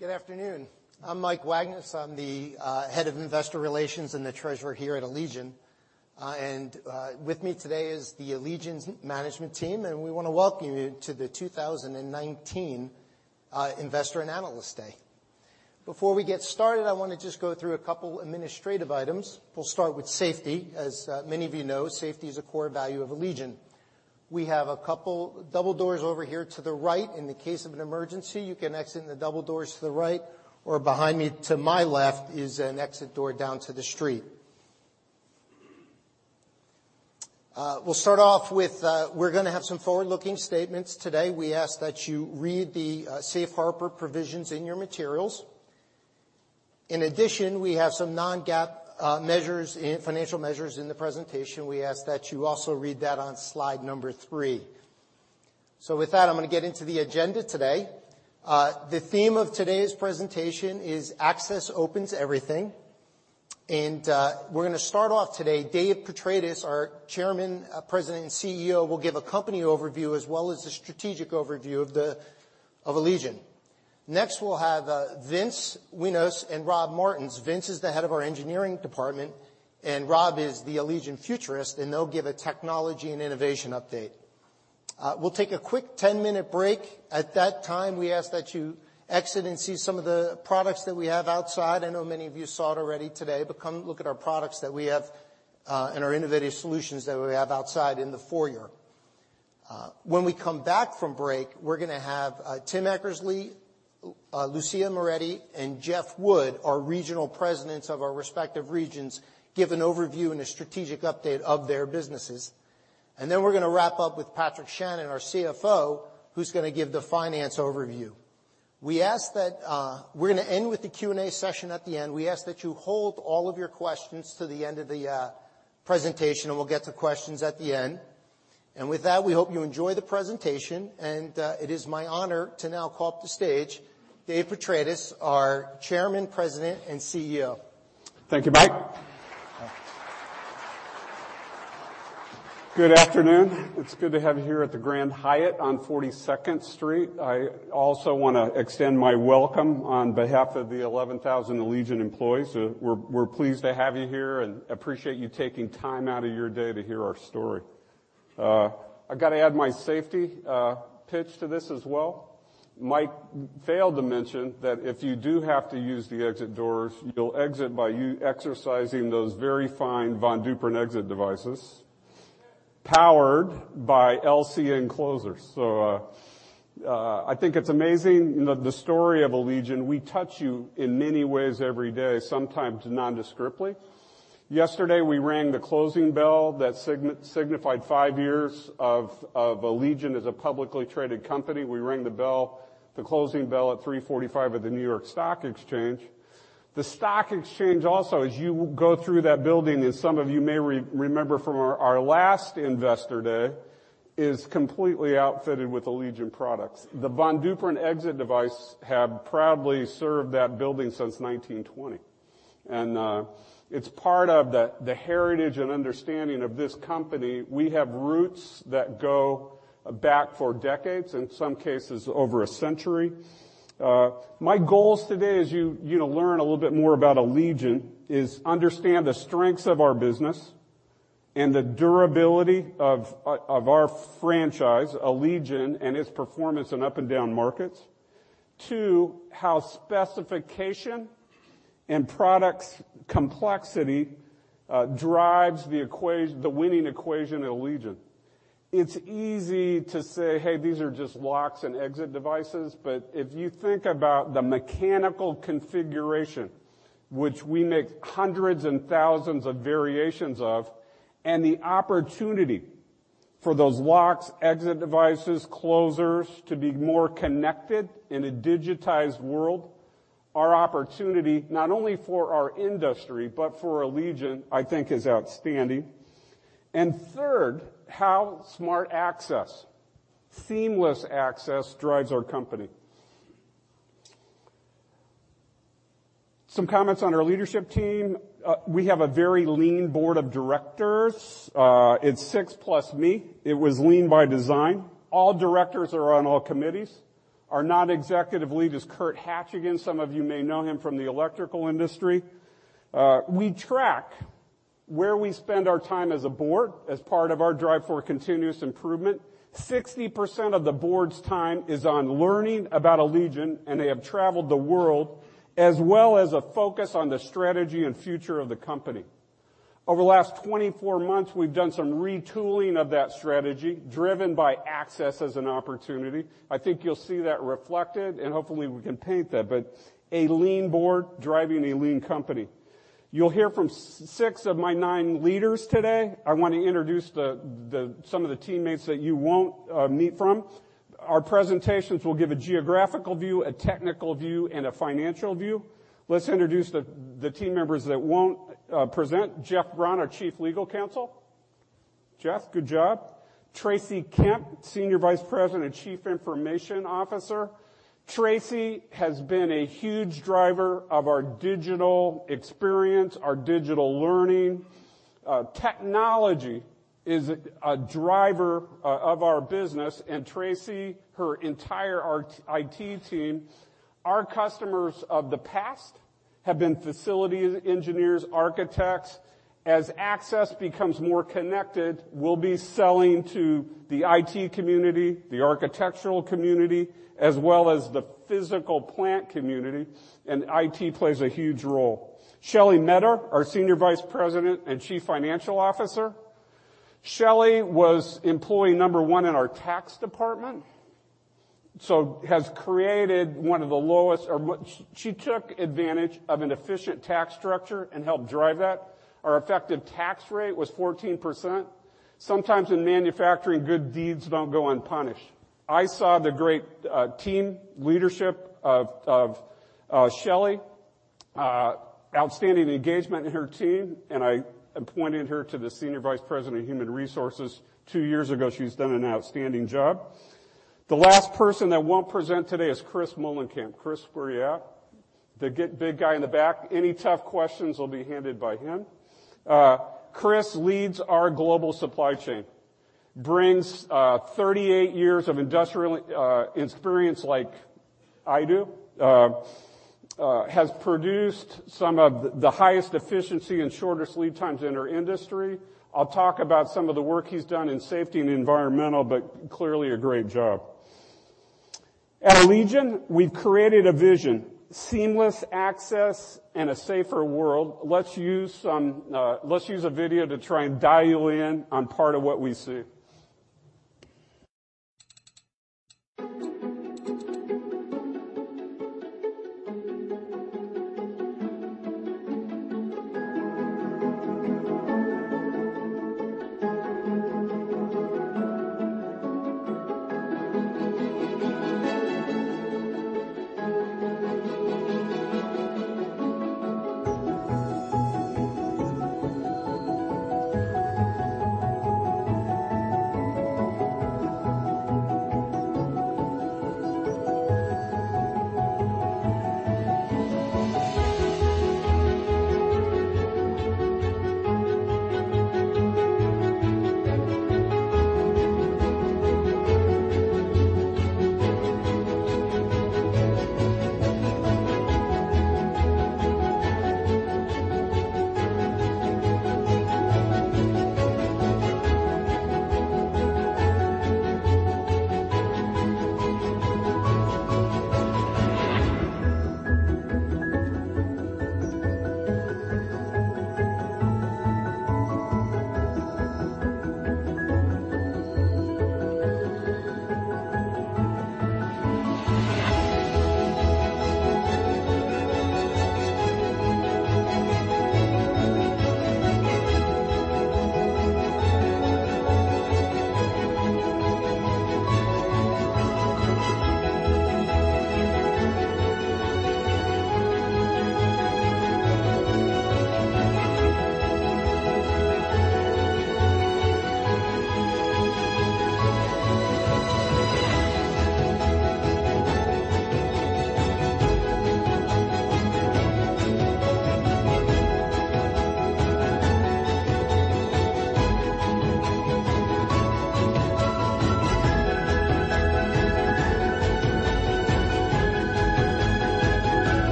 Good afternoon. I'm Mike Wagnes. I'm the head of investor relations and the treasurer here at Allegion. With me today is the Allegion's management team. We want to welcome you to the 2019 Investor and Analyst Day. Before we get started, I want to just go through a couple administrative items. We'll start with safety. As many of you know, safety is a core value of Allegion. We have a couple double doors over here to the right. In the case of an emergency, you can exit in the double doors to the right or behind me to my left is an exit door down to the street. We're going to have some forward-looking statements today. We ask that you read the Safe Harbor provisions in your materials. In addition, we have some non-GAAP financial measures in the presentation. We ask that you also read that on slide number three. With that, I'm going to get into the agenda today. The theme of today's presentation is Access Opens Everything. We're going to start off today, Dave Petratis, our chairman, president, and CEO, will give a company overview as well as the strategic overview of Allegion. Next, we'll have Vince Wenos and Rob Martens. Vince is the head of our engineering department, and Rob is the Allegion futurist, and they'll give a technology and innovation update. We'll take a quick 10-minute break. At that time, we ask that you exit and see some of the products that we have outside. I know many of you saw it already today, but come look at our products that we have and our innovative solutions that we have outside in the foyer. When we come back from break, we're going to have Tim Eckersley, Lucia Moretti, and Jeff Wood, our regional presidents of our respective regions, give an overview and a strategic update of their businesses. Then we're going to wrap up with Patrick Shannon, our CFO, who's going to give the finance overview. We're going to end with the Q&A session at the end. We ask that you hold all of your questions to the end of the presentation. We'll get to questions at the end. With that, we hope you enjoy the presentation, and it is my honor to now call up to stage Dave Petratis, our chairman, president, and CEO. Thank you, Mike. Good afternoon. It's good to have you here at the Grand Hyatt on 42nd Street. I also want to extend my welcome on behalf of the 11,000 Allegion employees. We're pleased to have you here and appreciate you taking time out of your day to hear our story. I got to add my safety pitch to this as well. Mike failed to mention that if you do have to use the exit doors, you'll exit by you exercising those very fine Von Duprin exit devices powered by LCN closers. I think it's amazing the story of Allegion. We touch you in many ways every day, sometimes nondescriptly. Yesterday, we rang the closing bell that signified five years of Allegion as a publicly traded company. We rang the closing bell at 3:45 P.M. at the New York Stock Exchange. The stock exchange also, as you go through that building, and some of you may remember from our last investor day, is completely outfitted with Allegion products. The Von Duprin exit device have proudly served that building since 1920. It's part of the heritage and understanding of this company. We have roots that go back for decades, in some cases over a century. My goals today, as you learn a little bit more about Allegion, is understand the strengths of our business and the durability of our franchise, Allegion, and its performance in up and down markets. Two, how specification and products complexity drives the winning equation at Allegion. It's easy to say, "Hey, these are just locks and exit devices." If you think about the mechanical configuration, which we make hundreds and thousands of variations of, and the opportunity for those locks, exit devices, closers to be more connected in a digitized world, our opportunity, not only for our industry, but for Allegion, I think is outstanding. Third, how smart access, seamless access drives our company. Some comments on our leadership team. We have a very lean board of directors. It's six plus me. It was lean by design. All directors are on all committees. Our non-executive lead is Kirk Hachigian. Some of you may know him from the electrical industry. We track where we spend our time as a board as part of our drive for continuous improvement. 60% of the board's time is on learning about Allegion, and they have traveled the world, as well as a focus on the strategy and future of the company. Over the last 24 months, we've done some retooling of that strategy, driven by access as an opportunity. I think you'll see that reflected and hopefully we can paint that. A lean board driving a lean company. You'll hear from six of my nine leaders today. I want to introduce some of the teammates that you won't meet from. Our presentations will give a geographical view, a technical view, and a financial view. Let's introduce the team members that won't present. Jeff Braun, our Chief Legal Counsel. Jeff, good job. Tracy Kemp, Senior Vice President and Chief Information Officer. Tracy has been a huge driver of our digital experience, our digital learningTechnology is a driver of our business, Tracy, her entire IT team. Our customers of the past have been facility engineers, architects. As access becomes more connected, we'll be selling to the IT community, the architectural community, as well as the physical plant community, IT plays a huge role. Shelley Meador, our Senior Vice President and Chief Financial Officer. Shelley was employee number one in our tax department, she took advantage of an efficient tax structure and helped drive that. Our effective tax rate was 14%. Sometimes in manufacturing, good deeds don't go unpunished. I saw the great team leadership of Shelley, outstanding engagement in her team, I appointed her to the Senior Vice President of Human Resources two years ago. She's done an outstanding job. The last person that will present today is Chris Muhlenkamp. Chris, where you at? The big guy in the back. Any tough questions will be handled by him. Chris leads our global supply chain, brings 38 years of industrial experience like I do, has produced some of the highest efficiency and shortest lead times in our industry. I will talk about some of the work he's done in safety and environmental, but clearly a great job. At Allegion, we've created a vision, seamless access and a safer world. Let's use a video to try and dial you in on part of what we see.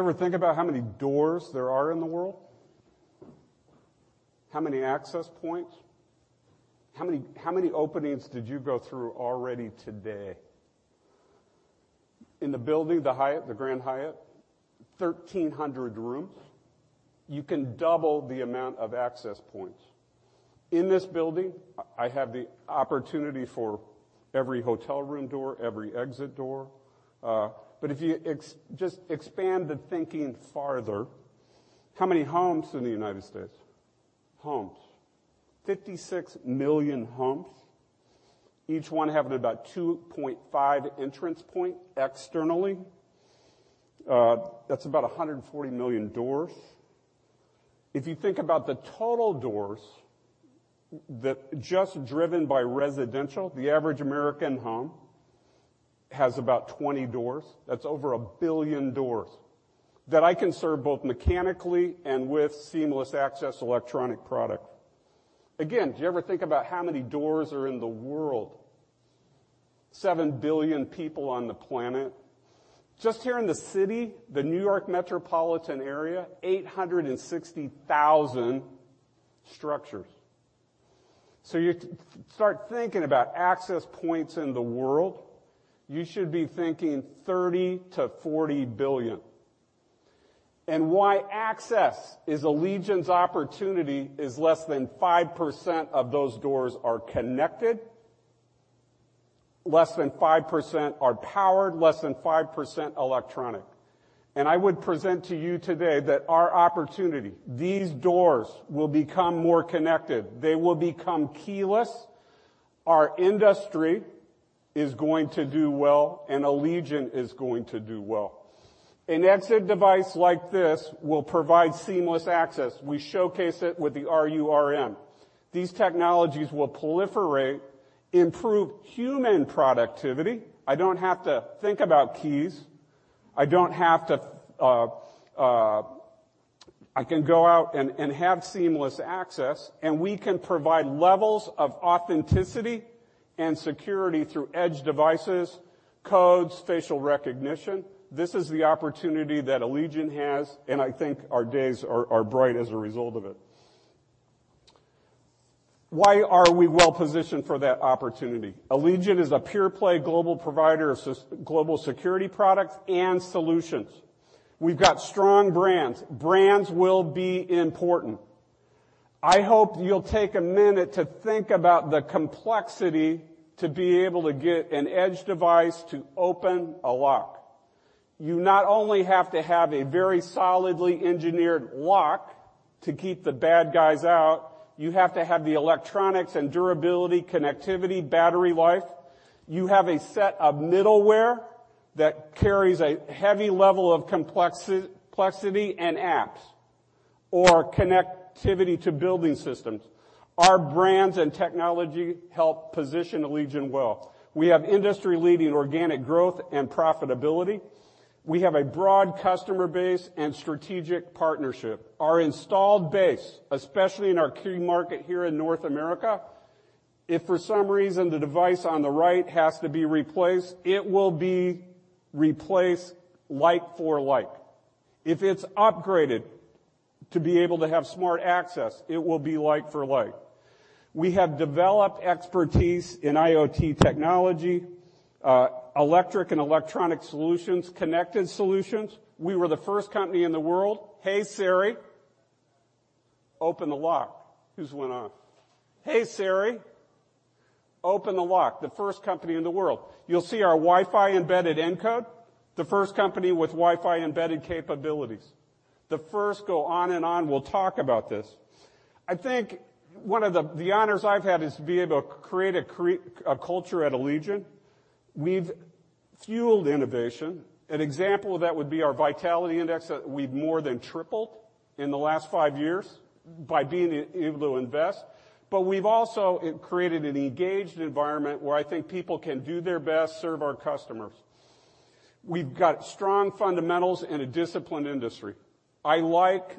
Do you ever think about how many doors there are in the world? How many access points? How many openings did you go through already today? In the building, the Hyatt, the Grand Hyatt, 1,300 rooms. You can double the amount of access points. In this building, I have the opportunity for every hotel room door, every exit door. But if you just expand the thinking farther, how many homes in the United States? Homes. 56 million homes, each one having about 2.5 entrance point externally. That's about 140 million doors. If you think about the total doors that just driven by residential, the average American home has about 20 doors. That's over a billion doors that I can serve both mechanically and with seamless access electronic product. Again, do you ever think about how many doors are in the world? 7 billion people on the planet. Just here in the city, the New York metropolitan area, 860,000 structures. You start thinking about access points in the world, you should be thinking 30 to 40 billion. Why access is Allegion's opportunity is less than 5% of those doors are connected, less than 5% are powered, less than 5% electronic. I would present to you today that our opportunity, these doors will become more connected. They will become keyless. Our industry is going to do well, and Allegion is going to do well. An exit device like this will provide seamless access. We showcase it with the RURM. These technologies will proliferate, improve human productivity. I don't have to think about keys. I can go out and have seamless access, and we can provide levels of authenticity and security through edge devices, codes, facial recognition. This is the opportunity that Allegion has, and I think our days are bright as a result of it. Why are we well-positioned for that opportunity? Allegion is a pure-play global provider of global security products and solutions. We've got strong brands. Brands will be important. I hope you'll take a minute to think about the complexity to be able to get an edge device to open a lock. You not only have to have a very solidly engineered lock to keep the bad guys out, you have to have the electronics and durability, connectivity, battery life. You have a set of middleware that carries a heavy level of complexity and apps or connectivity to building systems. Our brands and technology help position Allegion well. We have industry-leading organic growth and profitability. We have a broad customer base and strategic partnership. Our installed base, especially in our key market here in North America, if for some reason the device on the right has to be replaced, it will be replaced like for like. If it's upgraded to be able to have smart access, it will be like for like. We have developed expertise in IoT technology, electric and electronic solutions, connected solutions. We were the first company in the world. Hey, Siri, open the lock. Whose went off? Hey, Siri, open the lock. The first company in the world. You'll see our Wi-Fi embedded Encode, the first company with Wi-Fi embedded capabilities. The first go on and on. We'll talk about this. I think one of the honors I've had is to be able to create a culture at Allegion. We've fueled innovation. An example of that would be our vitality index that we've more than tripled in the last five years by being able to invest. We've also created an engaged environment where I think people can do their best, serve our customers. We've got strong fundamentals in a disciplined industry. I like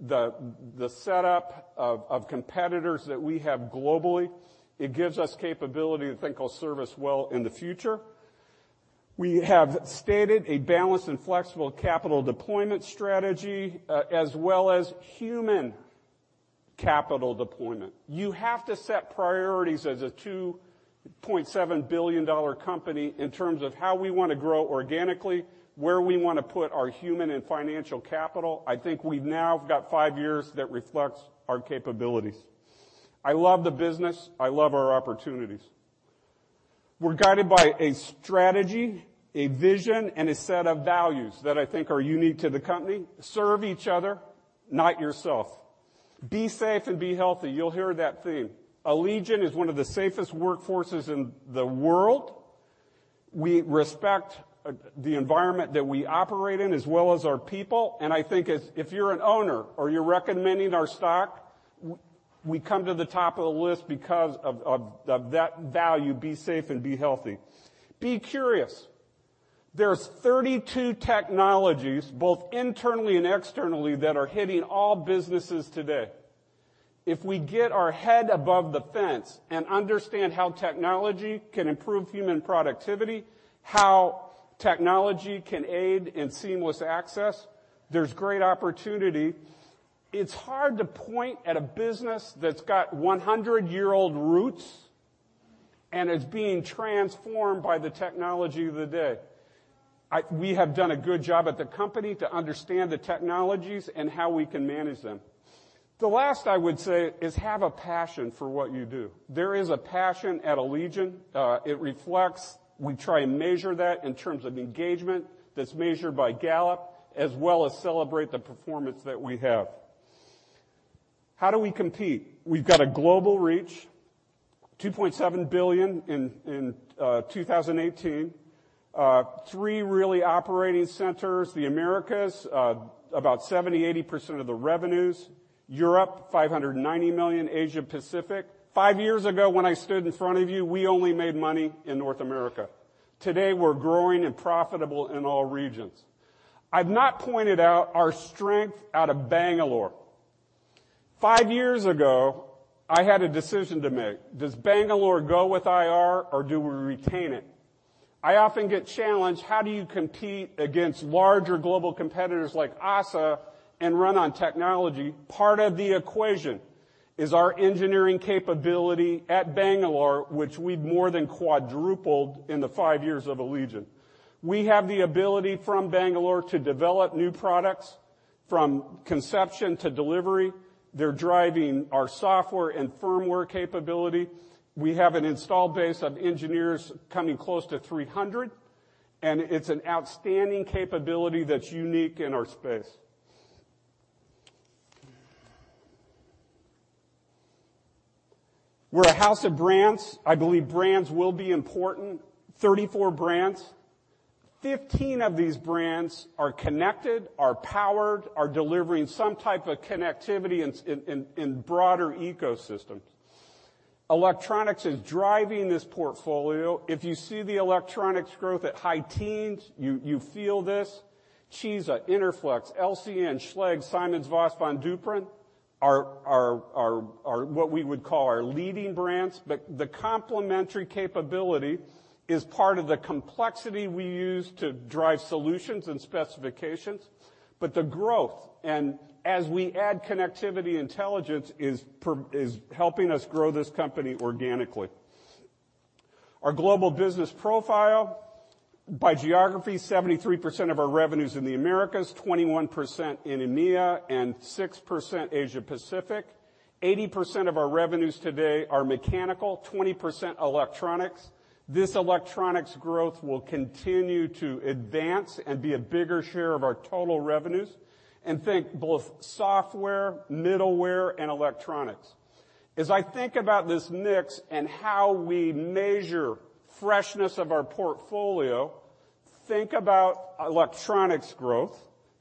the setup of competitors that we have globally. It gives us capability I think will serve us well in the future. We have stated a balanced and flexible capital deployment strategy, as well as human capital deployment. You have to set priorities as a $2.7 billion company in terms of how we want to grow organically, where we want to put our human and financial capital. I think we've now got five years that reflects our capabilities. I love the business. I love our opportunities. We're guided by a strategy, a vision, and a set of values that I think are unique to the company. Serve each other, not yourself. Be safe and be healthy. You'll hear that theme. Allegion is one of the safest workforces in the world. We respect the environment that we operate in as well as our people. I think if you're an owner or you're recommending our stock, we come to the top of the list because of that value, be safe and be healthy. Be curious. There's 32 technologies, both internally and externally, that are hitting all businesses today. If we get our head above the fence and understand how technology can improve human productivity, how technology can aid in seamless access, there's great opportunity. It's hard to point at a business that's got 100-year-old roots and is being transformed by the technology of the day. We have done a good job at the company to understand the technologies and how we can manage them. The last I would say is have a passion for what you do. There is a passion at Allegion. It reflects. We try and measure that in terms of engagement that's measured by Gallup, as well as celebrate the performance that we have. How do we compete? We've got a global reach, $2.7 billion in 2018. Three really operating centers, the Americas, about 70%-80% of the revenues. Europe, $590 million. Asia Pacific. Five years ago, when I stood in front of you, we only made money in North America. Today, we're growing and profitable in all regions. I've not pointed out our strength out of Bangalore. Five years ago, I had a decision to make. Does Bangalore go with IR, or do we retain it? I often get challenged, how do you compete against larger global competitors like ASSA and run on technology? Part of the equation is our engineering capability at Bangalore, which we've more than quadrupled in the five years of Allegion. We have the ability from Bangalore to develop new products from conception to delivery. They're driving our software and firmware capability. We have an installed base of engineers coming close to 300, and it's an outstanding capability that's unique in our space. We're a house of brands. I believe brands will be important. 34 brands. 15 of these brands are connected, are powered, are delivering some type of connectivity in broader ecosystems. Electronics is driving this portfolio. If you see the electronics growth at high teens, you feel this. CISA, Interflex, LCN, Schlage, SimonsVoss, Von Duprin are what we would call our leading brands. The complementary capability is part of the complexity we use to drive solutions and specifications. The growth, as we add connectivity intelligence, is helping us grow this company organically. Our global business profile by geography, 73% of our revenues in the Americas, 21% in EMEA, and 6% Asia Pacific. 80% of our revenues today are mechanical, 20% electronics. This electronics growth will continue to advance and be a bigger share of our total revenues. Think both software, middleware, and electronics. As I think about this mix and how we measure freshness of our portfolio, think about electronics growth,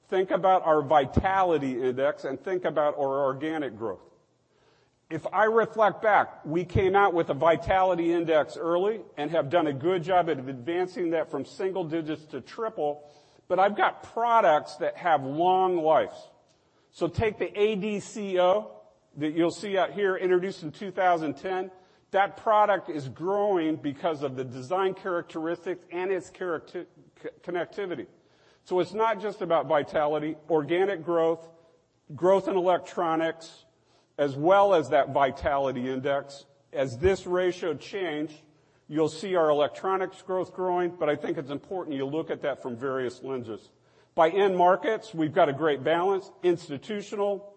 think about our vitality index, and think about our organic growth. If I reflect back, we came out with a vitality index early and have done a good job at advancing that from single digits to triple, but I've got products that have long lives. Take the ADCO that you'll see out here, introduced in 2010. That product is growing because of the design characteristics and its connectivity. It's not just about vitality, organic growth in electronics, as well as that vitality index. As this ratio change, you'll see our electronics growth growing, but I think it's important you look at that from various lenses. By end markets, we've got a great balance, institutional,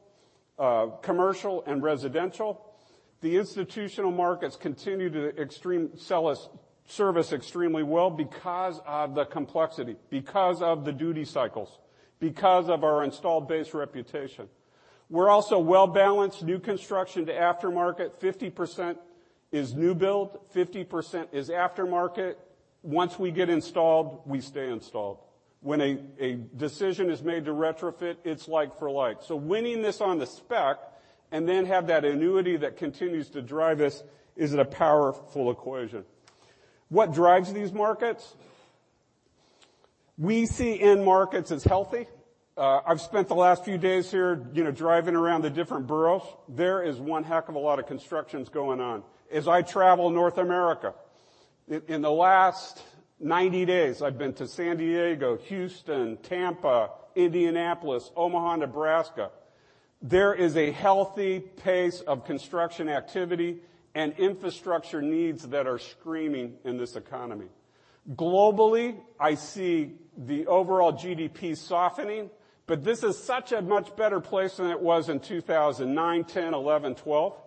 commercial, and residential. The institutional markets continue to serve us extremely well because of the complexity, because of the duty cycles, because of our install base reputation. We're also well-balanced new construction to aftermarket. 50% is new build, 50% is aftermarket. Once we get installed, we stay installed. When a decision is made to retrofit, it's like for like. Winning this on the spec and then have that annuity that continues to drive us is a powerful equation. What drives these markets? We see end markets as healthy. I've spent the last few days here driving around the different boroughs. There is one heck of a lot of constructions going on. As I travel North America, in the last 90 days, I've been to San Diego, Houston, Tampa, Indianapolis, Omaha, Nebraska. There is a healthy pace of construction activity and infrastructure needs that are screaming in this economy. Globally, I see the overall GDP softening. This is such a much better place than it was in 2009, 2010, 2011, 2012.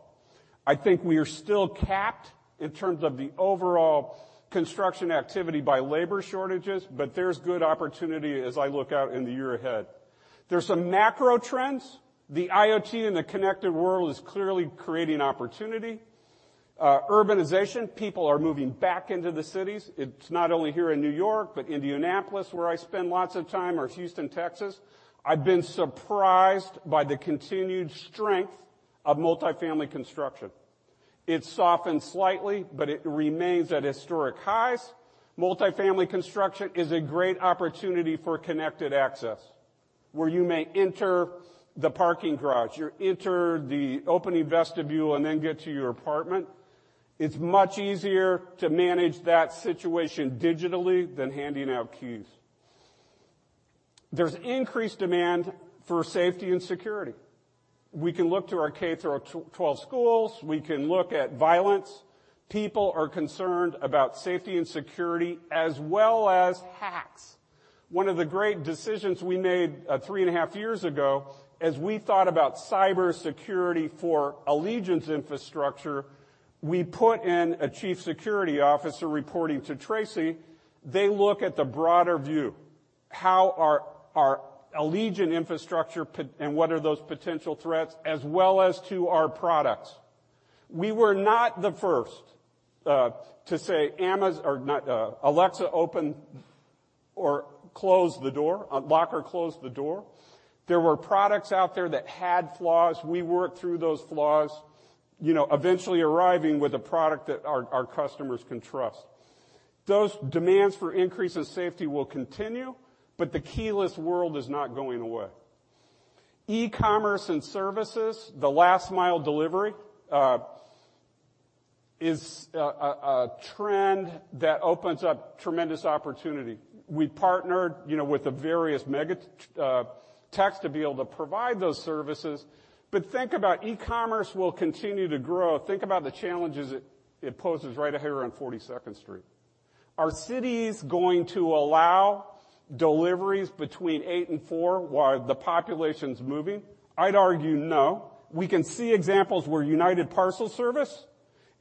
I think we are still capped in terms of the overall construction activity by labor shortages, there's good opportunity as I look out in the year ahead. There's some macro trends. The IoT and the connected world is clearly creating opportunity. Urbanization, people are moving back into the cities. It's not only here in New York, but Indianapolis, where I spend lots of time, or Houston, Texas. I've been surprised by the continued strength of multifamily construction. It's softened slightly, but it remains at historic highs. Multifamily construction is a great opportunity for connected access, where you may enter the parking garage, you enter the opening vestibule, and then get to your apartment. It's much easier to manage that situation digitally than handing out keys. There's increased demand for safety and security. We can look to our K through 12 schools. We can look at violence. People are concerned about safety and security, as well as hacks. One of the great decisions we made three and a half years ago as we thought about cybersecurity for Allegion's infrastructure, we put in a chief security officer reporting to Tracy. They look at the broader view. How are our Allegion infrastructure and what are those potential threats, as well as to our products. We were not the first to say, "Alexa, open or close the door. Lock or close the door." There were products out there that had flaws. We worked through those flaws, eventually arriving with a product that our customers can trust. Those demands for increase in safety will continue, but the keyless world is not going away. E-commerce and services, the last mile delivery, is a trend that opens up tremendous opportunity. We partnered with the various mega techs to be able to provide those services. Think about e-commerce will continue to grow. Think about the challenges it poses right here on 42nd Street. Are cities going to allow deliveries between 8:00 and 4:00 while the population's moving? I'd argue no. We can see examples where United Parcel Service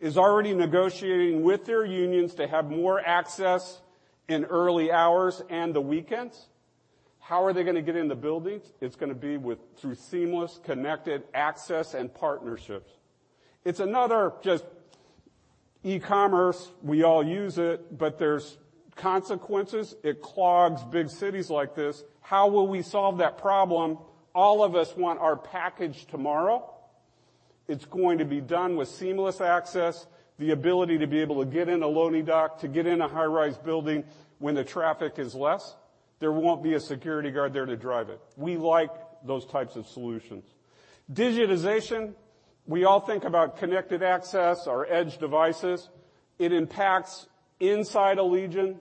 is already negotiating with their unions to have more access in early hours and the weekends. How are they going to get in the buildings? It's going to be through seamless connected access and partnerships. It's another just e-commerce, we all use it, but there's consequences. It clogs big cities like this. How will we solve that problem? All of us want our package tomorrow. It's going to be done with seamless access, the ability to be able to get in a loading dock, to get in a high-rise building when the traffic is less. There won't be a security guard there to drive it. We like those types of solutions. Digitization, we all think about connected access, our edge devices. It impacts inside Allegion,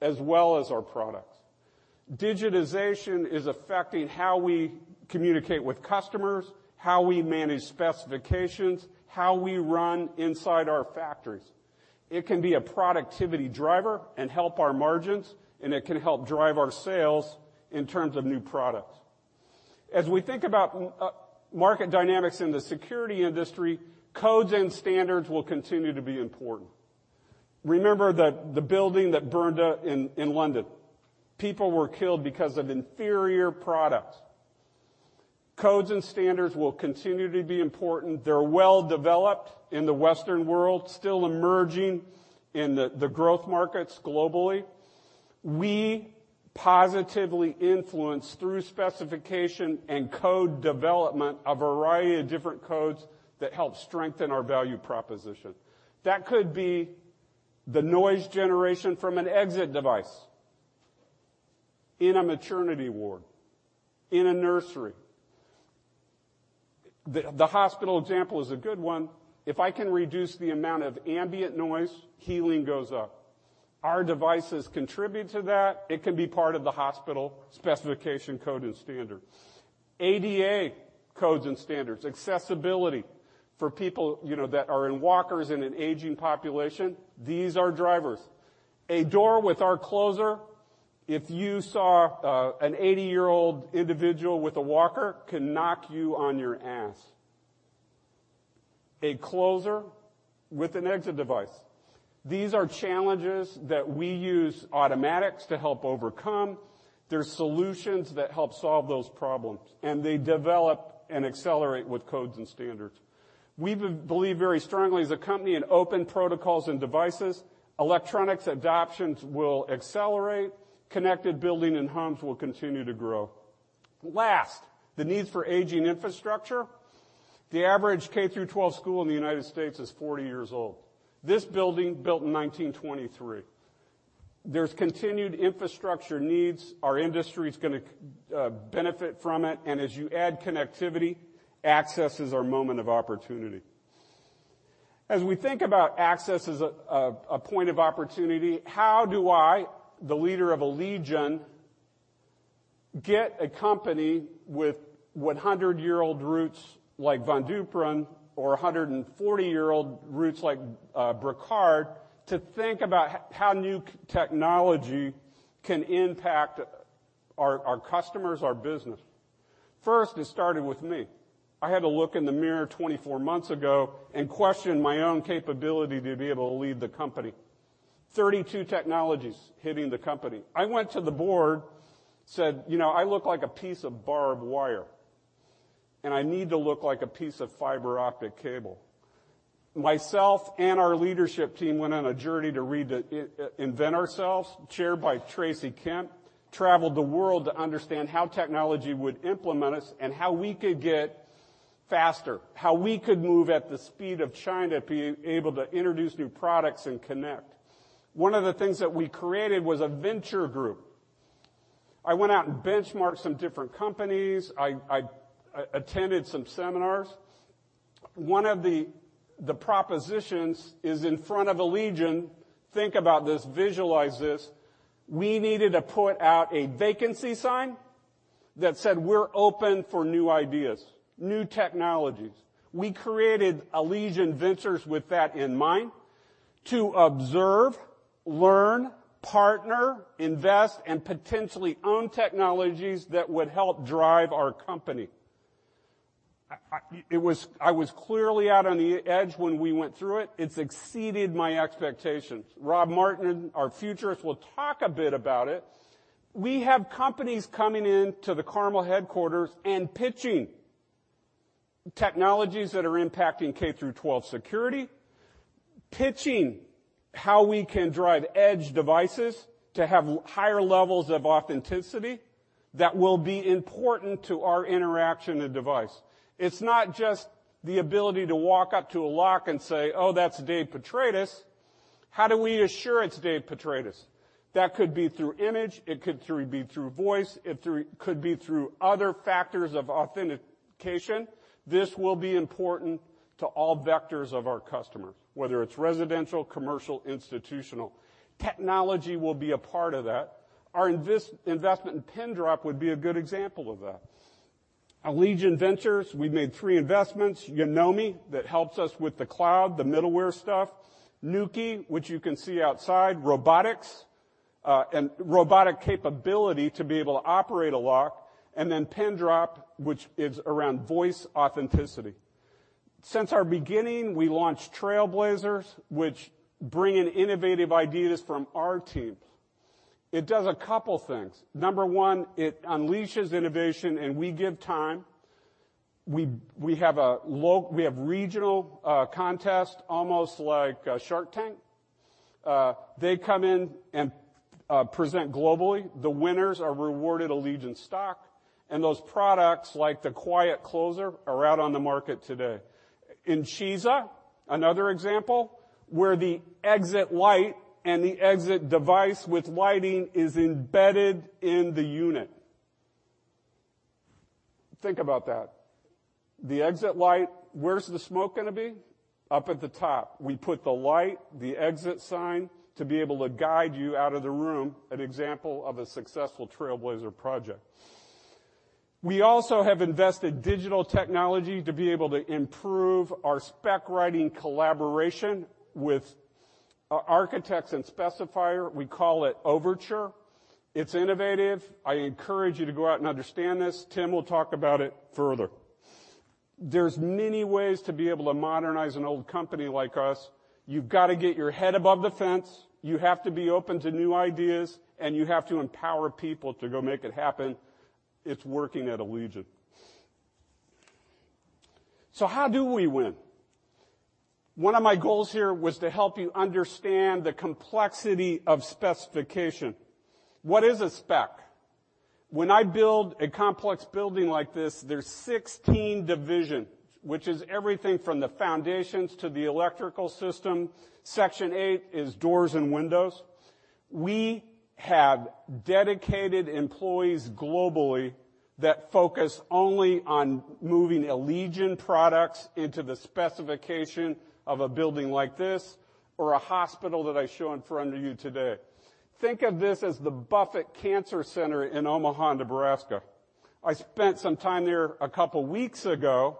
as well as our products. Digitization is affecting how we communicate with customers, how we manage specifications, how we run inside our factories. It can be a productivity driver and help our margins, and it can help drive our sales in terms of new products. As we think about market dynamics in the security industry, codes and standards will continue to be important. Remember the building that burned in London. People were killed because of inferior products. Codes and standards will continue to be important. They're well developed in the Western world, still emerging in the growth markets globally. We positively influence, through specification and code development, a variety of different codes that help strengthen our value proposition. That could be the noise generation from an exit device in a maternity ward, in a nursery. The hospital example is a good one. If I can reduce the amount of ambient noise, healing goes up. Our devices contribute to that. It can be part of the hospital specification code and standard. ADA codes and standards, accessibility for people that are in walkers in an aging population. These are drivers. A door with our closer, if you saw an 80-year-old individual with a walker, can knock you on your ass. A closer with an exit device. These are challenges that we use automatics to help overcome. They're solutions that help solve those problems, and they develop and accelerate with codes and standards. We believe very strongly as a company in open protocols and devices. Electronics adoptions will accelerate. Connected building and homes will continue to grow. Last, the needs for aging infrastructure. The average K through 12 school in the United States is 40 years old. This building, built in 1923. There's continued infrastructure needs. Our industry's going to benefit from it. As you add connectivity, access is our moment of opportunity. As we think about access as a point of opportunity, how do I, the leader of Allegion, get a company with 100-year-old roots like Von Duprin or 140-year-old roots like Bricard to think about how new technology can impact our customers, our business? First, it started with me. I had to look in the mirror 24 months ago and question my own capability to be able to lead the company. 32 technologies hitting the company. I went to the board, said, "I look like a piece of barbed wire, and I need to look like a piece of fiber optic cable." Myself and our leadership team went on a journey to reinvent ourselves, chaired by Tracy Kemp. Traveled the world to understand how technology would implement us and how we could get faster, how we could move at the speed of China, be able to introduce new products and connect. One of the things that we created was a venture group. I went out and benchmarked some different companies. I attended some seminars. One of the propositions is in front of Allegion, think about this, visualize this, we needed to put out a vacancy sign that said we're open for new ideas, new technologies. We created Allegion Ventures with that in mind, to observe, learn, partner, invest, and potentially own technologies that would help drive our company. I was clearly out on the edge when we went through it. It's exceeded my expectations. Rob Martens, our futurist, will talk a bit about it. We have companies coming in to the Carmel headquarters and pitching technologies that are impacting K through 12 security, pitching how we can drive edge devices to have higher levels of authenticity that will be important to our interaction and device. It's not just the ability to walk up to a lock and say, "Oh, that's Dave Petratis." How do we assure it's Dave Petratis? That could be through image, it could be through voice, it could be through other factors of authentication. This will be important to all vectors of our customers, whether it's residential, commercial, institutional. Technology will be a part of that. Our investment in Pindrop would be a good example of that. Allegion Ventures, we've made three investments. Yonomi, that helps us with the cloud, the middleware stuff. Nuki, which you can see outside, robotics and robotic capability to be able to operate a lock, and then Pindrop, which is around voice authenticity. Since our beginning, we launched Trailblazers, which bring in innovative ideas from our teams. It does a couple things. Number one, it unleashes innovation, and we give time. We have regional contests, almost like a Shark Tank. They come in and present globally. The winners are rewarded Allegion stock, and those products, like the Quiet Closer, are out on the market today. Inchiza, another example, where the exit light and the exit device with lighting is embedded in the unit. Think about that. The exit light, where's the smoke going to be? Up at the top. We put the light, the exit sign to be able to guide you out of the room, an example of a successful Trailblazer project. We also have invested digital technology to be able to improve our spec writing collaboration with architects and specifier. We call it Overtur. It's innovative. I encourage you to go out and understand this. Tim will talk about it further. There's many ways to be able to modernize an old company like us. You've got to get your head above the fence. You have to be open to new ideas, and you have to empower people to go make it happen. It's working at Allegion. How do we win? One of my goals here was to help you understand the complexity of specification. What is a spec? When I build a complex building like this, there's 16 divisions, which is everything from the foundations to the electrical system. Section eight is doors and windows. We have dedicated employees globally that focus only on moving Allegion products into the specification of a building like this or a hospital that I show in front of you today. Think of this as the Buffett Cancer Center in Omaha, Nebraska. I spent some time there a couple weeks ago.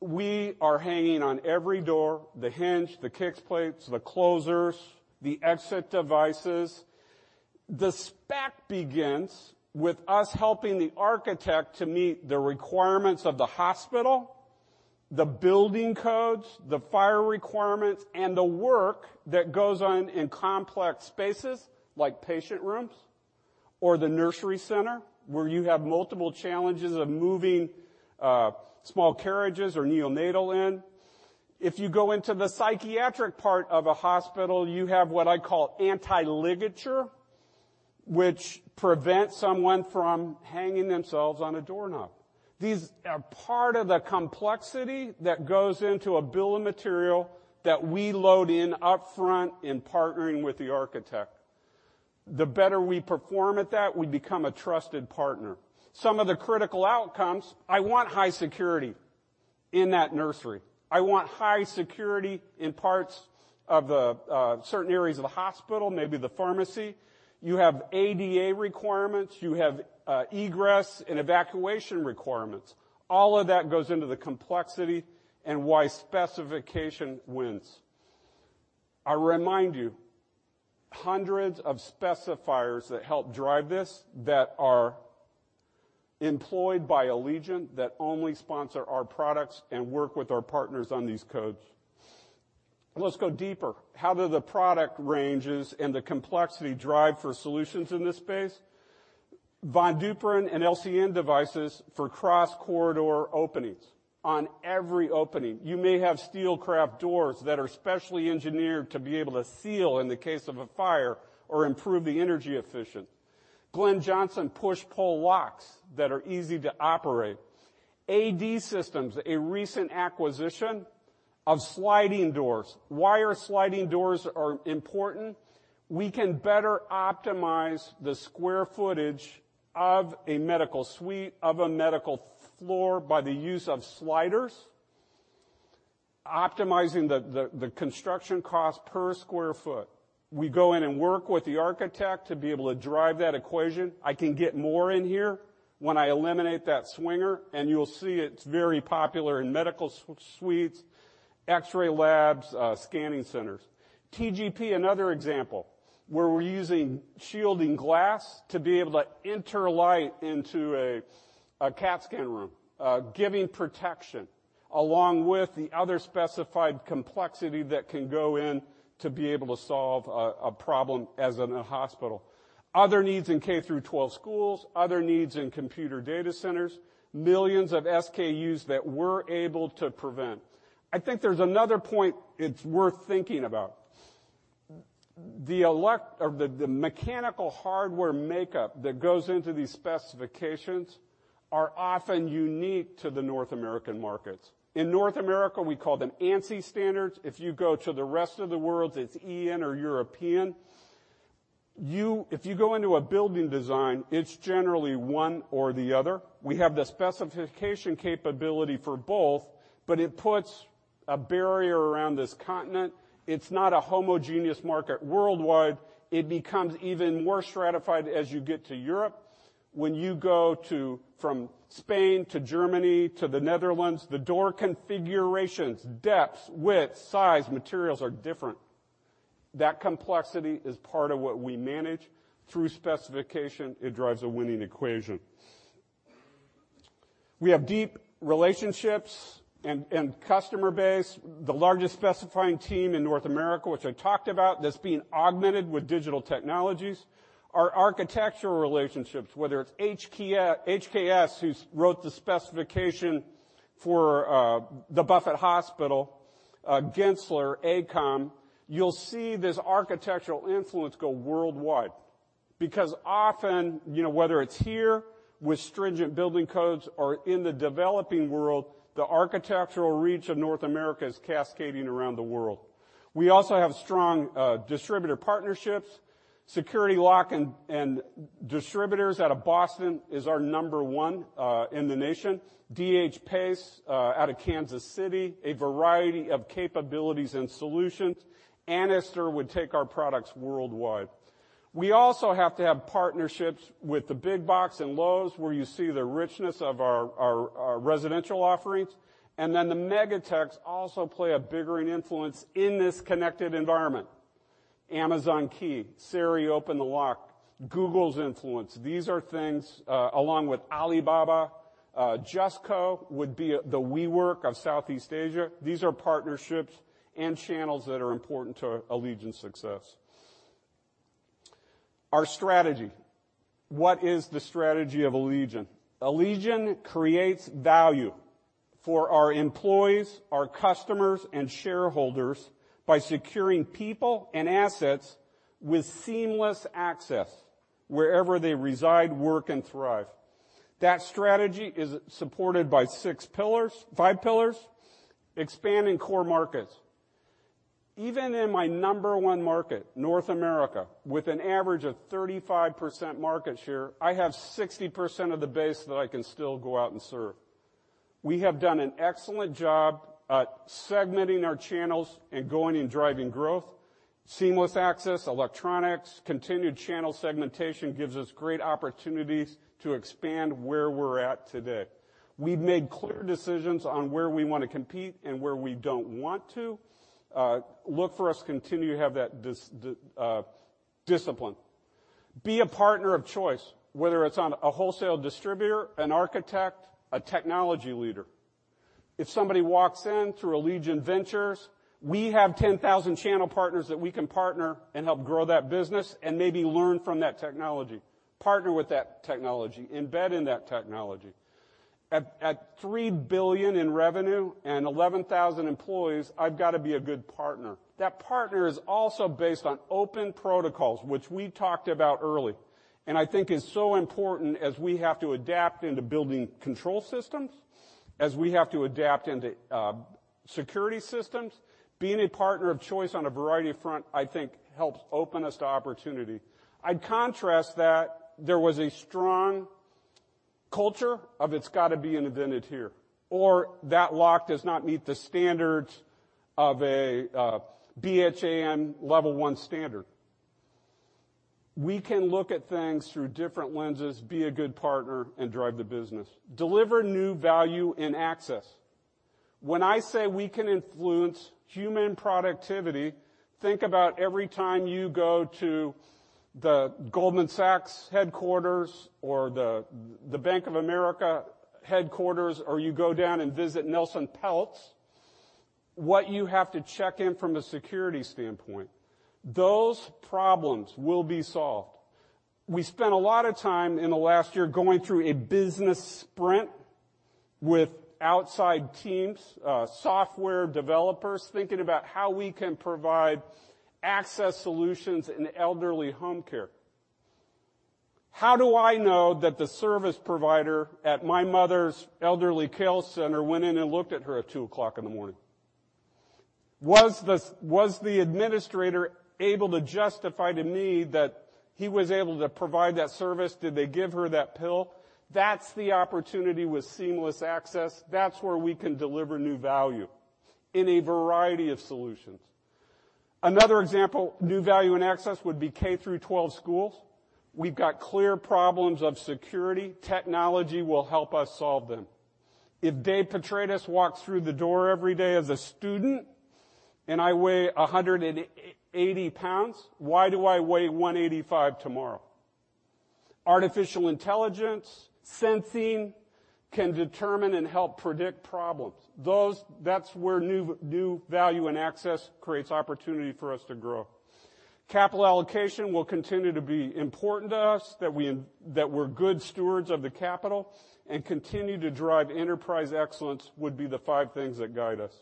We are hanging on every door, the hinge, the kick plates, the closers, the exit devices. The spec begins with us helping the architect to meet the requirements of the hospital, the building codes, the fire requirements, and the work that goes on in complex spaces like patient rooms or the nursery center, where you have multiple challenges of moving small carriages or neonatal in. If you go into the psychiatric part of a hospital, you have what I call anti-ligature, which prevents someone from hanging themselves on a doorknob. These are part of the complexity that goes into a bill of material that we load in upfront in partnering with the architect. The better we perform at that, we become a trusted partner. Some of the critical outcomes, I want high security in that nursery. I want high security in parts of certain areas of the hospital, maybe the pharmacy. You have ADA requirements. You have egress and evacuation requirements. All of that goes into the complexity and why specification wins. I remind you, hundreds of specifiers that help drive this that are employed by Allegion that only sponsor our products and work with our partners on these codes. Let's go deeper. How do the product ranges and the complexity drive for solutions in this space? Von Duprin and LCN devices for cross-corridor openings on every opening. You may have Steelcraft doors that are specially engineered to be able to seal in the case of a fire or improve the energy efficient. Glynn-Johnson push-pull locks that are easy to operate. AD Systems, a recent acquisition of sliding doors. Why are sliding doors important? We can better optimize the square footage of a medical suite of a medical floor by the use of sliders, optimizing the construction cost per square foot. We go in and work with the architect to be able to drive that equation. I can get more in here when I eliminate that swinger, and you'll see it's very popular in medical suites, X-ray labs, scanning centers. TGP, another example, where we're using shielding glass to be able to enter light into a CAT scan room, giving protection along with the other specified complexity that can go in to be able to solve a problem as in a hospital. Other needs in K through 12 schools, other needs in computer data centers, millions of SKUs that we're able to prevent. I think there's another point it's worth thinking about. The mechanical hardware makeup that goes into these specifications are often unique to the North American markets. In North America, we call them ANSI standards. If you go to the rest of the world, it's EN or European. If you go into a building design, it's generally one or the other. We have the specification capability for both, but it puts a barrier around this continent. It's not a homogeneous market worldwide. It becomes even more stratified as you get to Europe. When you go from Spain to Germany to the Netherlands, the door configurations, depths, width, size, materials are different. That complexity is part of what we manage through specification. It drives a winning equation. We have deep relationships and customer base, the largest specifying team in North America, which I talked about, that's being augmented with digital technologies. Our architectural relationships, whether it's HKS, who wrote the specification for the Buffett Hospital, Gensler, AECOM. You'll see this architectural influence go worldwide, because often, whether it's here with stringent building codes or in the developing world, the architectural reach of North America is cascading around the world. We also have strong distributor partnerships. Security Lock Distributors out of Boston is our number one in the nation. DH Pace out of Kansas City, a variety of capabilities and solutions. Anixter would take our products worldwide. We also have to have partnerships with The Big Box and Lowe's, where you see the richness of our residential offerings. The mega techs also play a bigger influence in this connected environment. Amazon Key, Siri Open the Lock, Google's influence. These are things, along with Alibaba. JustCo would be the WeWork of Southeast Asia. These are partnerships and channels that are important to Allegion's success. Our strategy. What is the strategy of Allegion? Allegion creates value for our employees, our customers, and shareholders by securing people and assets with seamless access wherever they reside, work, and thrive. That strategy is supported by six pillars, five pillars. Expanding core markets. Even in my number one market, North America, with an average of 35% market share, I have 60% of the base that I can still go out and serve. We have done an excellent job at segmenting our channels and going and driving growth. Seamless access, electronics, continued channel segmentation gives us great opportunities to expand where we're at today. We've made clear decisions on where we want to compete and where we don't want to. Look for us to continue to have that discipline. Be a partner of choice, whether it's on a wholesale distributor, an architect, a technology leader. If somebody walks in through Allegion Ventures, we have 10,000 channel partners that we can partner and help grow that business and maybe learn from that technology, partner with that technology, embed in that technology. At $3 billion in revenue and 11,000 employees, I've got to be a good partner. That partner is also based on open protocols, which we talked about early and I think is so important as we have to adapt into building control systems, as we have to adapt into security systems. Being a partner of choice on a variety of front, I think helps open us to opportunity. I'd contrast that there was a strong culture of it's got to be invented here, or that lock does not meet the standards of a BHMA level 1 standard. We can look at things through different lenses, be a good partner, and drive the business. Deliver new value and access. When I say we can influence human productivity, think about every time you go to the Goldman Sachs headquarters or the Bank of America headquarters, or you go down and visit Nelson Peltz, what you have to check in from a security standpoint. Those problems will be solved. We spent a lot of time in the last year going through a business sprint with outside teams, software developers, thinking about how we can provide access solutions in elderly home care. How do I know that the service provider at my mother's elderly care center went in and looked at her at 2:00 A.M.? Was the administrator able to justify to me that he was able to provide that service? Did they give her that pill? That's the opportunity with seamless access. That's where we can deliver new value in a variety of solutions. Another example, new value and access would be K-12 schools. We've got clear problems of security. Technology will help us solve them. If Dave Petratis walks through the door every day as a student and I weigh 180 pounds, why do I weigh 185 tomorrow? Artificial intelligence, sensing can determine and help predict problems. That's where new value and access creates opportunity for us to grow. Capital allocation will continue to be important to us, that we're good stewards of the capital, and continue to drive enterprise excellence would be the five things that guide us.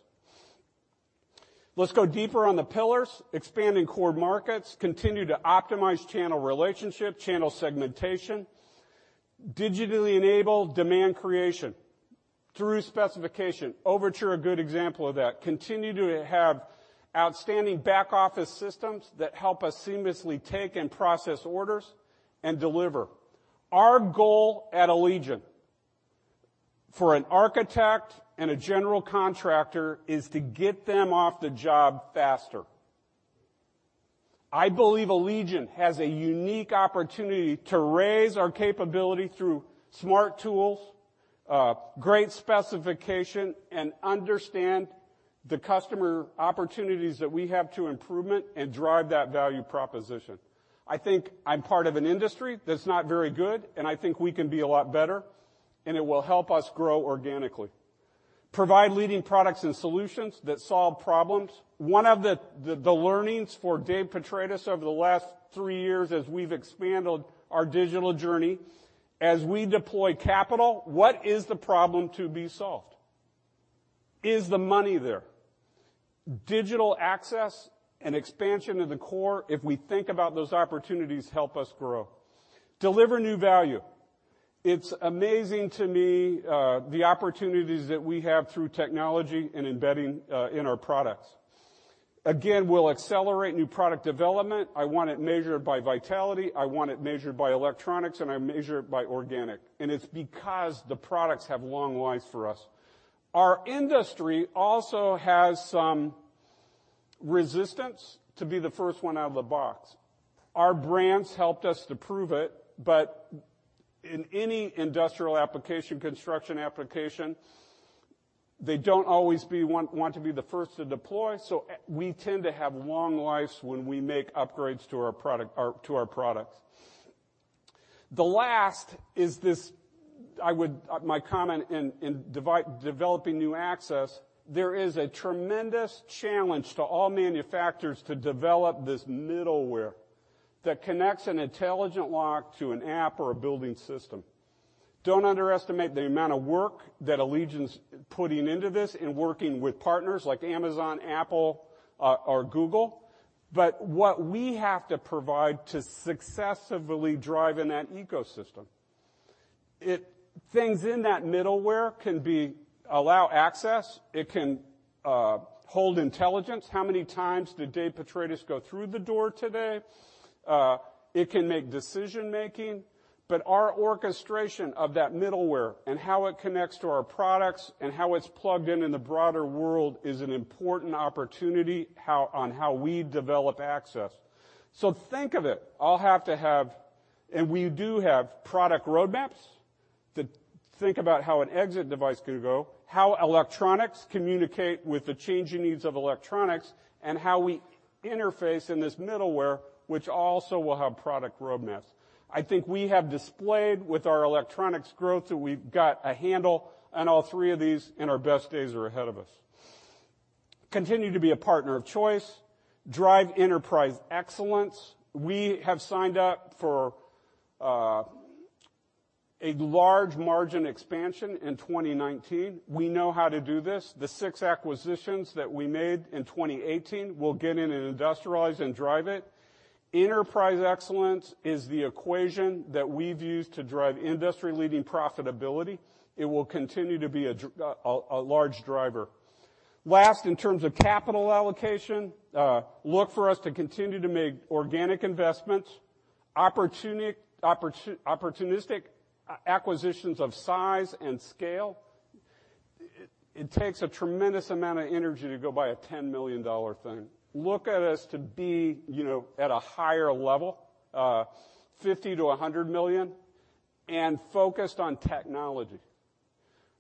Let's go deeper on the pillars. Expanding core markets, continue to optimize channel relationship, channel segmentation. Digitally enable demand creation through specification. Overtur, a good example of that. Continue to have outstanding back-office systems that help us seamlessly take and process orders and deliver. Our goal at Allegion for an architect and a general contractor is to get them off the job faster. I believe Allegion has a unique opportunity to raise our capability through smart tools, great specification, and understand the customer opportunities that we have to improvement and drive that value proposition. I think I'm part of an industry that's not very good. I think we can be a lot better, and it will help us grow organically. Provide leading products and solutions that solve problems. One of the learnings for Dave Petratis over the last three years as we've expanded our digital journey, as we deploy capital, what is the problem to be solved? Is the money there? Digital access and expansion of the core, if we think about those opportunities, help us grow. Deliver new value. It's amazing to me the opportunities that we have through technology and embedding in our products. Again, we'll accelerate new product development. I want it measured by vitality, I want it measured by electronics, and I measure it by organic. It's because the products have long lives for us. Our industry also has some resistance to be the first one out of the box. Our brands helped us to prove it, but in any industrial application, construction application, they don't always want to be the first to deploy. We tend to have long lives when we make upgrades to our products. The last is this, my comment in developing new access, there is a tremendous challenge to all manufacturers to develop this middleware that connects an intelligent lock to an app or a building system. Don't underestimate the amount of work that Allegion's putting into this in working with partners like Amazon, Apple, or Google. What we have to provide to successfully drive in that ecosystem, things in that middleware can allow access. It can hold intelligence. How many times did Dave Petratis go through the door today? It can make decision making. Our orchestration of that middleware and how it connects to our products and how it's plugged in in the broader world is an important opportunity on how we develop access. Think of it. I'll have to have, and we do have product roadmaps to think about how an exit device could go, how electronics communicate with the changing needs of electronics, and how we interface in this middleware, which also will have product roadmaps. I think we have displayed with our electronics growth that we've got a handle on all three of these. Our best days are ahead of us. Continue to be a partner of choice, drive enterprise excellence. We have signed up for a large margin expansion in 2019. We know how to do this. The six acquisitions that we made in 2018, we'll get in and industrialize and drive it. Enterprise excellence is the equation that we've used to drive industry-leading profitability. It will continue to be a large driver. Last, in terms of capital allocation, look for us to continue to make organic investments, opportunistic acquisitions of size and scale. It takes a tremendous amount of energy to go buy a $10 million thing. Look at us to be at a higher level, $50 million-$100 million, and focused on technology.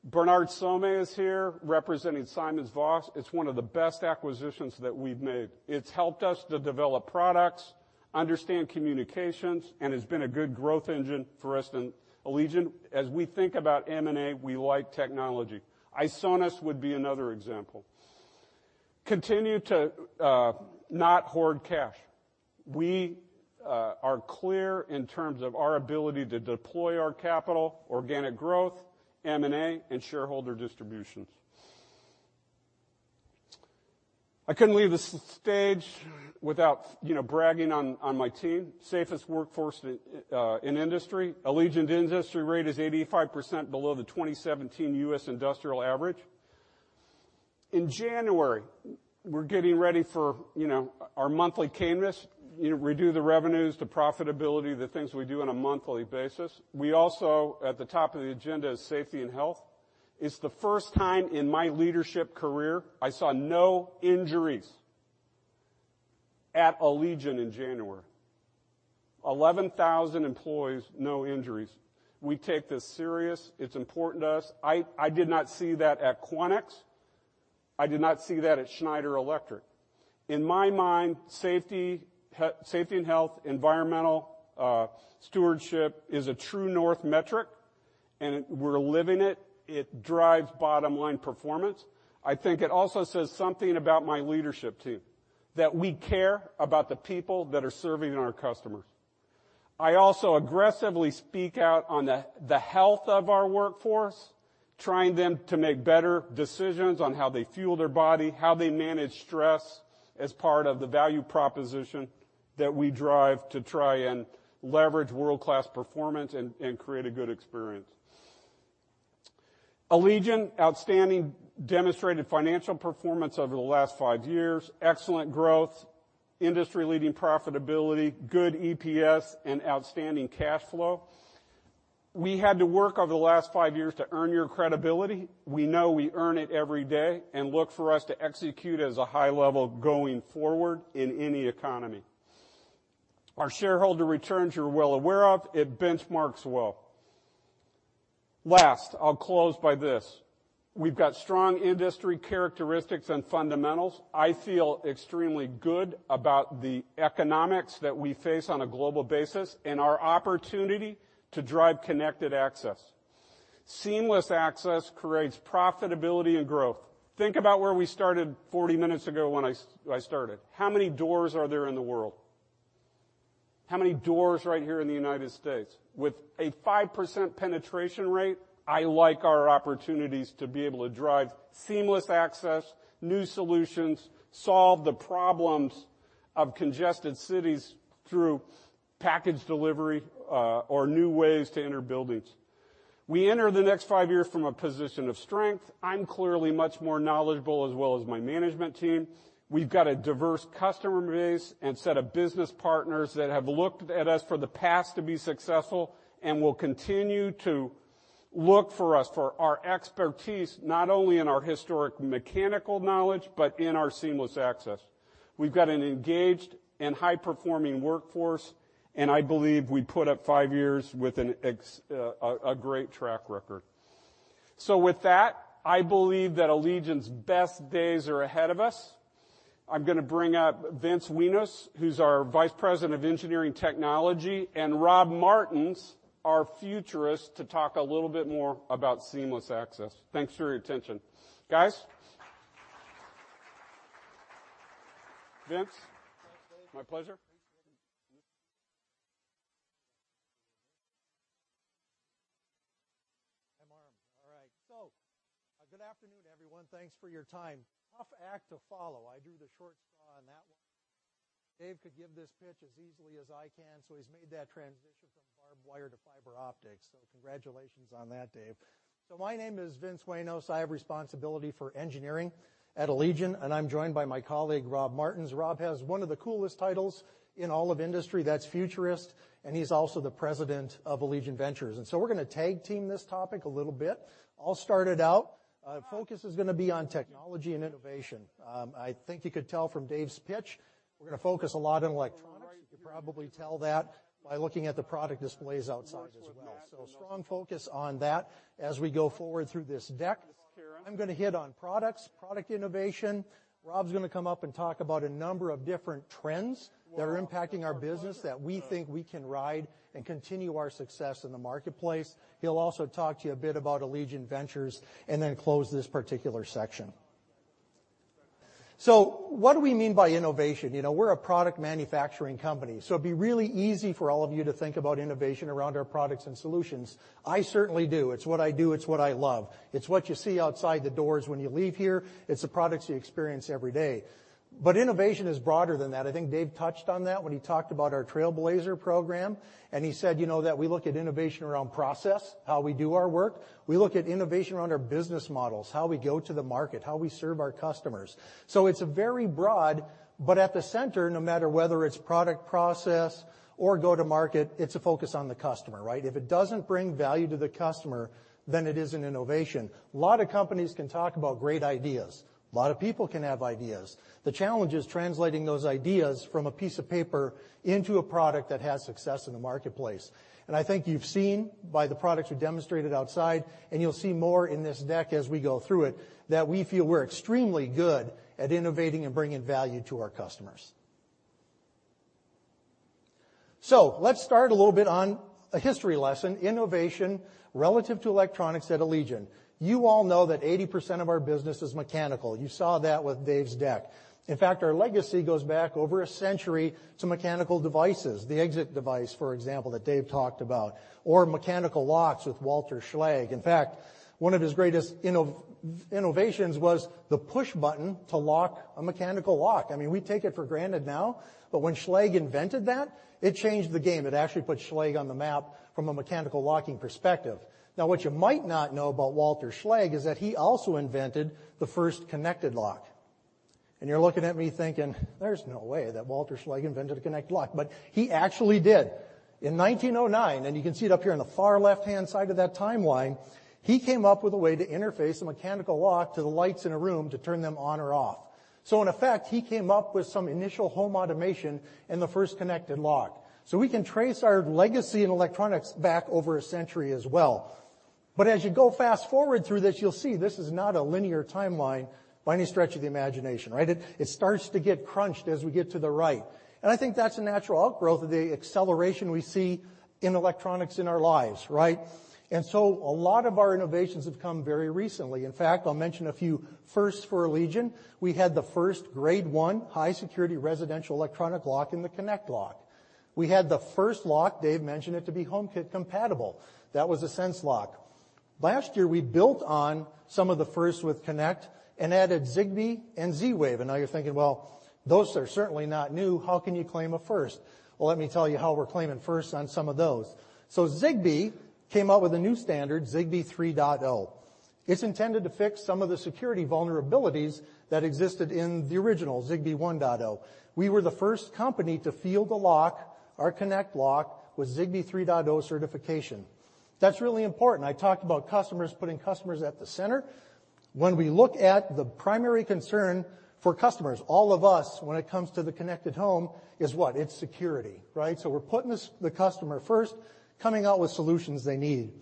Bernhard Sommer is here representing SimonsVoss. It's one of the best acquisitions that we've made. It's helped us to develop products, understand communications, and has been a good growth engine for us at Allegion. As we think about M&A, we like technology. ISONAS would be another example. Continue to not hoard cash. We are clear in terms of our ability to deploy our capital, organic growth, M&A, and shareholder distributions. I couldn't leave the stage without bragging on my team. Safest workforce in industry. Allegion industry rate is 85% below the 2017 U.S. industrial average. In January, we're getting ready for our monthly CANES. We do the revenues, the profitability, the things we do on a monthly basis. We also, at the top of the agenda, is safety and health. It's the first time in my leadership career I saw no injuries at Allegion in January. 11,000 employees, no injuries. We take this serious. It's important to us. I did not see that at Quanex. I did not see that at Schneider Electric. In my mind, safety and health, environmental stewardship is a true north metric, and we're living it. It drives bottom-line performance. I think it also says something about my leadership team, that we care about the people that are serving our customers. I also aggressively speak out on the health of our workforce, trying them to make better decisions on how they fuel their body, how they manage stress as part of the value proposition that we drive to try and leverage world-class performance and create a good experience. Allegion, outstanding demonstrated financial performance over the last five years. Excellent growth, industry-leading profitability, good EPS, and outstanding cash flow. We had to work over the last five years to earn your credibility. We know we earn it every day, and look for us to execute as a high level going forward in any economy. Our shareholder returns, you're well aware of. It benchmarks well. Last, I'll close by this. We've got strong industry characteristics and fundamentals. I feel extremely good about the economics that we face on a global basis and our opportunity to drive connected access. Seamless Access creates profitability and growth. Think about where we started 40 minutes ago when I started. How many doors are there in the world? How many doors right here in the U.S.? With a 5% penetration rate, I like our opportunities to be able to drive Seamless Access, new solutions, solve the problems of congested cities through package delivery or new ways to enter buildings. We enter the next five years from a position of strength. I'm clearly much more knowledgeable, as well as my management team. We've got a diverse customer base and set of business partners that have looked at us for the past to be successful and will continue to look for us for our expertise, not only in our historic mechanical knowledge, but in our Seamless Access. We've got an engaged and high-performing workforce, and I believe we put up five years with a great track record. With that, I believe that Allegion's best days are ahead of us. I'm going to bring up Vince Wenos, who's our Vice President of Engineering Technology, and Rob Martens, our futurist, to talk a little bit more about Seamless Access. Thanks for your attention. Guys? Vince? Thanks, Dave. My pleasure. Appreciate it. I'm armed. Good afternoon, everyone. Thanks for your time. Tough act to follow. I drew the short straw on that one. Dave could give this pitch as easily as I can, he's made that transition from barbed wire to fiber optics. Congratulations on that, Dave. My name is Vince Wenos. I have responsibility for engineering at Allegion, and I'm joined by my colleague, Rob Martens. Rob has one of the coolest titles in all of industry, that's futurist, and he's also the president of Allegion Ventures. We're going to tag team this topic a little bit. I'll start it out. Focus is going to be on technology and innovation. I think you could tell from Dave's pitch, we're going to focus a lot on electronics. You can probably tell that by looking at the product displays outside as well. Strong focus on that as we go forward through this deck. I'm going to hit on products, product innovation. Rob's going to come up and talk about a number of different trends that are impacting our business that we think we can ride and continue our success in the marketplace. He'll also talk to you a bit about Allegion Ventures then close this particular section. What do we mean by innovation? We're a product manufacturing company, so it'd be really easy for all of you to think about innovation around our products and solutions. I certainly do. It's what I do. It's what I love. It's what you see outside the doors when you leave here. It's the products you experience every day. Innovation is broader than that. I think Dave touched on that when he talked about our Trailblazer program. He said that we look at innovation around process, how we do our work. We look at innovation around our business models, how we go to the market, how we serve our customers. It's very broad, but at the center, no matter whether it's product process or go to market, it's a focus on the customer, right? If it doesn't bring value to the customer, then it isn't innovation. A lot of companies can talk about great ideas. A lot of people can have ideas. The challenge is translating those ideas from a piece of paper into a product that has success in the marketplace. I think you've seen by the products we demonstrated outside, and you'll see more in this deck as we go through it, that we feel we're extremely good at innovating and bringing value to our customers. Let's start a little bit on a history lesson, innovation relative to electronics at Allegion. You all know that 80% of our business is mechanical. You saw that with Dave's deck. In fact, our legacy goes back over a century to mechanical devices, the exit device, for example, that Dave talked about, or mechanical locks with Walter Schlage. In fact, one of his greatest innovations was the push button to lock a mechanical lock. We take it for granted now, but when Schlage invented that, it changed the game. It actually put Schlage on the map from a mechanical locking perspective. What you might not know about Walter Schlage is that he also invented the first connected lock. You're looking at me thinking, "There's no way that Walter Schlage invented a connected lock." He actually did. In 1909, you can see it up here on the far left-hand side of that timeline, he came up with a way to interface a mechanical lock to the lights in a room to turn them on or off. In effect, he came up with some initial home automation and the first connected lock. We can trace our legacy in electronics back over a century as well. As you go fast forward through this, you'll see this is not a linear timeline by any stretch of the imagination, right? It starts to get crunched as we get to the right. I think that's a natural outgrowth of the acceleration we see in electronics in our lives, right? A lot of our innovations have come very recently. In fact, I'll mention a few firsts for Allegion. We had the first Grade 1 high-security residential electronic lock in the Connect lock. We had the first lock, Dave mentioned it, to be HomeKit compatible. That was the Sense lock. Last year, we built on some of the firsts with Connect and added Zigbee and Z-Wave. Now you're thinking, "Well, those are certainly not new. How can you claim a first?" Well, let me tell you how we're claiming firsts on some of those. Zigbee came out with a new standard, Zigbee 3.0. It's intended to fix some of the security vulnerabilities that existed in the original Zigbee 1.0. We were the first company to field a lock, our Connect lock, with Zigbee 3.0 certification. That's really important. I talked about customers, putting customers at the center. When we look at the primary concern for customers, all of us when it comes to the connected home, is what? It's security. We're putting the customer first, coming out with solutions they need.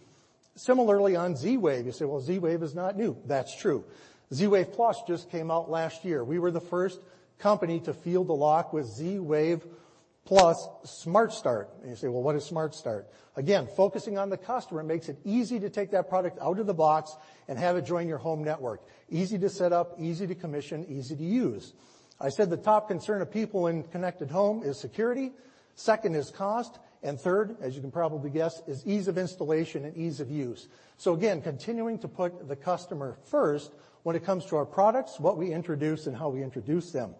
Similarly, on Z-Wave, you say, "Well, Z-Wave is not new." That's true. Z-Wave Plus just came out last year. We were the first company to field a lock with Z-Wave Plus SmartStart. You say, "Well, what is SmartStart?" Again, focusing on the customer makes it easy to take that product out of the box and have it join your home network, easy to set up, easy to commission, easy to use. I said the top concern of people in connected home is security. Second is cost, and third, as you can probably guess, is ease of installation and ease of use. Again, continuing to put the customer first when it comes to our products, what we introduce, and how we introduce them.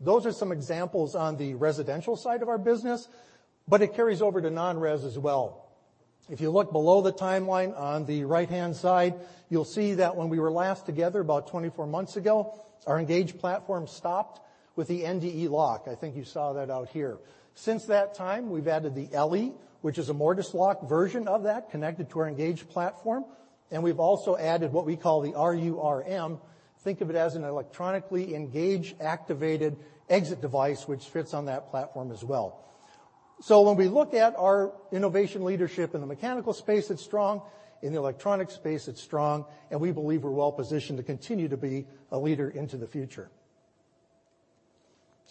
Those are some examples on the residential side of our business, but it carries over to non-res as well. If you look below the timeline on the right-hand side, you'll see that when we were last together about 24 months ago, our ENGAGE platform stopped with the NDE lock. I think you saw that out here. Since that time, we've added the LE, which is a mortise lock version of that connected to our ENGAGE platform, and we've also added what we call the RURM. Think of it as an electronically engaged, activated exit device, which fits on that platform as well. When we look at our innovation leadership, in the mechanical space it's strong, in the electronic space it's strong, and we believe we're well positioned to continue to be a leader into the future.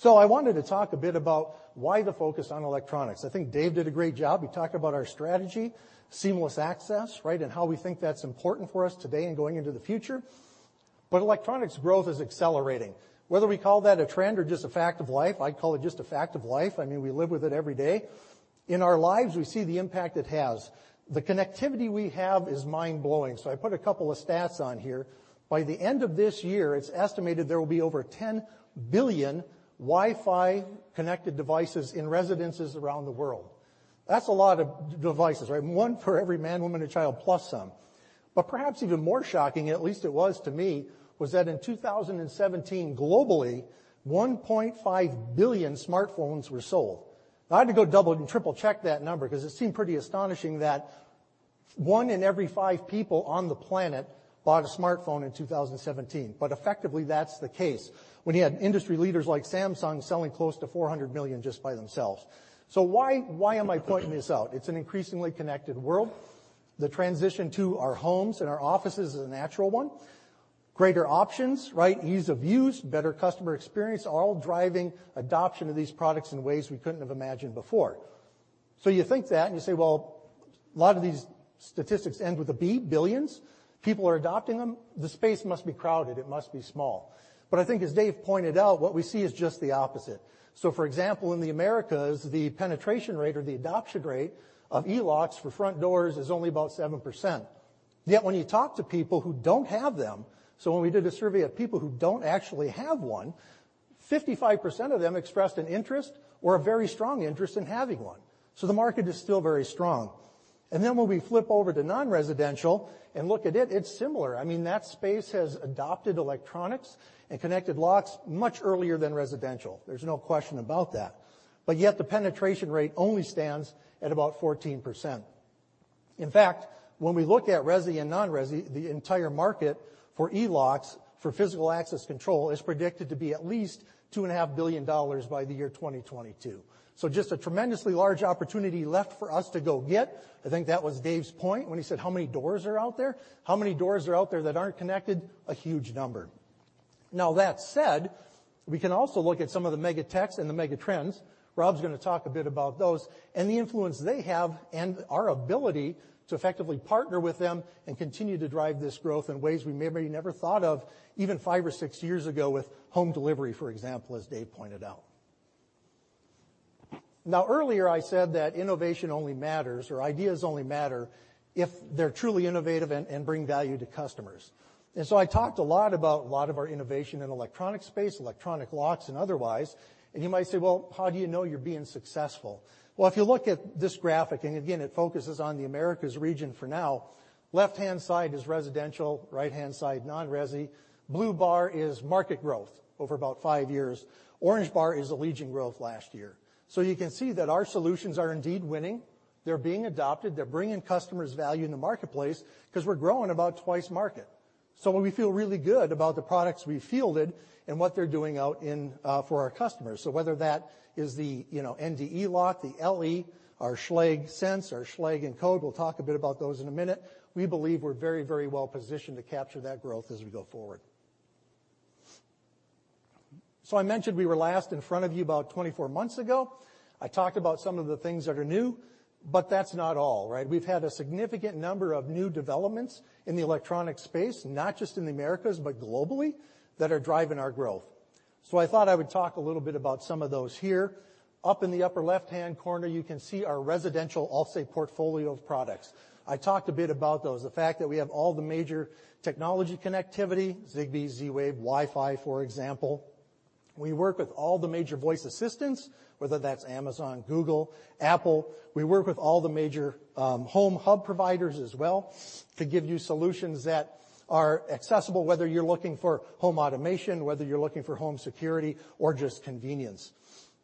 I wanted to talk a bit about why the focus on electronics. I think Dave did a great job. He talked about our strategy, seamless access, and how we think that's important for us today and going into the future. Electronics growth is accelerating. Whether we call that a trend or just a fact of life, I call it just a fact of life. We live with it every day. In our lives, we see the impact it has. The connectivity we have is mind-blowing. I put a couple of stats on here. By the end of this year, it's estimated there will be over 10 billion Wi-Fi connected devices in residences around the world. That's a lot of devices. One for every man, woman, and child, plus some. Perhaps even more shocking, at least it was to me, was that in 2017, globally, 1.5 billion smartphones were sold. I had to go double and triple check that number because it seemed pretty astonishing that one in every five people on the planet bought a smartphone in 2017. Effectively, that's the case when you have industry leaders like Samsung selling close to 400 million just by themselves. Why am I pointing this out? It's an increasingly connected world. The transition to our homes and our offices is a natural one. Greater options, ease of use, better customer experience, are all driving adoption of these products in ways we couldn't have imagined before. You think that and you say, well, a lot of these statistics end with a B, billions. People are adopting them. The space must be crowded. It must be small. I think as Dave pointed out, what we see is just the opposite. For example, in the Americas, the penetration rate or the adoption rate of e-locks for front doors is only about 7%. Yet, when you talk to people who don't have them, when we did a survey of people who don't actually have one, 55% of them expressed an interest or a very strong interest in having one. The market is still very strong. When we flip over to non-residential and look at it's similar. That space has adopted electronics and connected locks much earlier than residential. There's no question about that. Yet the penetration rate only stands at about 14%. In fact, when we look at resi and non-resi, the entire market for e-locks for physical access control is predicted to be at least $2.5 billion by the year 2022. Just a tremendously large opportunity left for us to go get. I think that was Dave's point when he said, how many doors are out there? How many doors are out there that aren't connected? A huge number. Now that said, we can also look at some of the mega techs and the mega trends, Rob's going to talk a bit about those, and the influence they have and our ability to effectively partner with them and continue to drive this growth in ways we maybe never thought of, even five or six years ago with home delivery, for example, as Dave pointed out. Now, earlier I said that innovation only matters or ideas only matter if they're truly innovative and bring value to customers. I talked a lot about a lot of our innovation in electronic space, electronic locks, and otherwise. You might say, "Well, how do you know you're being successful?" If you look at this graphic, and again, it focuses on the Americas region for now. Left-hand side is residential, right-hand side non-resi. Blue bar is market growth over about five years. Orange bar is Allegion growth last year. You can see that our solutions are indeed winning. They're being adopted. They're bringing customers value in the marketplace because we're growing about twice market. When we feel really good about the products we fielded and what they're doing out for our customers. Whether that is the NDE lock, the LE, our Schlage Sense, our Schlage Encode, we'll talk a bit about those in a minute. We believe we're very well positioned to capture that growth as we go forward. I mentioned we were last in front of you about 24 months ago. I talked about some of the things that are new, but that's not all. We've had a significant number of new developments in the electronic space, not just in the Americas, but globally, that are driving our growth. I thought I would talk a little bit about some of those here. Up in the upper left-hand corner, you can see our residential Allstate portfolio of products. I talked a bit about those. The fact that we have all the major technology connectivity, Zigbee, Z-Wave, Wi-Fi, for example. We work with all the major voice assistants, whether that's Amazon, Google, Apple. We work with all the major home hub providers as well to give you solutions that are accessible, whether you're looking for home automation, whether you're looking for home security or just convenience.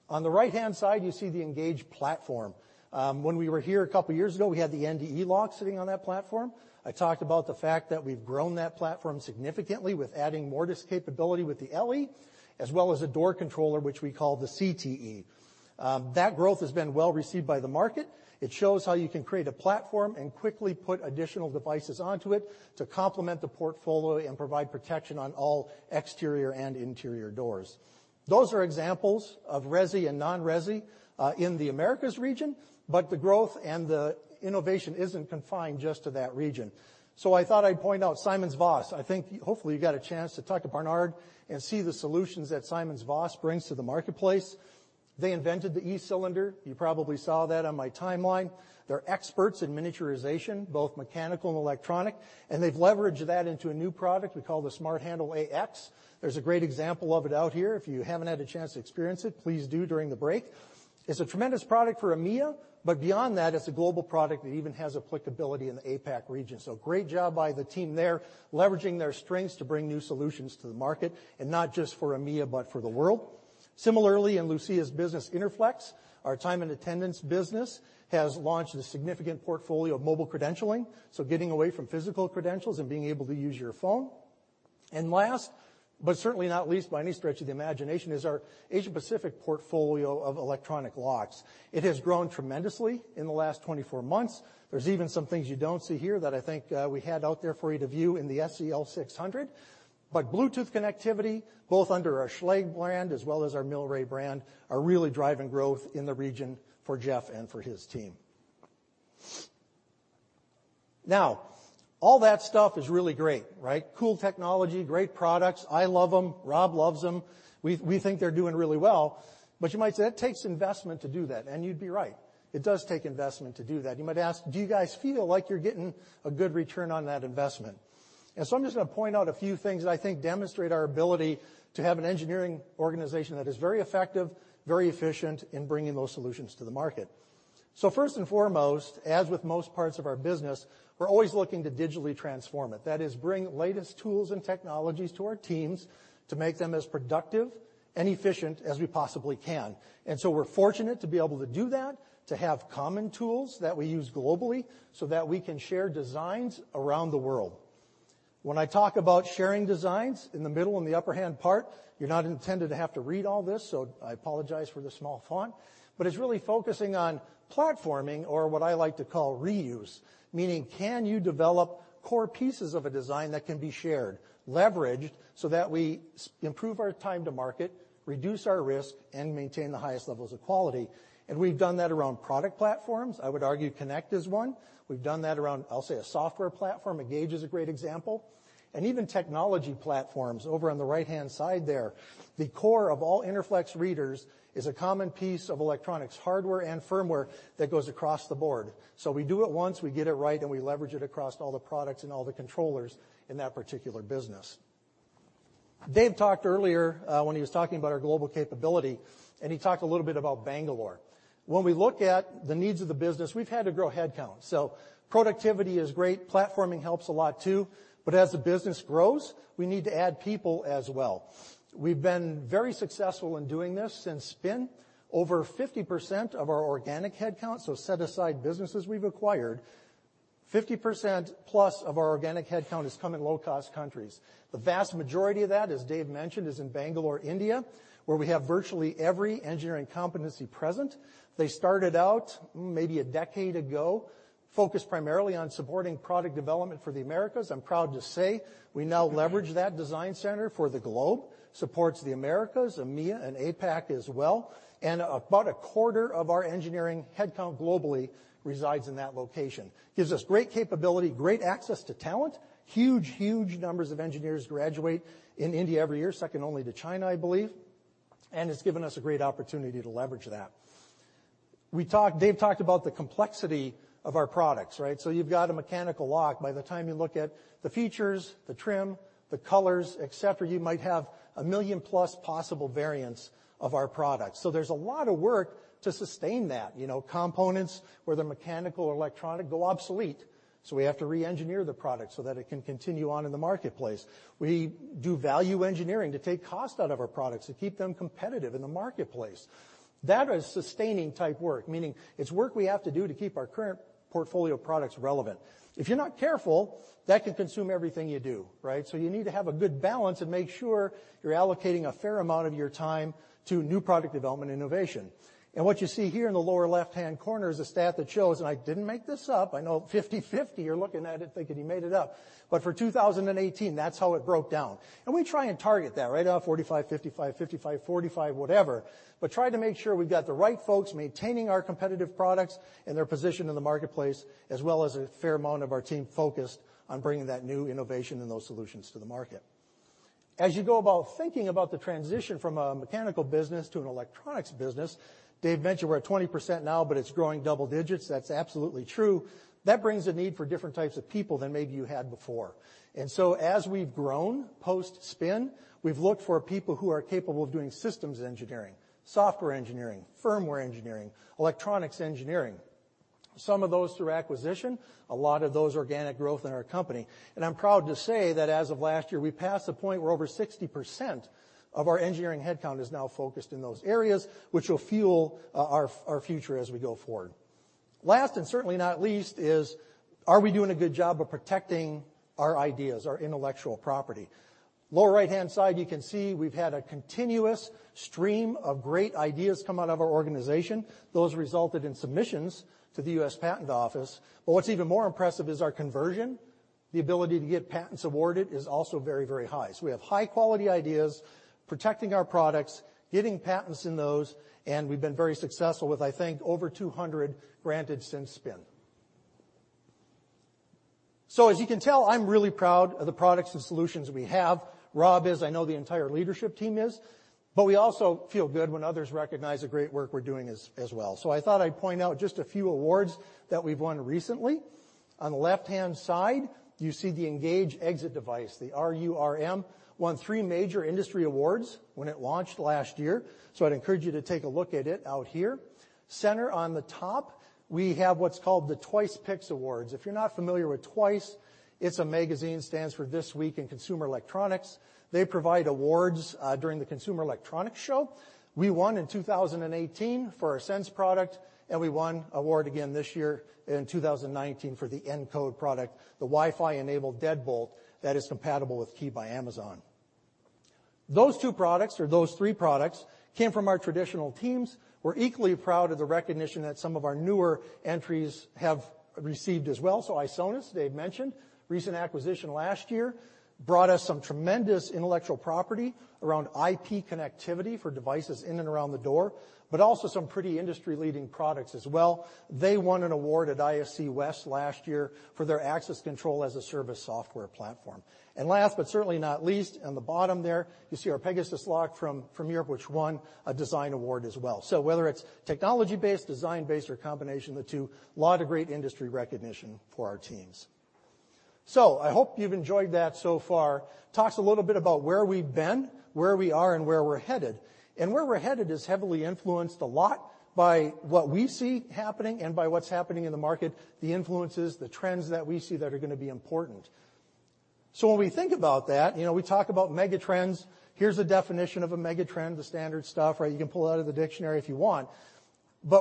On the right-hand side, you see the ENGAGE platform. When we were here a couple of years ago, we had the NDE lock sitting on that platform. I talked about the fact that we've grown that platform significantly with adding mortise capability with the LE, as well as a door controller, which we call the CTE. That growth has been well-received by the market. It shows how you can create a platform and quickly put additional devices onto it to complement the portfolio and provide protection on all exterior and interior doors. Those are examples of resi and non-resi in the Americas region, but the growth and the innovation isn't confined just to that region. I thought I'd point out SimonsVoss. I think, hopefully, you got a chance to talk to Barnard and see the solutions that SimonsVoss brings to the marketplace. They invented the e-cylinder. You probably saw that on my timeline. They're experts in miniaturization, both mechanical and electronic, and they've leveraged that into a new product we call the SmartHandle AX. There's a great example of it out here. If you haven't had a chance to experience it, please do during the break. It's a tremendous product for EMEA, but beyond that, it's a global product that even has applicability in the APAC region. Great job by the team there, leveraging their strengths to bring new solutions to the market, and not just for EMEA, but for the world. Similarly, in Lucia's business, Interflex, our time and attendance business, has launched a significant portfolio of mobile credentialing, so getting away from physical credentials and being able to use your phone. Last, but certainly not least by any stretch of the imagination, is our Asia-Pacific portfolio of electronic locks. It has grown tremendously in the last 24 months. There's even some things you don't see here that I think we had out there for you to view in the SCL600. Bluetooth connectivity, both under our Schlage brand as well as our Milre brand, are really driving growth in the region for Jeff and for his team. All that stuff is really great, right? Cool technology, great products. I love them. Rob loves them. We think they're doing really well. You might say, "It takes investment to do that," and you'd be right. It does take investment to do that. You might ask, "Do you guys feel like you're getting a good return on that investment?" I'm just going to point out a few things that I think demonstrate our ability to have an engineering organization that is very effective, very efficient in bringing those solutions to the market. First and foremost, as with most parts of our business, we're always looking to digitally transform it. That is, bring latest tools and technologies to our teams to make them as productive and efficient as we possibly can. We're fortunate to be able to do that, to have common tools that we use globally so that we can share designs around the world. When I talk about sharing designs in the middle, in the upper hand part, you're not intended to have to read all this, so I apologize for the small font, but it's really focusing on platforming or what I like to call reuse, meaning can you develop core pieces of a design that can be shared, leveraged, so that we improve our time to market, reduce our risk, and maintain the highest levels of quality? We've done that around product platforms. I would argue Connect is one. We've done that around, I'll say, a software platform. ENGAGE is a great example. Even technology platforms over on the right-hand side there. The core of all Interflex readers is a common piece of electronics hardware and firmware that goes across the board. We do it once, we get it right, and we leverage it across all the products and all the controllers in that particular business. Dave talked earlier when he was talking about our global capability, and he talked a little bit about Bangalore. When we look at the needs of the business, we've had to grow headcount. Productivity is great. Platforming helps a lot too. As the business grows, we need to add people as well. We've been very successful in doing this since spin. Over 50% of our organic headcount, so set aside businesses we've acquired, 50% plus of our organic headcount has come in low-cost countries. The vast majority of that, as Dave mentioned, is in Bangalore, India, where we have virtually every engineering competency present. They started out maybe a decade ago, focused primarily on supporting product development for the Americas. I'm proud to say we now leverage that design center for the globe, supports the Americas, EMEA, and APAC as well, and about a quarter of our engineering headcount globally resides in that location. Gives us great capability, great access to talent. Huge numbers of engineers graduate in India every year, second only to China, I believe, and it's given us a great opportunity to leverage that. Dave talked about the complexity of our products, right? You've got a mechanical lock. By the time you look at the features, the trim, the colors, et cetera, you might have 1 million plus possible variants of our products. There's a lot of work to sustain that. Components, whether mechanical or electronic, go obsolete, we have to re-engineer the product so that it can continue on in the marketplace. We do value engineering to take cost out of our products, to keep them competitive in the marketplace. That is sustaining type work, meaning it's work we have to do to keep our current portfolio of products relevant. If you're not careful, that can consume everything you do, right? You need to have a good balance and make sure you're allocating a fair amount of your time to new product development innovation. What you see here in the lower left-hand corner is a stat that shows, and I didn't make this up. I know 50/50 are looking at it thinking, "He made it up." For 2018, that's how it broke down. We try and target that, right? 45/55/45, whatever, but try to make sure we've got the right folks maintaining our competitive products and their position in the marketplace, as well as a fair amount of our team focused on bringing that new innovation and those solutions to the market. As you go about thinking about the transition from a mechanical business to an electronics business, Dave mentioned we're at 20% now, but it's growing double digits. That's absolutely true. That brings a need for different types of people than maybe you had before. As we've grown post-spin, we've looked for people who are capable of doing systems engineering, software engineering, firmware engineering, electronics engineering. Some of those through acquisition, a lot of those organic growth in our company. I'm proud to say that as of last year, we passed a point where over 60% of our engineering headcount is now focused in those areas, which will fuel our future as we go forward. Last, and certainly not least, is are we doing a good job of protecting our ideas, our intellectual property? Lower right-hand side, you can see we've had a continuous stream of great ideas come out of our organization. Those resulted in submissions to the U.S. Patent Office. What's even more impressive is our conversion, the ability to get patents awarded is also very high. We have high-quality ideas, protecting our products, getting patents in those, and we've been very successful with, I think, over 200 granted since spin. As you can tell, I'm really proud of the products and solutions we have. Rob is. I know the entire leadership team is. We also feel good when others recognize the great work we're doing as well. I thought I'd point out just a few awards that we've won recently. On the left-hand side, you see the Engage Exit device, the RURM, won three major industry awards when it launched last year. I'd encourage you to take a look at it out here. Center on the top, we have what's called the TWICE Picks Awards. If you're not familiar with TWICE, it's a magazine, stands for This Week in Consumer Electronics. They provide awards during the Consumer Electronics Show. We won in 2018 for our Sense product, and we won award again this year in 2019 for the Encode product, the Wi-Fi enabled deadbolt that is compatible with Key by Amazon. Those two products, or those three products, came from our traditional teams. We're equally proud of the recognition that some of our newer entries have received as well. ISONAS, Dave mentioned, recent acquisition last year, brought us some tremendous intellectual property around IP connectivity for devices in and around the door, but also some pretty industry leading products as well. They won an award at ISC West last year for their access control as a service software platform. Last, but certainly not least, on the bottom there, you see our Pegasus Lock from Europe, which won a design award as well. Whether it's technology-based, design-based, or a combination of the two, a lot of great industry recognition for our teams. I hope you've enjoyed that so far. Talks a little bit about where we've been, where we are, and where we're headed. Where we're headed is heavily influenced a lot by what we see happening and by what's happening in the market, the influences, the trends that we see that are going to be important. When we think about that, we talk about megatrends. Here's the definition of a megatrend, the standard stuff, you can pull out of the dictionary if you want.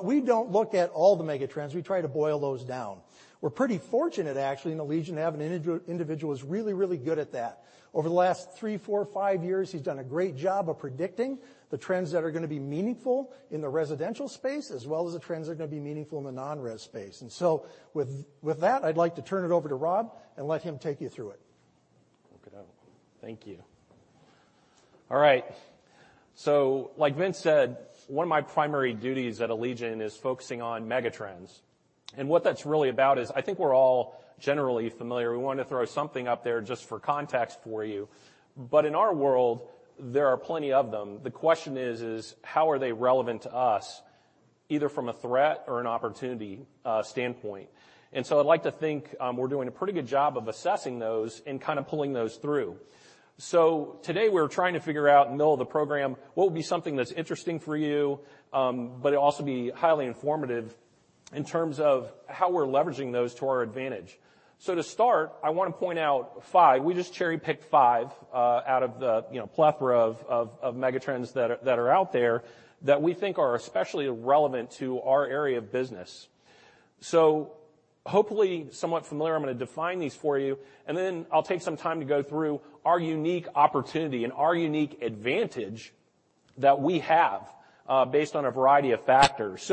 We don't look at all the megatrends. We try to boil those down. We're pretty fortunate, actually, in Allegion to have an individual who's really good at that. Over the last three, four, five years, he's done a great job of predicting the trends that are going to be meaningful in the residential space, as well as the trends that are going to be meaningful in the non-res space. With that, I'd like to turn it over to Rob and let him take you through it. Okay, Dave. Thank you. All right. Like Vince said, one of my primary duties at Allegion is focusing on megatrends. What that's really about is, I think we're all generally familiar. We want to throw something up there just for context for you. In our world, there are plenty of them. The question is how are they relevant to us, either from a threat or an opportunity standpoint? I'd like to think we're doing a pretty good job of assessing those and kind of pulling those through. Today we're trying to figure out in the middle of the program, what would be something that's interesting for you, but it also be highly informative in terms of how we're leveraging those to our advantage. To start, I want to point out five. We just cherry picked five out of the plethora of megatrends that are out there that we think are especially relevant to our area of business. Hopefully somewhat familiar. I'm going to define these for you, and then I'll take some time to go through our unique opportunity and our unique advantage that we have based on a variety of factors.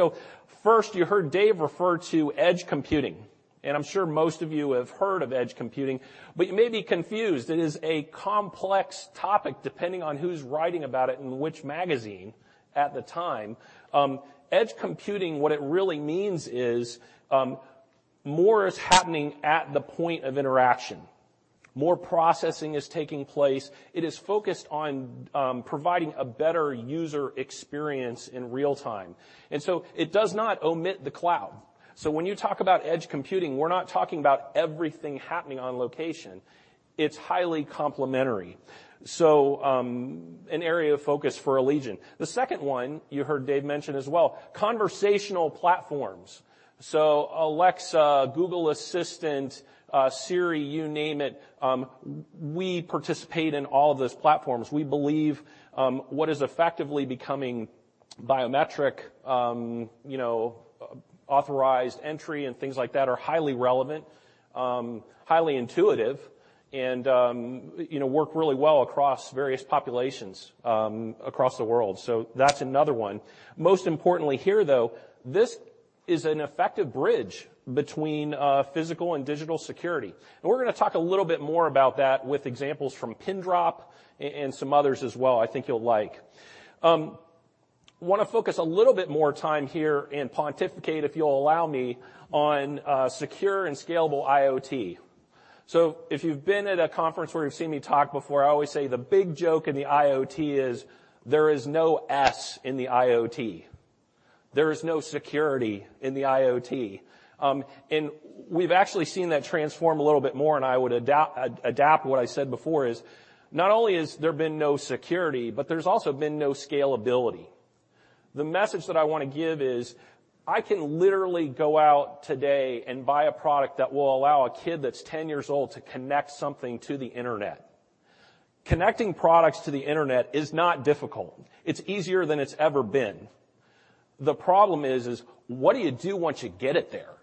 First, you heard Dave refer to edge computing, and I'm sure most of you have heard of edge computing, but you may be confused. It is a complex topic, depending on who's writing about it and which magazine at the time. Edge computing, what it really means is, more is happening at the point of interaction. More processing is taking place. It is focused on providing a better user experience in real time. It does not omit the cloud. When you talk about edge computing, we're not talking about everything happening on location. It's highly complementary. An area of focus for Allegion. The second one you heard Dave mention as well, conversational platforms. Alexa, Google Assistant, Siri, you name it. We participate in all of those platforms. We believe what is effectively becoming biometric authorized entry and things like that are highly relevant, highly intuitive, and work really well across various populations across the world. That's another one. Most importantly here, though, this is an effective bridge between physical and digital security. We're going to talk a little bit more about that with examples from Pindrop and some others as well I think you'll like. Want to focus a little bit more time here and pontificate, if you'll allow me, on secure and scalable IoT. If you've been at a conference where you've seen me talk before, I always say the big joke in the IoT is there is no S in the IoT. There is no security in the IoT. We've actually seen that transform a little bit more, and I would adapt what I said before is, not only has there been no security, but there's also been no scalability. The message that I want to give is, I can literally go out today and buy a product that will allow a kid that's 10 years old to connect something to the internet. Connecting products to the internet is not difficult. It's easier than it's ever been. The problem is what do you do once you get it there?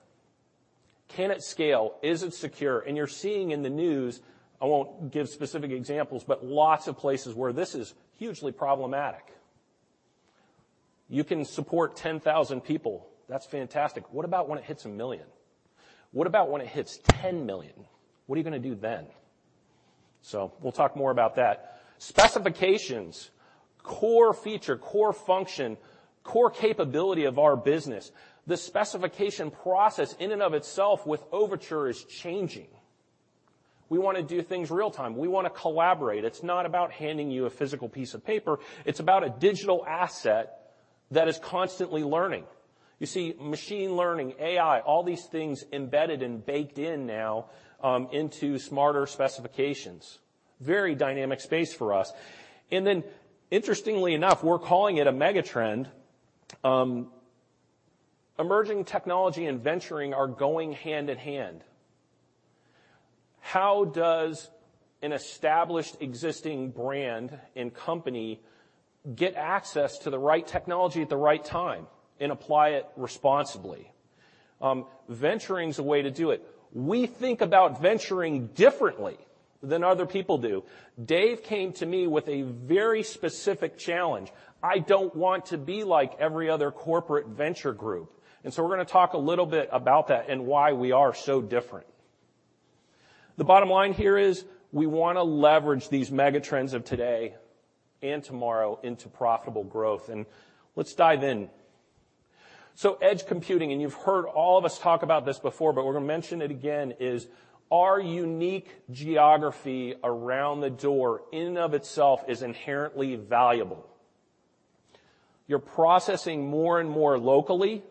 Can it scale? Is it secure? You're seeing in the news, I won't give specific examples, but lots of places where this is hugely problematic. You can support 10,000 people. That's fantastic. What about when it hits a million? What about when it hits 10 million? What are you going to do then? We'll talk more about that. Specifications, core feature, core function, core capability of our business. The specification process in and of itself with Overtur is changing. We want to do things real-time. We want to collaborate. It's not about handing you a physical piece of paper. It's about a digital asset that is constantly learning. You see, machine learning, AI, all these things embedded and baked in now, into smarter specifications. Very dynamic space for us. Then interestingly enough, we're calling it a megatrend, emerging technology and venturing are going hand-in-hand. How does an established existing brand and company get access to the right technology at the right time and apply it responsibly? Venturing is a way to do it. We think about venturing differently than other people do. Dave came to me with a very specific challenge. I don't want to be like every other corporate venture group. We're going to talk a little bit about that and why we are so different. The bottom line here is we want to leverage these megatrends of today and tomorrow into profitable growth. Let's dive in. Edge computing, you've heard all of us talk about this before, but we're going to mention it again, is our unique geography around the door in and of itself is inherently valuable. You're processing more and more locally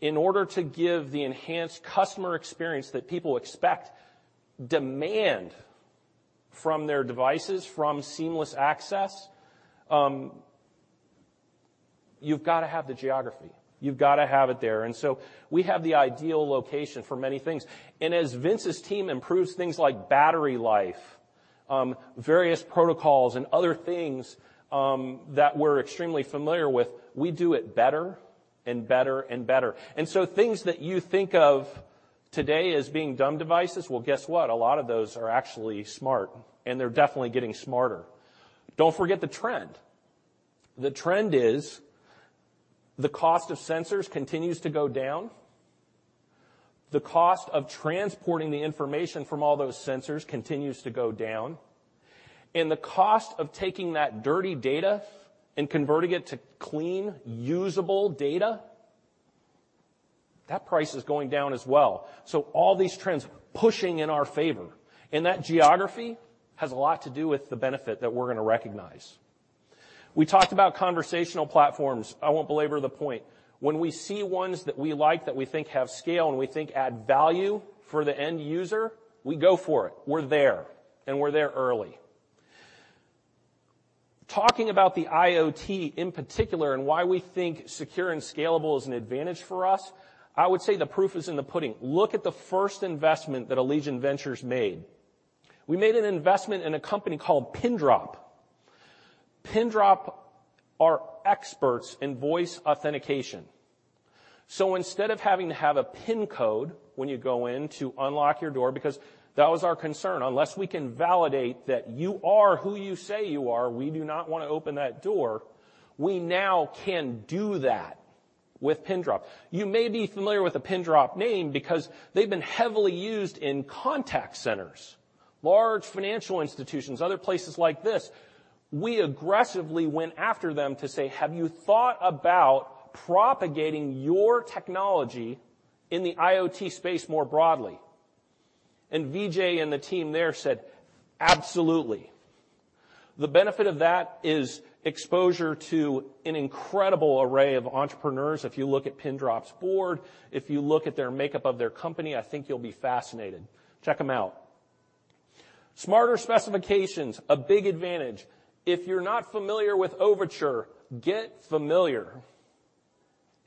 in order to give the enhanced customer experience that people expect, demand from their devices, from seamless access. You've got to have the geography. You've got to have it there. We have the ideal location for many things. As Vince Wenos's team improves things like battery life, various protocols, and other things that we're extremely familiar with, we do it better and better and better. Things that you think of today as being dumb devices, well, guess what? A lot of those are actually smart, and they're definitely getting smarter. Don't forget the trend. The trend is the cost of sensors continues to go down. The cost of transporting the information from all those sensors continues to go down. The cost of taking that dirty data and converting it to clean, usable data, that price is going down as well. All these trends pushing in our favor, and that geography has a lot to do with the benefit that we're going to recognize. We talked about conversational platforms. I won't belabor the point. When we see ones that we like, that we think have scale, and we think add value for the end user, we go for it. We're there, and we're there early. Talking about the IoT in particular and why we think secure and scalable is an advantage for us, I would say the proof is in the pudding. Look at the first investment that Allegion Ventures made. We made an investment in a company called Pindrop. Pindrop are experts in voice authentication. Instead of having to have a pin code when you go in to unlock your door, because that was our concern, unless we can validate that you are who you say you are, we do not want to open that door. We now can do that with Pindrop. You may be familiar with the Pindrop name because they've been heavily used in contact centers, large financial institutions, other places like this. We aggressively went after them to say, "Have you thought about propagating your technology in the IoT space more broadly?" Vijay and the team there said, "Absolutely." The benefit of that is exposure to an incredible array of entrepreneurs. If you look at Pindrop's board, if you look at their makeup of their company, I think you'll be fascinated. Check them out. Smarter specifications, a big advantage. If you're not familiar with Overtur, get familiar.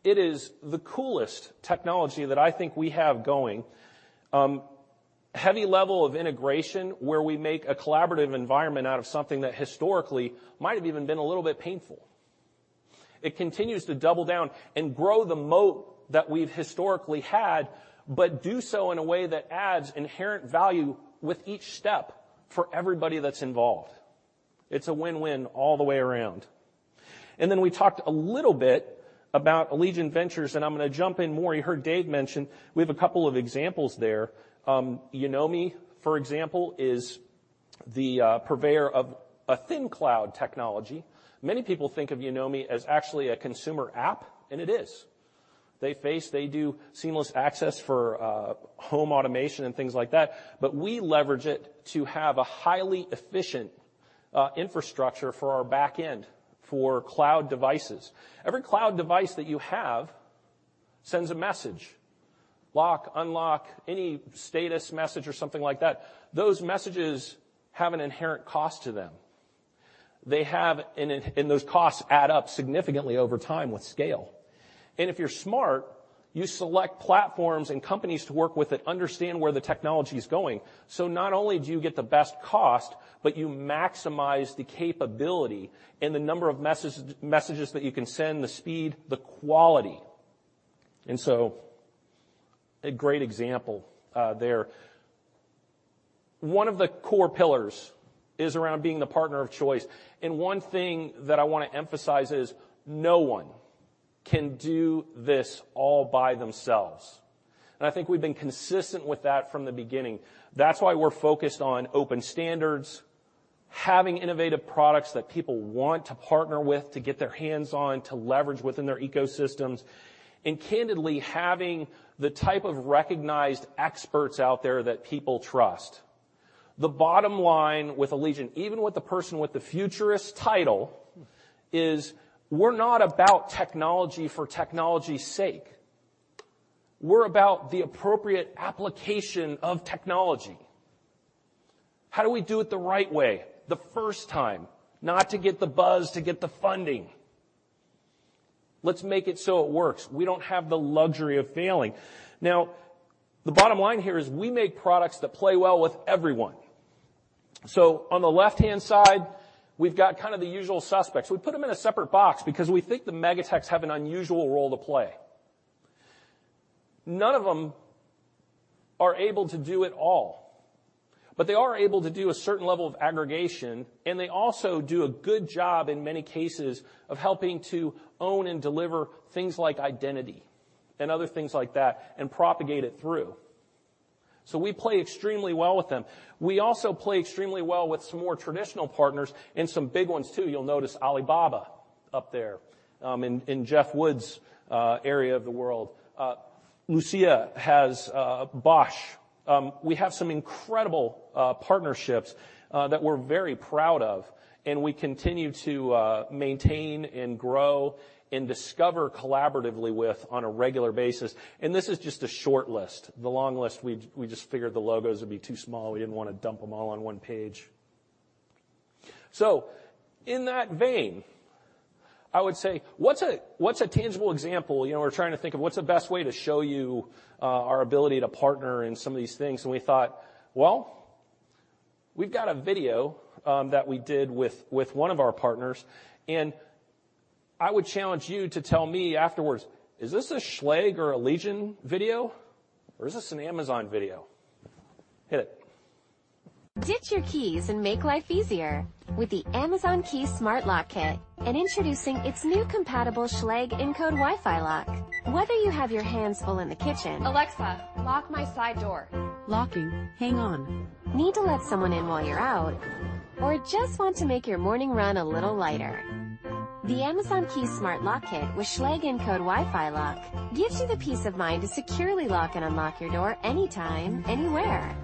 It is the coolest technology that I think we have going. Heavy level of integration where we make a collaborative environment out of something that historically might have even been a little bit painful. It continues to double down and grow the moat that we've historically had, but do so in a way that adds inherent value with each step for everybody that's involved. We talked a little bit about Allegion Ventures, and I'm going to jump in more. You heard Dave mention we have a couple of examples there. Yonomi, for example, is the purveyor of a thin cloud technology. Many people think of Yonomi as actually a consumer app, and it is. They do seamless access for home automation and things like that. We leverage it to have a highly efficient infrastructure for our back end for cloud devices. Every cloud device that you have sends a message, lock, unlock, any status message or something like that. Those messages have an inherent cost to them. Those costs add up significantly over time with scale. If you're smart, you select platforms and companies to work with that understand where the technology's going. Not only do you get the best cost, but you maximize the capability and the number of messages that you can send, the speed, the quality. A great example there. One of the core pillars is around being the partner of choice, and one thing that I want to emphasize is no one can do this all by themselves. I think we've been consistent with that from the beginning. That's why we're focused on open standards, having innovative products that people want to partner with to get their hands on, to leverage within their ecosystems. Candidly, having the type of recognized experts out there that people trust. The bottom line with Allegion, even with the person with the futurist title, is we're not about technology for technology's sake. We're about the appropriate application of technology. How do we do it the right way the first time. Not to get the buzz, to get the funding. Let's make it so it works. We don't have the luxury of failing. Now, the bottom line here is we make products that play well with everyone. On the left-hand side, we've got kind of the usual suspects. We put them in a separate box because we think the mega techs have an unusual role to play. None of them are able to do it all, but they are able to do a certain level of aggregation, and they also do a good job in many cases of helping to own and deliver things like identity and other things like that and propagate it through. We play extremely well with them. We also play extremely well with some more traditional partners and some big ones too. You'll notice Alibaba up there, in Jeff Wood's area of the world. Lucia has Bosch. We have some incredible partnerships that we're very proud of, and we continue to maintain and grow and discover collaboratively with on a regular basis. This is just a short list. The long list, we just figured the logos would be too small. We didn't want to dump them all on one page. In that vein, I would say, what's a tangible example? We're trying to think of what's the best way to show you our ability to partner in some of these things. We thought, well, we've got a video that we did with one of our partners, and I would challenge you to tell me afterwards, is this a Schlage or Allegion video, or is this an Amazon video? Hit it. Ditch your keys and make life easier with the Amazon Key smart lock kit. Introducing its new compatible Schlage Encode Wi-Fi lock. Whether you have your hands full in the kitchen. Alexa, lock my side door. Locking. Hang on. Need to let someone in while you're out, or just want to make your morning run a little lighter, the Amazon Key smart lock kit with Schlage Encode Wi-Fi lock gives you the peace of mind to securely lock and unlock your door anytime, anywhere.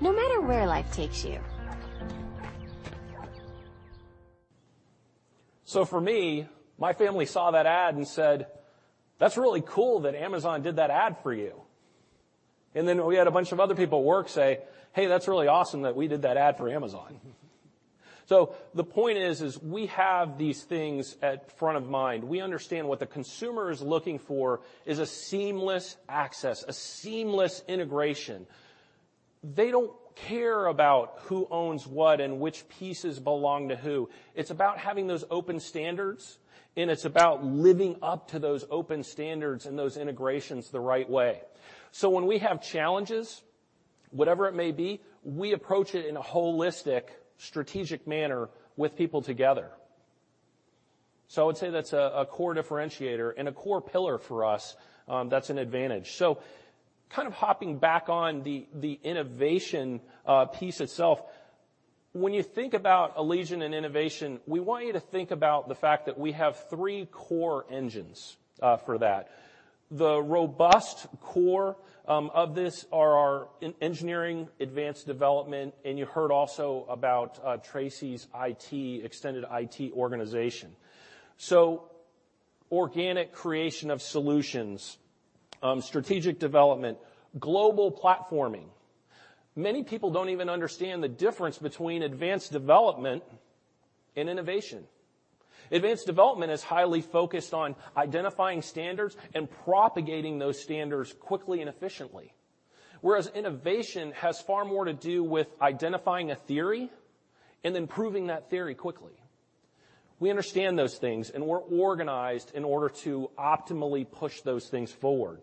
No matter where life takes you. For me, my family saw that ad and said, "That's really cool that Amazon did that ad for you." Then we had a bunch of other people at work say, "Hey, that's really awesome that we did that ad for Amazon." The point is, we have these things at front of mind. We understand what the consumer is looking for is a seamless access, a seamless integration. They don't care about who owns what and which pieces belong to who. It's about having those open standards, and it's about living up to those open standards and those integrations the right way. When we have challenges, whatever it may be, we approach it in a holistic, strategic manner with people together. I would say that's a core differentiator and a core pillar for us that's an advantage. Kind of hopping back on the innovation piece itself. When you think about Allegion and innovation, we want you to think about the fact that we have three core engines for that. The robust core of this are our engineering, advanced development, and you heard also about Tracy's extended IT organization. Organic creation of solutions, strategic development, global platforming. Many people don't even understand the difference between advanced development and innovation. Advanced development is highly focused on identifying standards and propagating those standards quickly and efficiently. Whereas innovation has far more to do with identifying a theory and then proving that theory quickly. We understand those things, and we're organized in order to optimally push those things forward.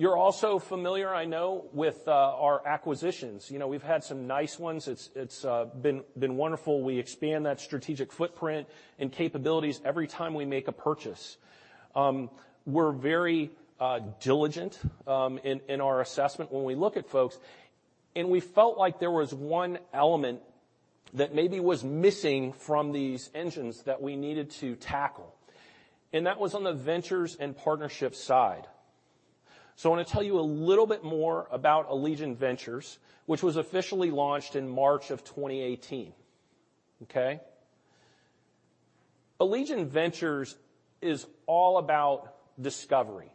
You're also familiar, I know, with our acquisitions. We've had some nice ones. It's been wonderful. We expand that strategic footprint and capabilities every time we make a purchase. We're very diligent in our assessment when we look at folks, and we felt like there was one element that maybe was missing from these engines that we needed to tackle. That was on the ventures and partnership side. I want to tell you a little bit more about Allegion Ventures, which was officially launched in March of 2018. Okay? Allegion Ventures is all about discovery.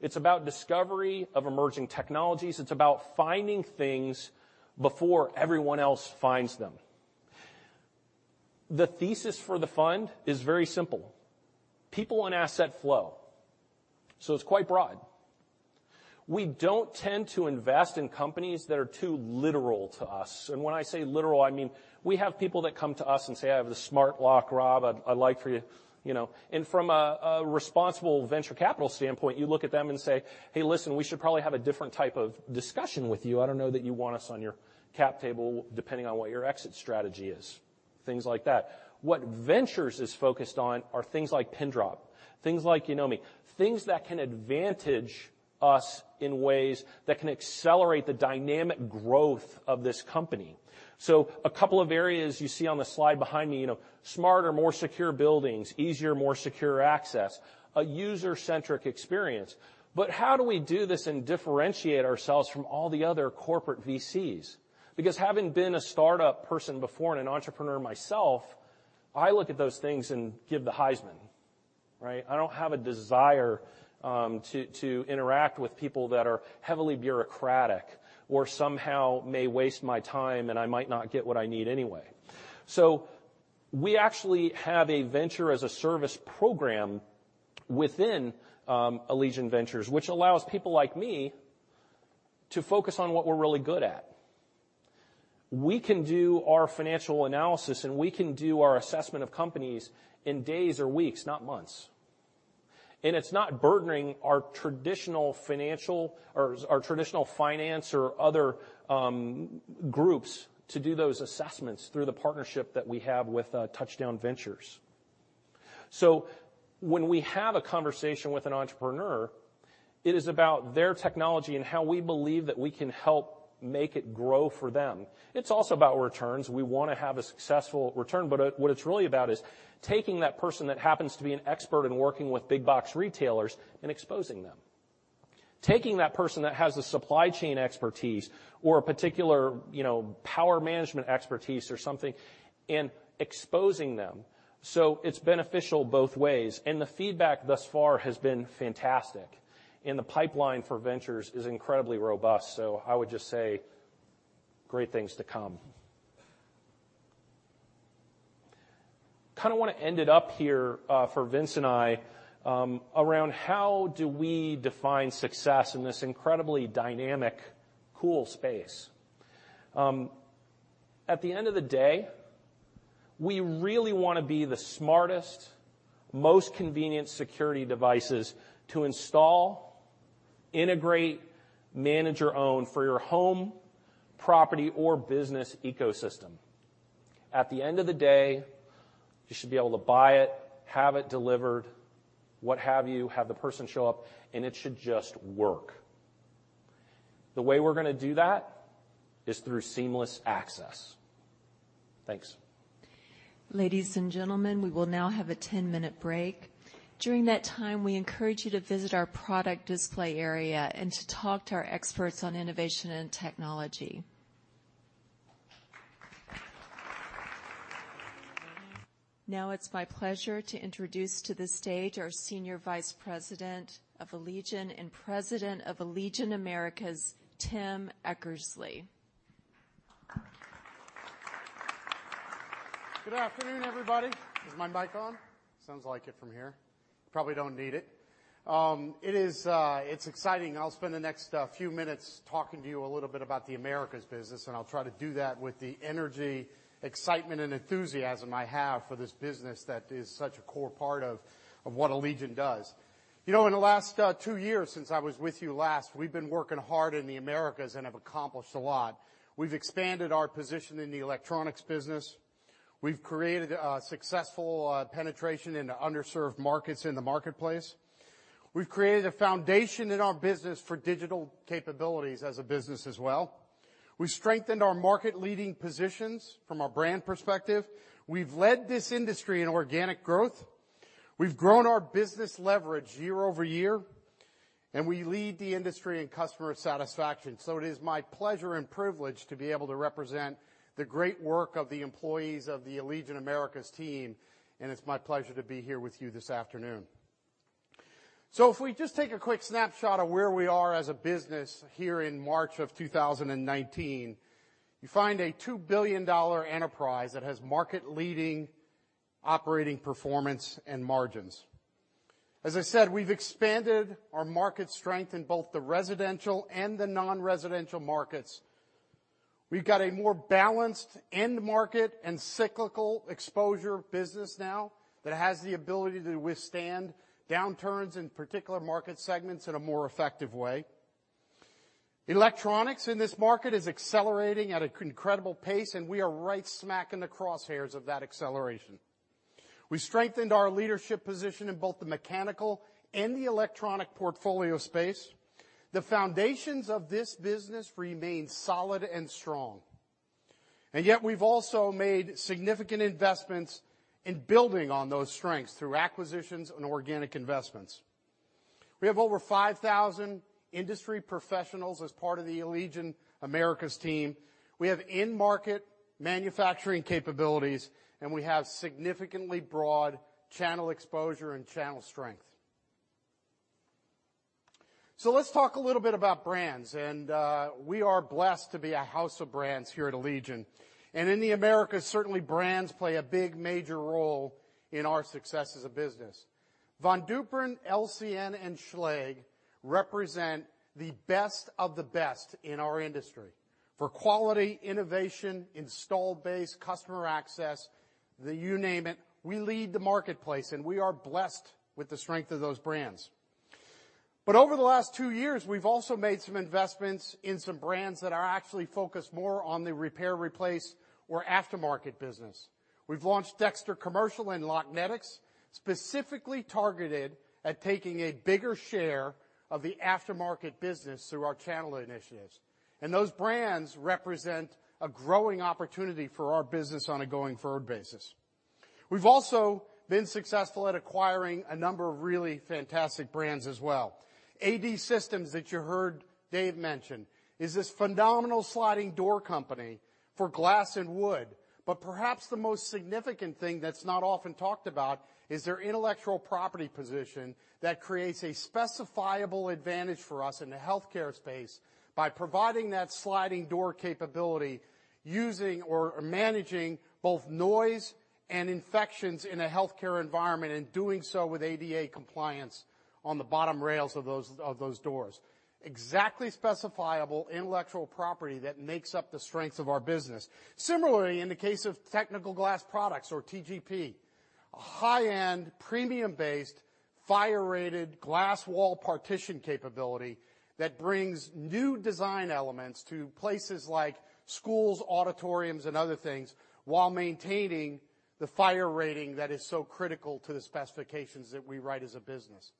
It's about discovery of emerging technologies. It's about finding things before everyone else finds them. The thesis for the fund is very simple. People and asset flow. It's quite broad. We don't tend to invest in companies that are too literal to us, and when I say literal, I mean, we have people that come to us and say, "I have this smart lock, Rob. From a responsible venture capital standpoint, you look at them and say, "Hey, listen, we should probably have a different type of discussion with you. I don't know that you want us on your cap table, depending on what your exit strategy is." Things like that. What Ventures is focused on are things like Pindrop, things like Yonomi, things that can advantage us in ways that can accelerate the dynamic growth of this company. A couple of areas you see on the slide behind me, smarter, more secure buildings, easier, more secure access, a user-centric experience. How do we do this and differentiate ourselves from all the other corporate VCs? Because having been a startup person before and an entrepreneur myself, I look at those things and give the Heisman. Right? I don't have a desire to interact with people that are heavily bureaucratic or somehow may waste my time and I might not get what I need anyway. We actually have a Venture as a Service program within Allegion Ventures, which allows people like me to focus on what we're really good at. We can do our financial analysis, and we can do our assessment of companies in days or weeks, not months. It's not burdening our traditional finance or other groups to do those assessments through the partnership that we have with Touchdown Ventures. When we have a conversation with an entrepreneur, it is about their technology and how we believe that we can help make it grow for them. It's also about returns. We want to have a successful return, what it's really about is taking that person that happens to be an expert in working with big box retailers and exposing them. Taking that person that has the supply chain expertise or a particular power management expertise or something, and exposing them, so it's beneficial both ways, and the feedback thus far has been fantastic, and the pipeline for Ventures is incredibly robust. I would just say great things to come. Kind of want to end it up here for Vince and I around how do we define success in this incredibly dynamic, cool space. At the end of the day, we really want to be the smartest, most convenient security devices to install, integrate, manage or own for your home, property, or business ecosystem. At the end of the day, you should be able to buy it, have it delivered, what have you, have the person show up, and it should just work. The way we're going to do that is through seamless access. Thanks. Ladies and gentlemen, we will now have a 10-minute break. During that time, we encourage you to visit our product display area and to talk to our experts on innovation and technology. It's my pleasure to introduce to the stage our Senior Vice President of Allegion and President of Allegion Americas, Tim Eckersley. Good afternoon, everybody. Is my mic on? Sounds like it from here. Probably don't need it. It's exciting. I'll spend the next few minutes talking to you a little bit about the Americas business. I'll try to do that with the energy, excitement, and enthusiasm I have for this business that is such a core part of what Allegion does. In the last two years since I was with you last, we've been working hard in the Americas. We have accomplished a lot. We've expanded our position in the electronics business. We've created a successful penetration into underserved markets in the marketplace. We've created a foundation in our business for digital capabilities as a business as well. We've strengthened our market-leading positions from a brand perspective. We've led this industry in organic growth. We've grown our business leverage year-over-year. We lead the industry in customer satisfaction. It is my pleasure and privilege to be able to represent the great work of the employees of the Allegion Americas team. It's my pleasure to be here with you this afternoon. If we just take a quick snapshot of where we are as a business here in March of 2019, you find a $2 billion enterprise that has market-leading operating performance and margins. As I said, we've expanded our market strength in both the residential and the non-residential markets. We've got a more balanced end market cyclical exposure business now that has the ability to withstand downturns in particular market segments in a more effective way. Electronics in this market is accelerating at an incredible pace. We are right smack in the crosshairs of that acceleration. We strengthened our leadership position in both the mechanical and the electronic portfolio space. The foundations of this business remain solid and strong. Yet we've also made significant investments in building on those strengths through acquisitions and organic investments. We have over 5,000 industry professionals as part of the Allegion Americas team. We have in-market manufacturing capabilities, we have significantly broad channel exposure and channel strength. Let's talk a little bit about brands. We are blessed to be a house of brands here at Allegion. In the Americas, certainly brands play a big major role in our success as a business. Von Duprin, LCN, and Schlage represent the best of the best in our industry for quality, innovation, install base, customer access, you name it. We lead the marketplace, and we are blessed with the strength of those brands. Over the last two years, we've also made some investments in some brands that are actually focused more on the repair, replace, or aftermarket business. We've launched Dexter Commercial and Locknetics, specifically targeted at taking a bigger share of the aftermarket business through our channel initiatives. Those brands represent a growing opportunity for our business on a going-forward basis. We've also been successful at acquiring a number of really fantastic brands as well. AD Systems, that you heard Dave mention, is this phenomenal sliding door company for glass and wood. Perhaps the most significant thing that's not often talked about is their intellectual property position that creates a specifiable advantage for us in the healthcare space by providing that sliding door capability, using or managing both noise and infections in a healthcare environment, and doing so with ADA compliance on the bottom rails of those doors. Exactly specifiable intellectual property that makes up the strength of our business. Similarly, in the case of Technical Glass Products, or TGP, a high-end, premium-based, fire-rated glass wall partition capability that brings new design elements to places like schools, auditoriums, and other things, while maintaining the fire rating that is so critical to the specifications that we write as a business.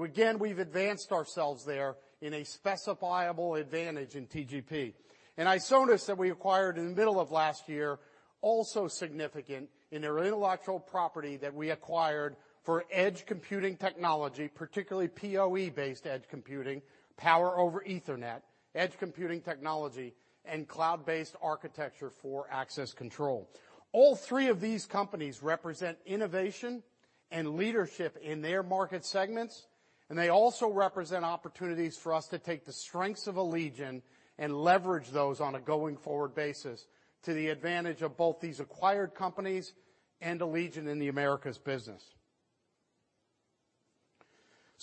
Again, we've advanced ourselves there in a specifiable advantage in TGP. ISONAS, that we acquired in the middle of last year, also significant in their intellectual property that we acquired for edge computing technology, particularly PoE-based edge computing, Power over Ethernet, edge computing technology, and cloud-based architecture for access control. All three of these companies represent innovation and leadership in their market segments, and they also represent opportunities for us to take the strengths of Allegion and leverage those on a going-forward basis to the advantage of both these acquired companies and Allegion in the Americas business.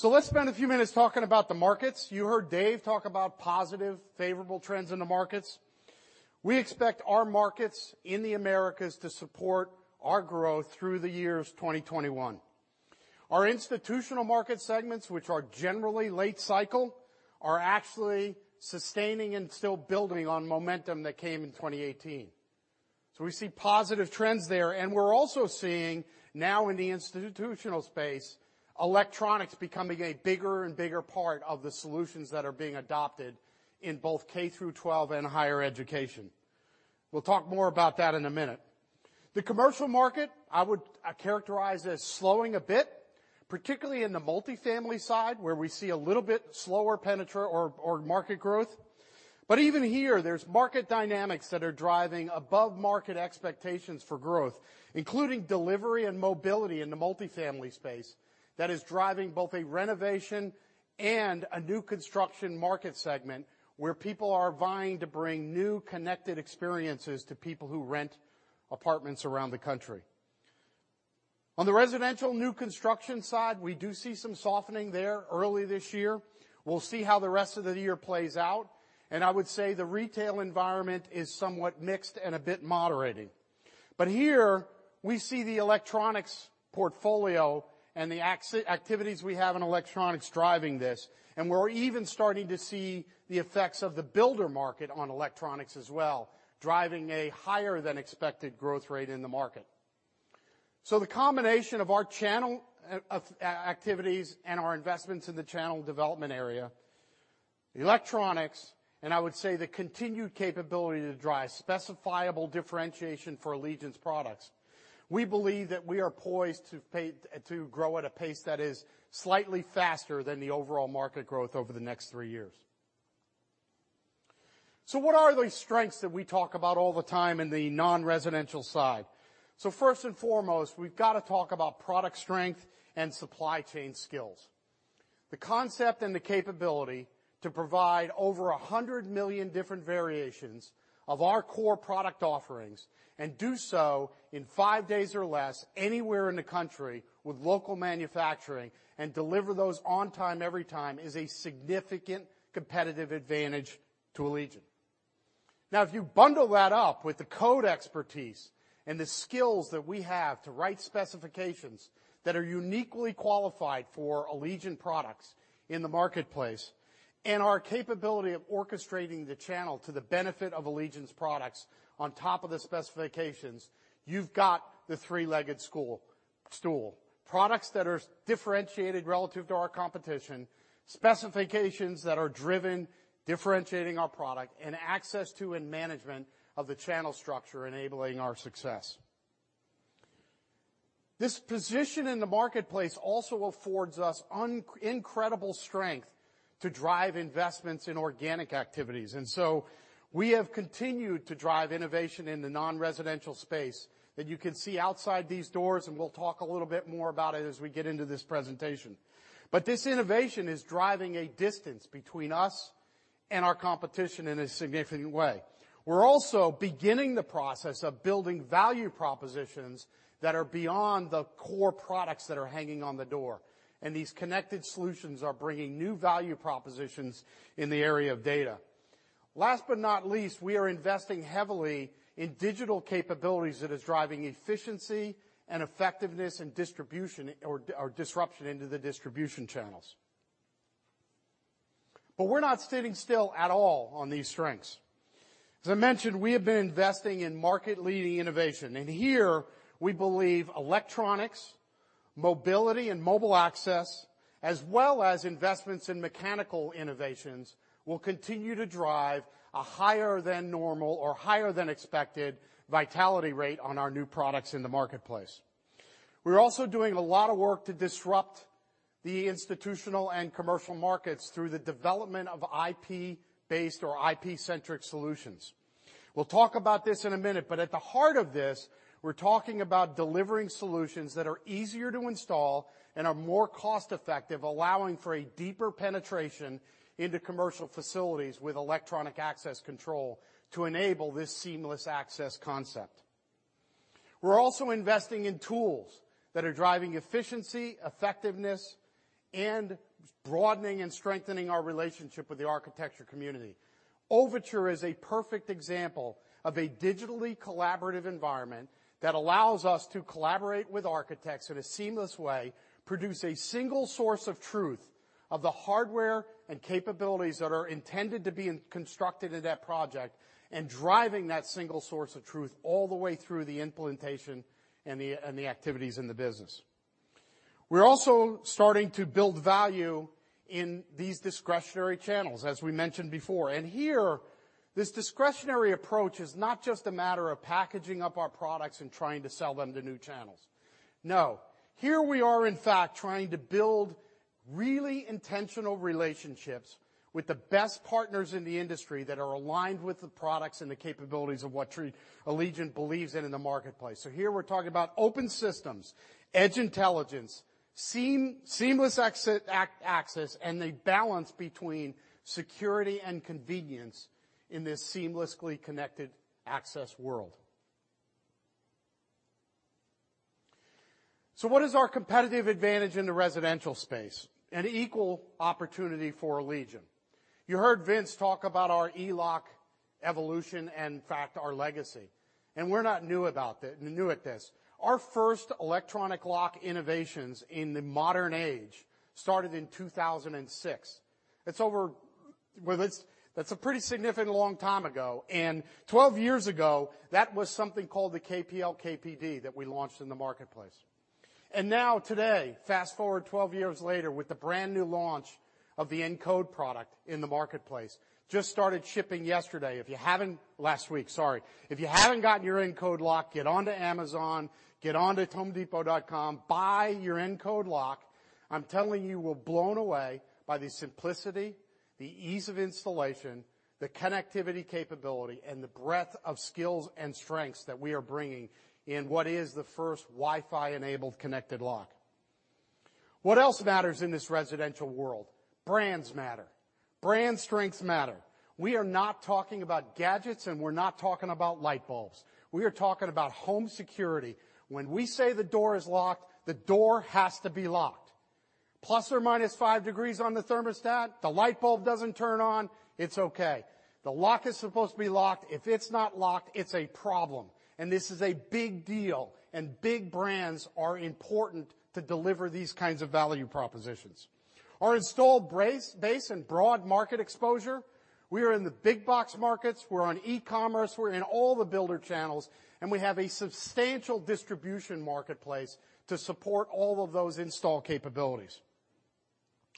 Let's spend a few minutes talking about the markets. You heard Dave talk about positive, favorable trends in the markets. We expect our markets in the Americas to support our growth through the years 2021. Our institutional market segments, which are generally late cycle, are actually sustaining and still building on momentum that came in 2018. We see positive trends there, and we're also seeing, now in the institutional space, electronics becoming a bigger and bigger part of the solutions that are being adopted in both K through 12 and higher education. We'll talk more about that in a minute. The commercial market, I would characterize as slowing a bit, particularly in the multifamily side, where we see a little bit slower market growth. Even here, there's market dynamics that are driving above market expectations for growth, including delivery and mobility in the multifamily space that is driving both a renovation and a new construction market segment where people are vying to bring new connected experiences to people who rent apartments around the country. On the residential new construction side, we do see some softening there early this year. We'll see how the rest of the year plays out, and I would say the retail environment is somewhat mixed and a bit moderating. Here, we see the electronics portfolio and the activities we have in electronics driving this, and we're even starting to see the effects of the builder market on electronics as well, driving a higher than expected growth rate in the market. The combination of our channel activities and our investments in the channel development area, electronics, and I would say the continued capability to drive specifiable differentiation for Allegion's products, we believe that we are poised to grow at a pace that is slightly faster than the overall market growth over the next three years. What are the strengths that we talk about all the time in the non-residential side? First and foremost, we've got to talk about product strength and supply chain skills. The concept and the capability to provide over 100 million different variations of our core product offerings and do so in five days or less anywhere in the country with local manufacturing and deliver those on time, every time, is a significant competitive advantage to Allegion. Now, if you bundle that up with the code expertise and the skills that we have to write specifications that are uniquely qualified for Allegion products in the marketplace, and our capability of orchestrating the channel to the benefit of Allegion's products on top of the specifications, you've got the three-legged stool. Products that are differentiated relative to our competition, specifications that are driven differentiating our product, and access to and management of the channel structure enabling our success. This position in the marketplace also affords us incredible strength to drive investments in organic activities. We have continued to drive innovation in the non-residential space that you can see outside these doors, and we'll talk a little bit more about it as we get into this presentation. This innovation is driving a distance between us and our competition in a significant way. We're also beginning the process of building value propositions that are beyond the core products that are hanging on the door, and these connected solutions are bringing new value propositions in the area of data. Last but not least, we are investing heavily in digital capabilities that is driving efficiency and effectiveness in distribution or disruption into the distribution channels. We're not sitting still at all on these strengths. As I mentioned, we have been investing in market-leading innovation, and here we believe electronics, mobility, and mobile access, as well as investments in mechanical innovations, will continue to drive a higher than normal or higher than expected vitality rate on our new products in the marketplace. We're also doing a lot of work to disrupt the institutional and commercial markets through the development of IP-based or IP-centric solutions. We'll talk about this in a minute, but at the heart of this, we're talking about delivering solutions that are easier to install and are more cost-effective, allowing for a deeper penetration into commercial facilities with electronic access control to enable this seamless access concept. We're also investing in tools that are driving efficiency, effectiveness, and broadening and strengthening our relationship with the architecture community. Overtur is a perfect example of a digitally collaborative environment that allows us to collaborate with architects in a seamless way, produce a single source of truth of the hardware and capabilities that are intended to be constructed in that project, and driving that single source of truth all the way through the implementation and the activities in the business. We're also starting to build value in these discretionary channels, as we mentioned before. Here, this discretionary approach is not just a matter of packaging up our products and trying to sell them to new channels. No. Here we are, in fact, trying to build really intentional relationships with the best partners in the industry that are aligned with the products and the capabilities of what Allegion believes in in the marketplace. Here we're talking about open systems, edge intelligence, seamless access, and the balance between security and convenience in this seamlessly connected access world. What is our competitive advantage in the residential space? An equal opportunity for Allegion. You heard Vince talk about our E-Lock evolution and, in fact, our legacy. We're not new at this. Our first electronic lock innovations in the modern age started in 2006. That's a pretty significant long time ago. 12 years ago, that was something called the KPL/KPD that we launched in the marketplace. Now today, fast-forward 12 years later, with the brand-new launch of the Encode product in the marketplace. Just started shipping yesterday. Last week, sorry. If you haven't gotten your Encode lock, get onto Amazon, get onto homedepot.com, buy your Encode lock. I'm telling you will be blown away by the simplicity, the ease of installation, the connectivity capability, and the breadth of skills and strengths that we are bringing in what is the first Wi-Fi enabled connected lock. What else matters in this residential world? Brands matter. Brand strengths matter. We are not talking about gadgets, and we're not talking about light bulbs. We are talking about home security. When we say the door is locked, the door has to be locked. Plus or minus five degrees on the thermostat, the light bulb doesn't turn on, it's okay. The lock is supposed to be locked. If it's not locked, it's a problem, and this is a big deal. Big brands are important to deliver these kinds of value propositions. Our installed base and broad market exposure, we are in the big box markets, we're on e-commerce, we're in all the builder channels, and we have a substantial distribution marketplace to support all of those install capabilities.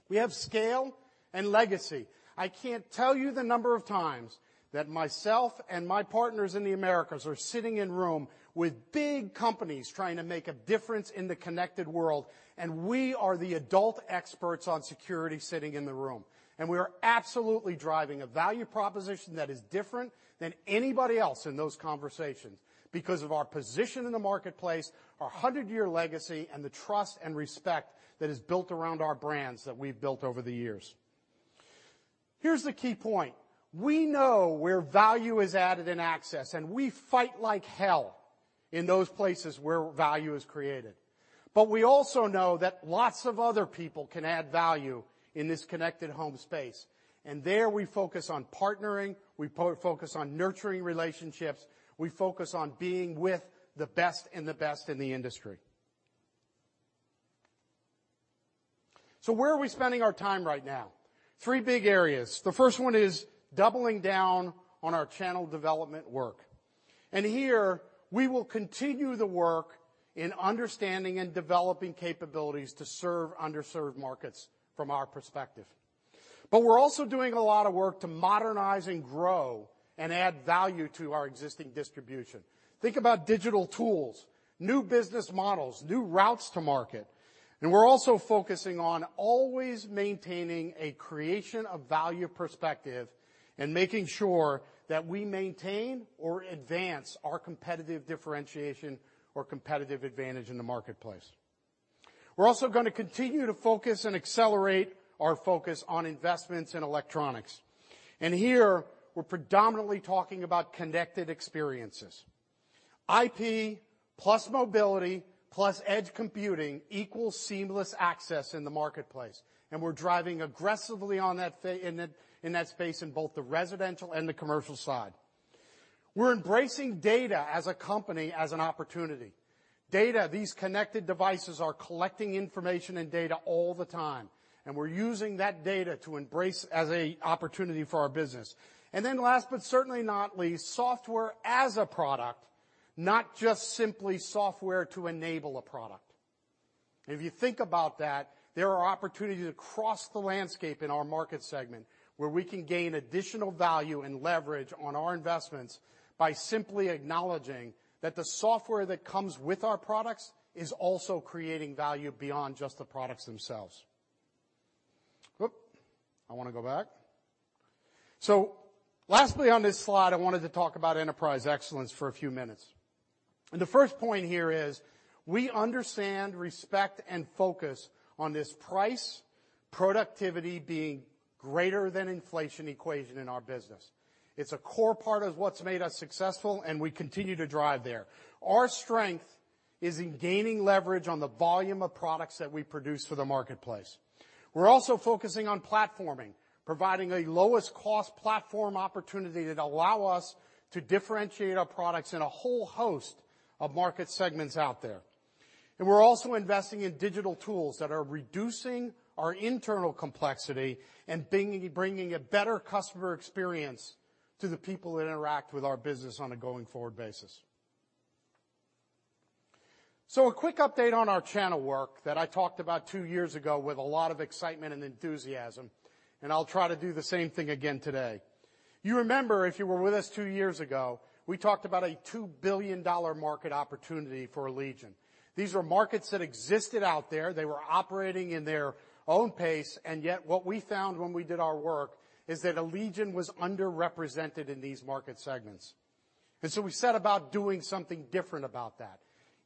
We have scale and legacy. I can't tell you the number of times that myself and my partners in the Americas are sitting in room with big companies trying to make a difference in the connected world, and we are the adult experts on security sitting in the room. We are absolutely driving a value proposition that is different than anybody else in those conversations because of our 100-year legacy, and the trust and respect that is built around our brands that we've built over the years. Here's the key point. We know where value is added in access, and we fight like hell in those places where value is created. We also know that lots of other people can add value in this connected home space. There we focus on partnering, we focus on nurturing relationships. We focus on being with the best and the best in the industry. Where are we spending our time right now? Three big areas. The first one is doubling down on our channel development work. Here we will continue the work in understanding and developing capabilities to serve underserved markets from our perspective. We're also doing a lot of work to modernize and grow and add value to our existing distribution. Think about digital tools, new business models, new routes to market. We're also focusing on always maintaining a creation of value perspective and making sure that we maintain or advance our competitive differentiation or competitive advantage in the marketplace. We're also going to continue to focus and accelerate our focus on investments in electronics. Here, we're predominantly talking about connected experiences. IP plus mobility, plus edge computing equals seamless access in the marketplace, and we're driving aggressively in that space in both the residential and the commercial side. We're embracing data as a company as an opportunity. Data, these connected devices are collecting information and data all the time. We're using that data to embrace as an opportunity for our business. Last but certainly not least, software as a product, not just simply software to enable a product. If you think about that, there are opportunities across the landscape in our market segment where we can gain additional value and leverage on our investments by simply acknowledging that the software that comes with our products is also creating value beyond just the products themselves. I want to go back. Lastly on this slide, I wanted to talk about enterprise excellence for a few minutes. The first point here is we understand, respect, and focus on this price, productivity being greater than inflation equation in our business. It's a core part of what's made us successful, and we continue to drive there. Our strength is in gaining leverage on the volume of products that we produce for the marketplace. We're also focusing on platforming, providing a lowest cost platform opportunity that allow us to differentiate our products in a whole host of market segments out there. We're also investing in digital tools that are reducing our internal complexity and bringing a better customer experience to the people that interact with our business on a going-forward basis. A quick update on our channel work that I talked about two years ago with a lot of excitement and enthusiasm. I'll try to do the same thing again today. You remember, if you were with us two years ago, we talked about a $2 billion market opportunity for Allegion. These are markets that existed out there. They were operating in their own pace, yet what we found when we did our work is that Allegion was underrepresented in these market segments. So we set about doing something different about that.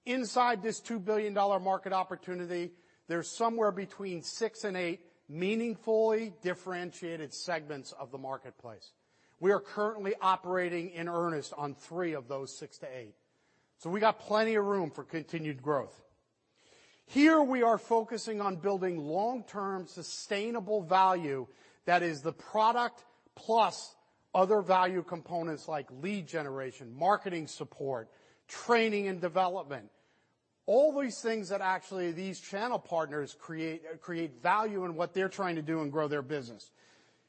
Inside this $2 billion market opportunity, there's somewhere between six and eight meaningfully differentiated segments of the marketplace. We are currently operating in earnest on three of those six to eight. We got plenty of room for continued growth. Here we are focusing on building long-term sustainable value that is the product plus other value components like lead generation, marketing support, training and development. All these things that actually these channel partners create value in what they're trying to do and grow their business.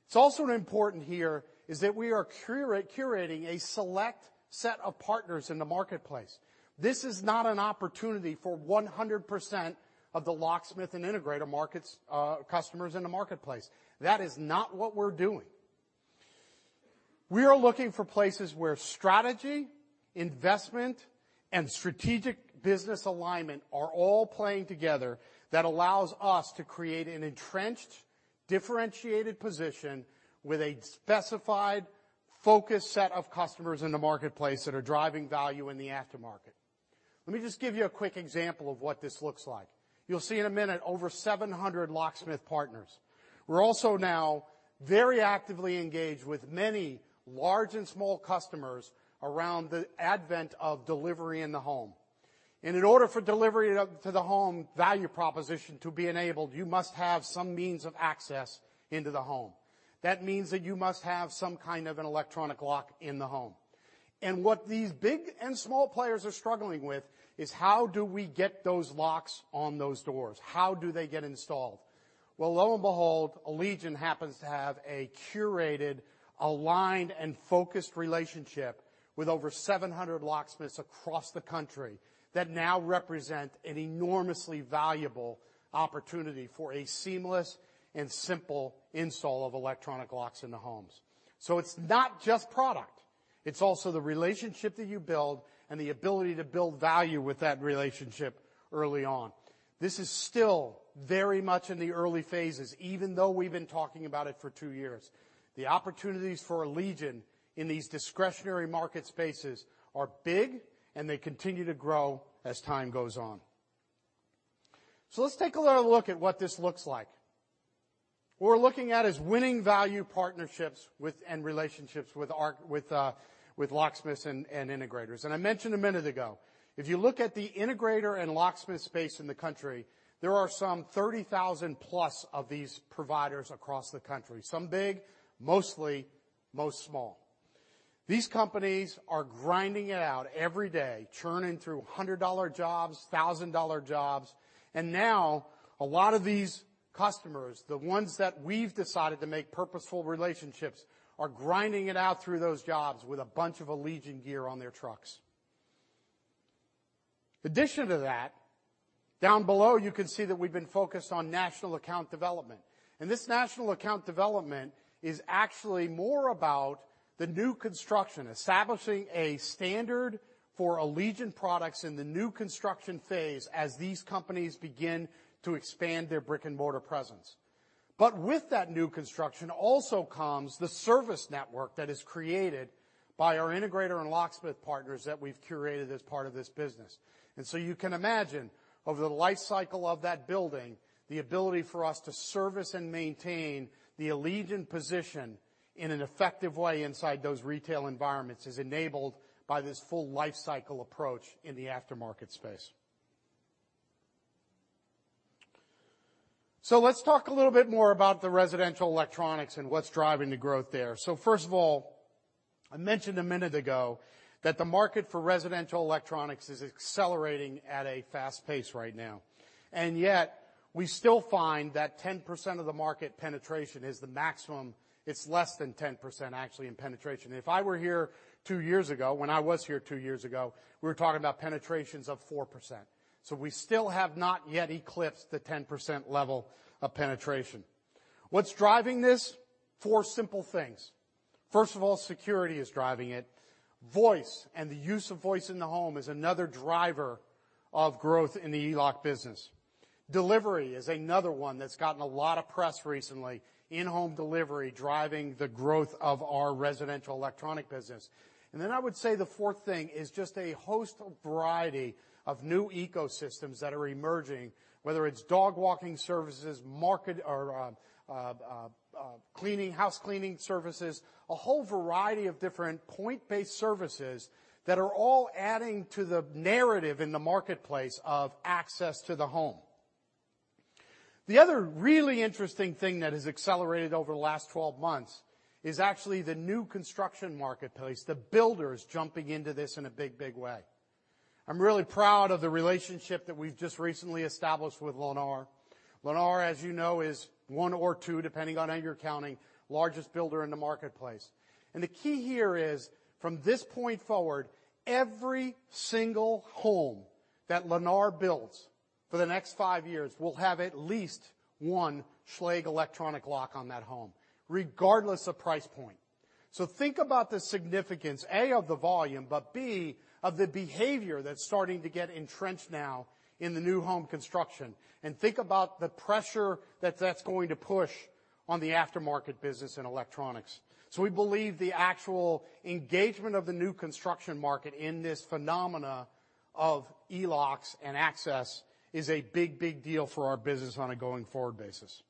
It's also important here is that we are curating a select set of partners in the marketplace. This is not an opportunity for 100% of the locksmith and integrator customers in the marketplace. That is not what we're doing. We are looking for places where strategy, investment, and strategic business alignment are all playing together that allows us to create an entrenched, differentiated position with a specified focus set of customers in the marketplace that are driving value in the aftermarket. Let me just give you a quick example of what this looks like. You'll see in a minute over 700 locksmith partners. We're also now very actively engaged with many large and small customers around the advent of delivery in the home. In order for delivery to the home value proposition to be enabled, you must have some means of access into the home. That means that you must have some kind of an electronic lock in the home. What these big and small players are struggling with is how do we get those locks on those doors? How do they get installed? Well, lo and behold, Allegion happens to have a curated, aligned, and focused relationship with over 700 locksmiths across the country that now represent an enormously valuable opportunity for a seamless and simple install of electronic locks in the homes. It's not just product. It's also the relationship that you build and the ability to build value with that relationship early on. This is still very much in the early phases, even though we've been talking about it for two years. The opportunities for Allegion in these discretionary market spaces are big, they continue to grow as time goes on. Let's take a little look at what this looks like. What we're looking at is winning value partnerships and relationships with locksmiths and integrators. I mentioned a minute ago, if you look at the integrator and locksmith space in the country, there are some 30,000 plus of these providers across the country. Some big, mostly most small. These companies are grinding it out every day, churning through $100 jobs, $1,000 jobs, now a lot of these customers, the ones that we've decided to make purposeful relationships, are grinding it out through those jobs with a bunch of Allegion gear on their trucks. In addition to that, down below, you can see that we've been focused on national account development. This national account development is actually more about the new construction, establishing a standard for Allegion products in the new construction phase as these companies begin to expand their brick-and-mortar presence. With that new construction also comes the service network that is created by our integrator and locksmith partners that we've curated as part of this business. You can imagine, over the life cycle of that building, the ability for us to service and maintain the Allegion position in an effective way inside those retail environments is enabled by this full life cycle approach in the aftermarket space. Let's talk a little bit more about the residential electronics and what's driving the growth there. First of all, I mentioned a minute ago that the market for residential electronics is accelerating at a fast pace right now, and yet we still find that 10% of the market penetration is the maximum. It's less than 10%, actually, in penetration. If I were here two years ago, when I was here two years ago, we were talking about penetrations of 4%. We still have not yet eclipsed the 10% level of penetration. What's driving this? Four simple things. First of all, security is driving it. Voice, and the use of voice in the home is another driver of growth in the e-lock business. Delivery is another one that's gotten a lot of press recently. In-home delivery, driving the growth of our residential electronic business. I would say the fourth thing is just a host of variety of new ecosystems that are emerging, whether it's dog walking services, market or cleaning, house cleaning services, a whole variety of different point-based services that are all adding to the narrative in the marketplace of access to the home. The other really interesting thing that has accelerated over the last 12 months is actually the new construction marketplace, the builders jumping into this in a big, big way. I'm really proud of the relationship that we've just recently established with Lennar. Lennar, as you know, is one or two, depending on how you're counting, largest builder in the marketplace. The key here is, from this point forward, every single home that Lennar builds for the next five years will have at least one Schlage electronic lock on that home, regardless of price point. Think about the significance, A, of the volume, but B, of the behavior that's starting to get entrenched now in the new home construction, and think about the pressure that that's going to push on the aftermarket business and electronics. We believe the actual engagement of the new construction market in this phenomena of e-locks and access is a big, big deal for our business on a going-forward basis.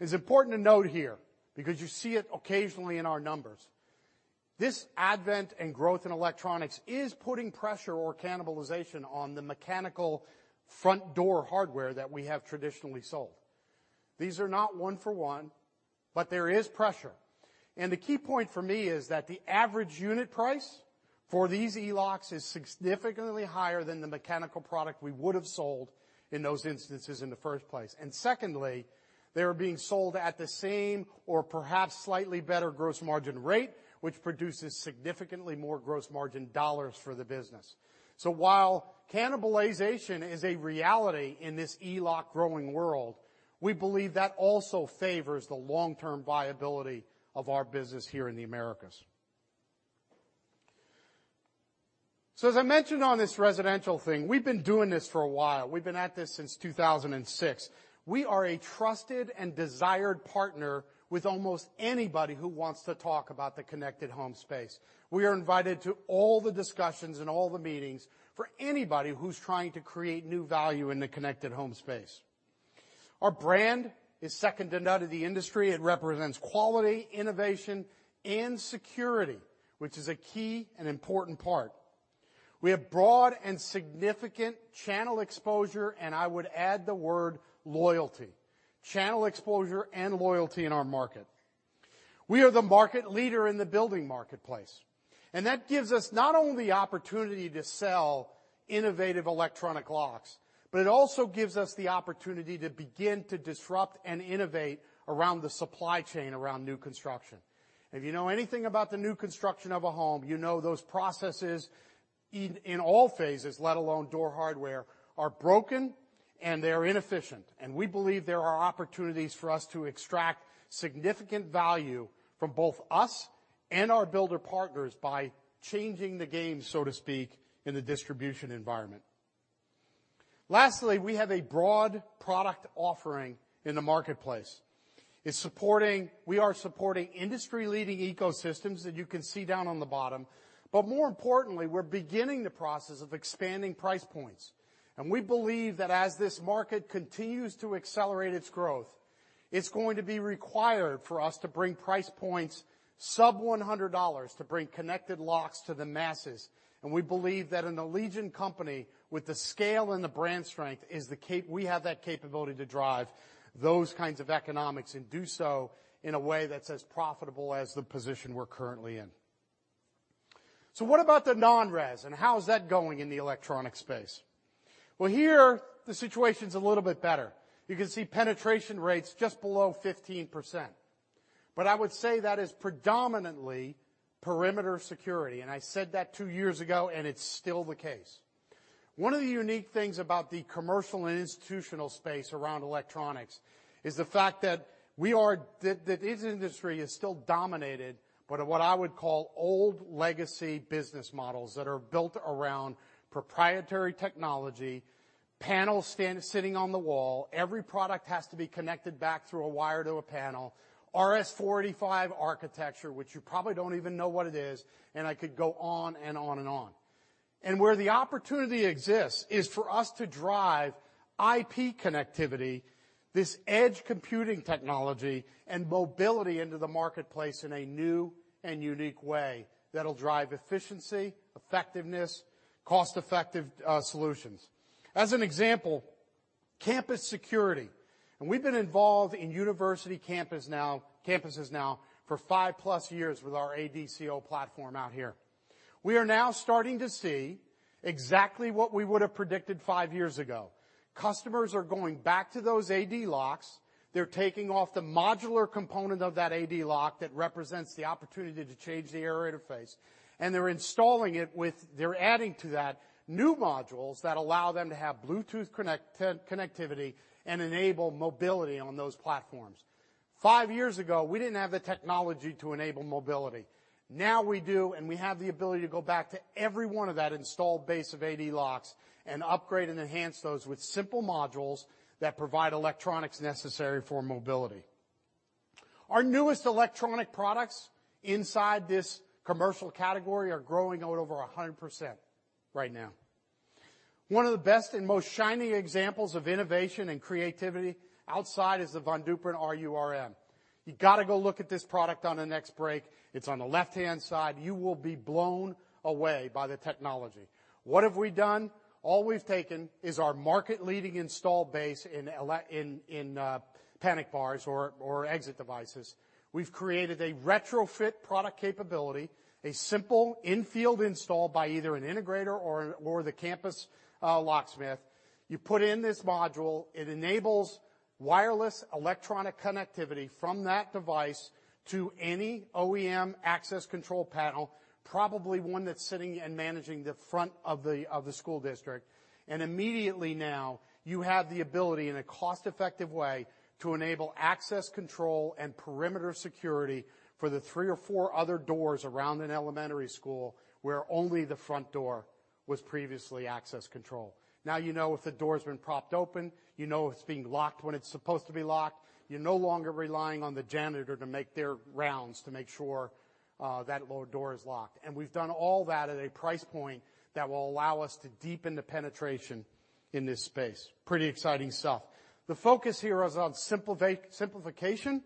It's important to note here, because you see it occasionally in our numbers, this advent and growth in electronics is putting pressure or cannibalization on the mechanical front door hardware that we have traditionally sold. These are not one for one, but there is pressure. The key point for me is that the average unit price for these e-locks is significantly higher than the mechanical product we would have sold in those instances in the first place. Secondly, they are being sold at the same or perhaps slightly better gross margin rate, which produces significantly more gross margin dollars for the business. While cannibalization is a reality in this e-lock growing world, we believe that also favors the long-term viability of our business here in the Americas. As I mentioned on this residential thing, we've been doing this for a while. We've been at this since 2006. We are a trusted and desired partner with almost anybody who wants to talk about the connected home space. We are invited to all the discussions and all the meetings for anybody who's trying to create new value in the connected home space. Our brand is second to none in the industry. It represents quality, innovation, and security, which is a key and important part. We have broad and significant channel exposure, and I would add the word loyalty. Channel exposure and loyalty in our market. We are the market leader in the building marketplace, and that gives us not only opportunity to sell innovative electronic locks, but it also gives us the opportunity to begin to disrupt and innovate around the supply chain around new construction. If you know anything about the new construction of a home, you know those processes in all phases, let alone door hardware, are broken and they are inefficient. We believe there are opportunities for us to extract significant value from both us and our builder partners by changing the game, so to speak, in the distribution environment. Lastly, we have a broad product offering in the marketplace. We are supporting industry-leading ecosystems that you can see down on the bottom. More importantly, we're beginning the process of expanding price points. We believe that as this market continues to accelerate its growth, it's going to be required for us to bring price points sub-$100 to bring connected locks to the masses. We believe that an Allegion company with the scale and the brand strength, we have that capability to drive those kinds of economics and do so in a way that's as profitable as the position we're currently in. What about the non-res and how is that going in the electronic space? Well, here the situation's a little bit better. You can see penetration rates just below 15%. But I would say that is predominantly perimeter security, and I said that two years ago, and it's still the case. One of the unique things about the commercial and institutional space around electronics is the fact that this industry is still dominated by what I would call old legacy business models that are built around proprietary technology, panel sitting on the wall. Every product has to be connected back through a wire to a panel, RS485 architecture, which you probably don't even know what it is, and I could go on and on and on. Where the opportunity exists is for us to drive IP connectivity, this edge computing technology, and mobility into the marketplace in a new and unique way that'll drive efficiency, effectiveness, cost-effective solutions. As an example, campus security. We've been involved in university campuses now for five-plus years with our ADCO platform out here. We are now starting to see exactly what we would have predicted five years ago. Customers are going back to those AD locks. They're taking off the modular component of that AD lock that represents the opportunity to change the air interface, and they're adding to that new modules that allow them to have Bluetooth connectivity and enable mobility on those platforms. Five years ago, we didn't have the technology to enable mobility. Now we do, and we have the ability to go back to every one of that installed base of AD locks and upgrade and enhance those with simple modules that provide electronics necessary for mobility. Our newest electronic products inside this commercial category are growing out over 100% right now. One of the best and most shining examples of innovation and creativity outside is the Von Duprin RU/RM. You got to go look at this product on the next break. It's on the left-hand side. You will be blown away by the technology. What have we done? All we've taken is our market-leading install base in panic bars or exit devices. We've created a retrofit product capability, a simple in-field install by either an integrator or the campus locksmith. You put in this module. It enables wireless electronic connectivity from that device to any OEM access control panel, probably one that's sitting and managing the front of the school district. Immediately now, you have the ability in a cost-effective way to enable access control and perimeter security for the three or four other doors around an elementary school where only the front door was previously access control. Now you know if the door has been propped open. You know if it's being locked when it's supposed to be locked. You're no longer relying on the janitor to make their rounds to make sure that door is locked. We've done all that at a price point that will allow us to deepen the penetration in this space. Pretty exciting stuff. The focus here is on simplification,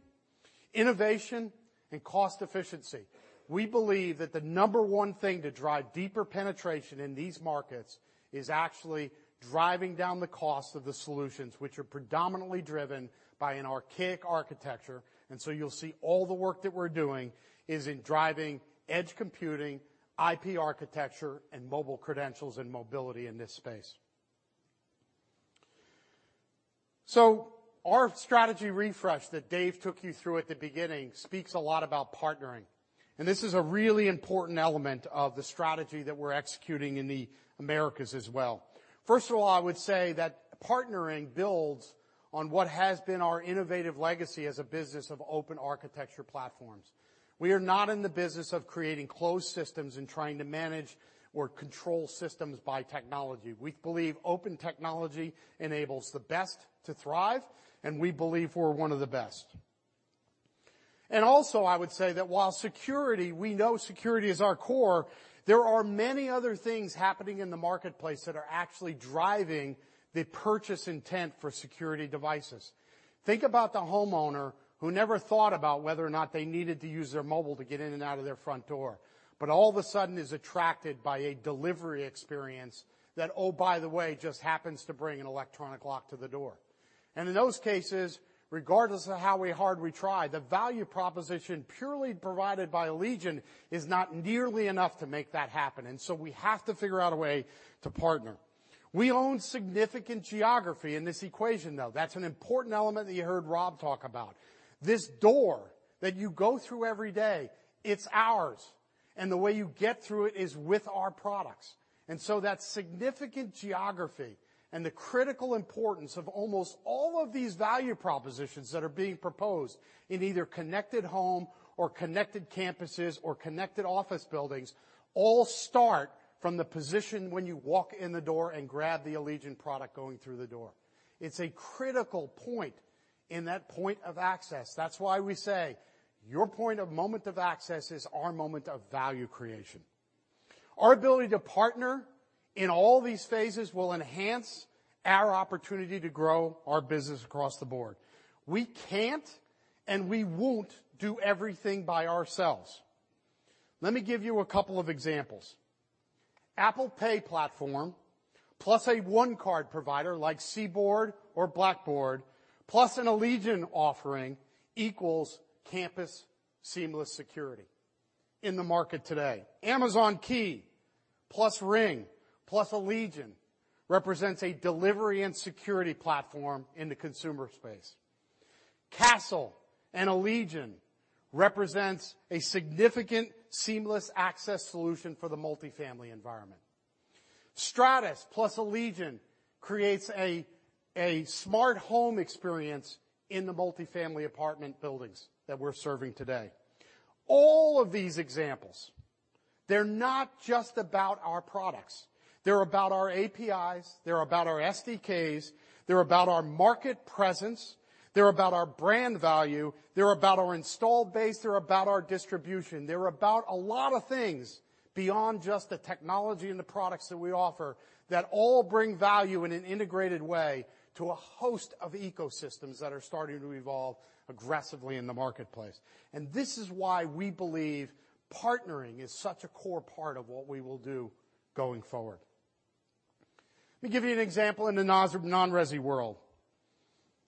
innovation, and cost efficiency. We believe that the number one thing to drive deeper penetration in these markets is actually driving down the cost of the solutions, which are predominantly driven by an archaic architecture. You'll see all the work that we're doing is in driving edge computing, IP architecture, and mobile credentials and mobility in this space. Our strategy refresh that Dave took you through at the beginning speaks a lot about partnering, and this is a really important element of the strategy that we're executing in the Americas as well. First of all, I would say that partnering builds on what has been our innovative legacy as a business of open architecture platforms. We are not in the business of creating closed systems and trying to manage or control systems by technology. We believe open technology enables the best to thrive, and we believe we're one of the best. Also, I would say that while security, we know security is our core, there are many other things happening in the marketplace that are actually driving the purchase intent for security devices. Think about the homeowner who never thought about whether or not they needed to use their mobile to get in and out of their front door. All of a sudden is attracted by a delivery experience that, oh, by the way, just happens to bring an electronic lock to the door. In those cases, regardless of how hard we try, the value proposition purely provided by Allegion is not nearly enough to make that happen. We have to figure out a way to partner. We own significant geography in this equation, though. That's an important element that you heard Rob talk about. This door that you go through every day, it's ours, and the way you get through it is with our products. That significant geography and the critical importance of almost all of these value propositions that are being proposed in either connected home or connected campuses or connected office buildings all start from the position when you walk in the door and grab the Allegion product going through the door. It's a critical point in that point of access. That's why we say your point of moment of access is our moment of value creation. Our ability to partner in all these phases will enhance our opportunity to grow our business across the board. We can't and we won't do everything by ourselves. Let me give you a couple of examples. Apple Pay platform plus a one-card provider like CBORD or Blackboard plus an Allegion offering equals campus seamless security. In the market today, Amazon Key plus Ring plus Allegion represents a delivery and security platform in the consumer space. Kastle and Allegion represents a significant seamless access solution for the multifamily environment. STRATIS plus Allegion creates a smart home experience in the multifamily apartment buildings that we're serving today. All of these examples, they're not just about our products. They're about our APIs. They're about our SDKs. They're about our market presence. They're about our brand value. They're about our install base. They're about our distribution. They're about a lot of things beyond just the technology and the products that we offer that all bring value in an integrated way to a host of ecosystems that are starting to evolve aggressively in the marketplace. This is why we believe partnering is such a core part of what we will do going forward. Let me give you an example in the non-resi world.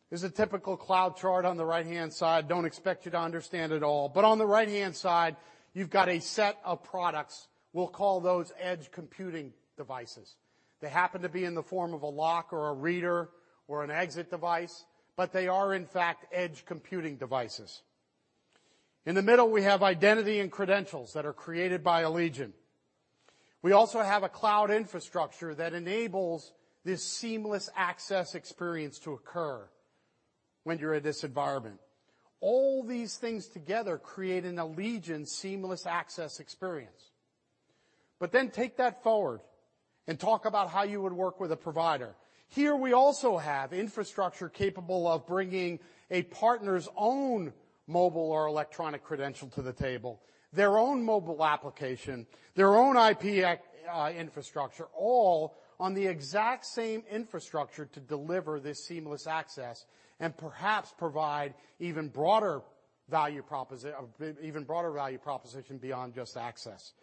Here's a typical cloud chart on the right-hand side. Don't expect you to understand it all, but on the right-hand side, you've got a set of products, we'll call those edge computing devices. They happen to be in the form of a lock or a reader or an exit device, but they are in fact edge computing devices. In the middle, we have identity and credentials that are created by Allegion. We also have a cloud infrastructure that enables this seamless access experience to occur when you're in this environment. All these things together create an Allegion seamless access experience. Take that forward and talk about how you would work with a provider. Here we also have infrastructure capable of bringing a partner's own mobile or electronic credential to the table, their own mobile application, their own IP infrastructure, all on the exact same infrastructure to deliver this seamless access and perhaps provide even broader value proposition beyond just access.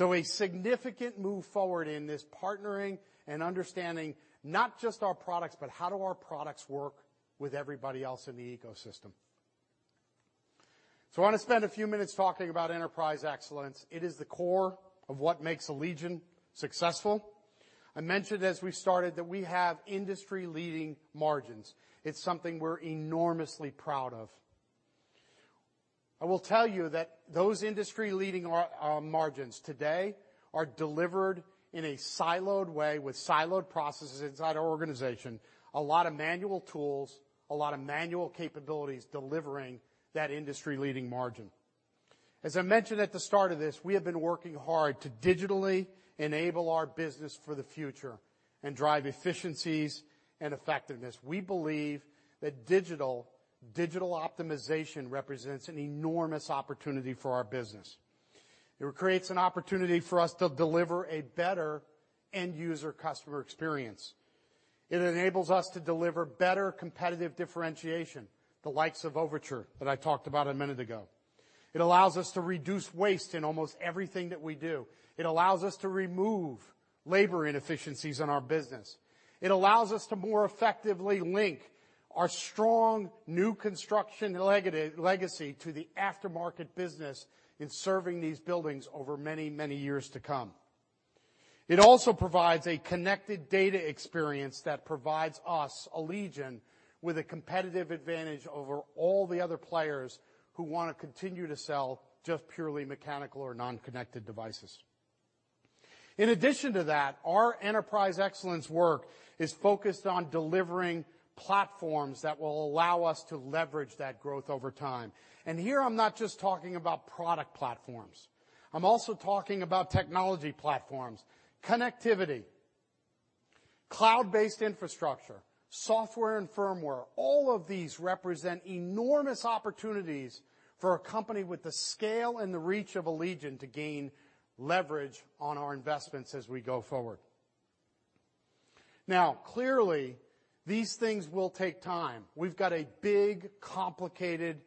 A significant move forward in this partnering and understanding, not just our products, but how do our products work with everybody else in the ecosystem. I want to spend a few minutes talking about enterprise excellence. It is the core of what makes Allegion successful. I mentioned as we started that we have industry-leading margins. It's something we're enormously proud of. I will tell you that those industry-leading margins today are delivered in a siloed way with siloed processes inside our organization. A lot of manual tools, a lot of manual capabilities delivering that industry-leading margin. As I mentioned at the start of this, we have been working hard to digitally enable our business for the future and drive efficiencies and effectiveness. We believe that digital optimization represents an enormous opportunity for our business. It creates an opportunity for us to deliver a better end-user customer experience. It enables us to deliver better competitive differentiation, the likes of Overtur that I talked about a minute ago. It allows us to reduce waste in almost everything that we do. It allows us to remove labor inefficiencies in our business. It allows us to more effectively link our strong new construction legacy to the aftermarket business in serving these buildings over many, many years to come. It also provides a connected data experience that provides us, Allegion, with a competitive advantage over all the other players who want to continue to sell just purely mechanical or non-connected devices. Our enterprise excellence work is focused on delivering platforms that will allow us to leverage that growth over time. Here I'm not just talking about product platforms. I'm also talking about technology platforms, connectivity, cloud-based infrastructure, software and firmware. All of these represent enormous opportunities for a company with the scale and the reach of Allegion to gain leverage on our investments as we go forward. Clearly, these things will take time. We've got a big, complicated,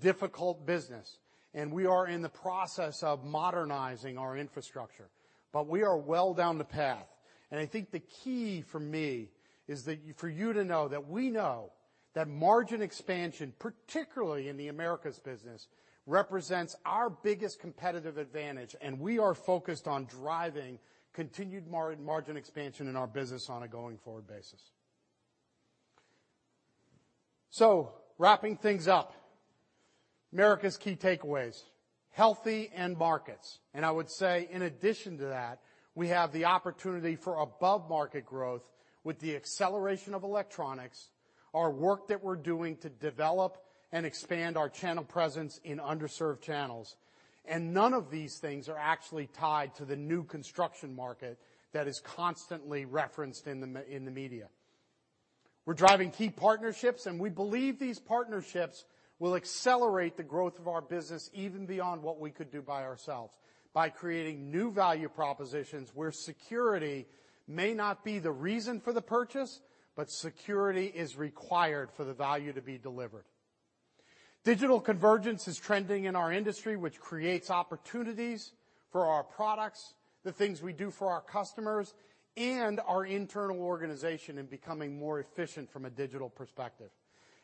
difficult business, and we are in the process of modernizing our infrastructure, but we are well down the path. I think the key for me is that for you to know that we know that margin expansion, particularly in the Americas business, represents our biggest competitive advantage, and we are focused on driving continued margin expansion in our business on a going-forward basis. Wrapping things up, Americas key takeaways, healthy end markets. I would say in addition to that, we have the opportunity for above-market growth with the acceleration of electronics, our work that we're doing to develop and expand our channel presence in underserved channels. None of these things are actually tied to the new construction market that is constantly referenced in the media. We're driving key partnerships, and we believe these partnerships will accelerate the growth of our business even beyond what we could do by ourselves by creating new value propositions where security may not be the reason for the purchase, but security is required for the value to be delivered. Digital convergence is trending in our industry, which creates opportunities for our products, the things we do for our customers, and our internal organization in becoming more efficient from a digital perspective.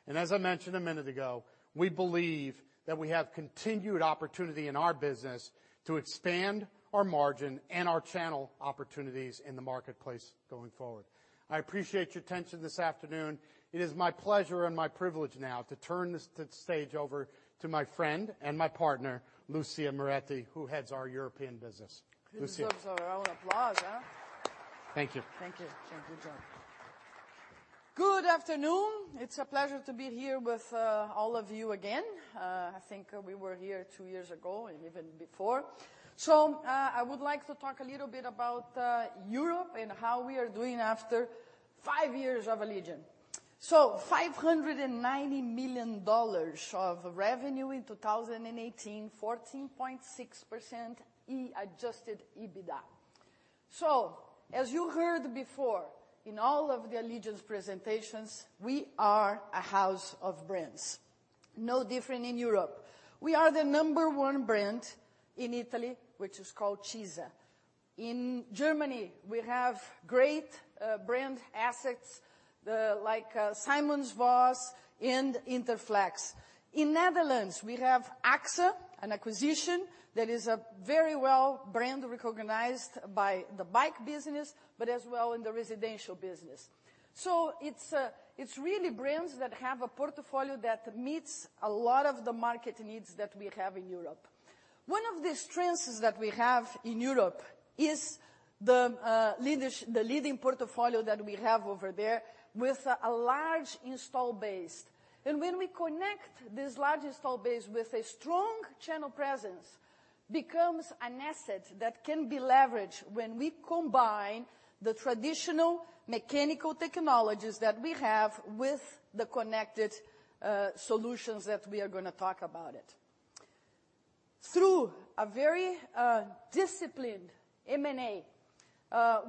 As I mentioned a minute ago, we believe that we have continued opportunity in our business to expand our margin and our channel opportunities in the marketplace going forward. I appreciate your attention this afternoon. It is my pleasure and my privilege now to turn the stage over to my friend and my partner, Lucia Moretti, who heads our European business. Lucia. A round of applause, huh? Thank you. Thank you. Thank you, John. Good afternoon. It's a pleasure to be here with all of you again. I think we were here two years ago, and even before. I would like to talk a little bit about Europe and how we are doing after five years of Allegion. $590 million of revenue in 2018, 14.6% adjusted EBITDA. As you heard before, in all of the Allegion's presentations, we are a house of brands. No different in Europe. We are the number one brand in Italy, which is called CISA. In Germany, we have great brand assets like SimonsVoss and Interflex. In Netherlands, we have AXA, an acquisition that is a very well brand recognized by the bike business, but as well in the residential business. It's really brands that have a portfolio that meets a lot of the market needs that we have in Europe. One of the strengths that we have in Europe is the leading portfolio that we have over there with a large install base. When we connect this large install base with a strong channel presence, becomes an asset that can be leveraged when we combine the traditional mechanical technologies that we have with the connected solutions that we are going to talk about it. Through a very disciplined M&A,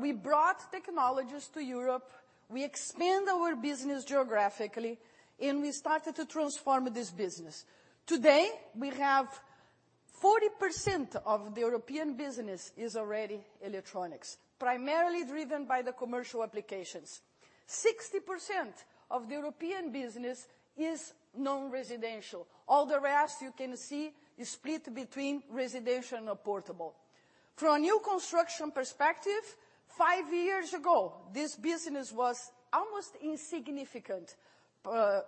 we brought technologies to Europe, we expand our business geographically, and we started to transform this business. Today, we have 40% of the European business is already electronics, primarily driven by the commercial applications. 60% of the European business is non-residential. All the rest you can see is split between residential and portable. From a new construction perspective, five years ago, this business was almost insignificant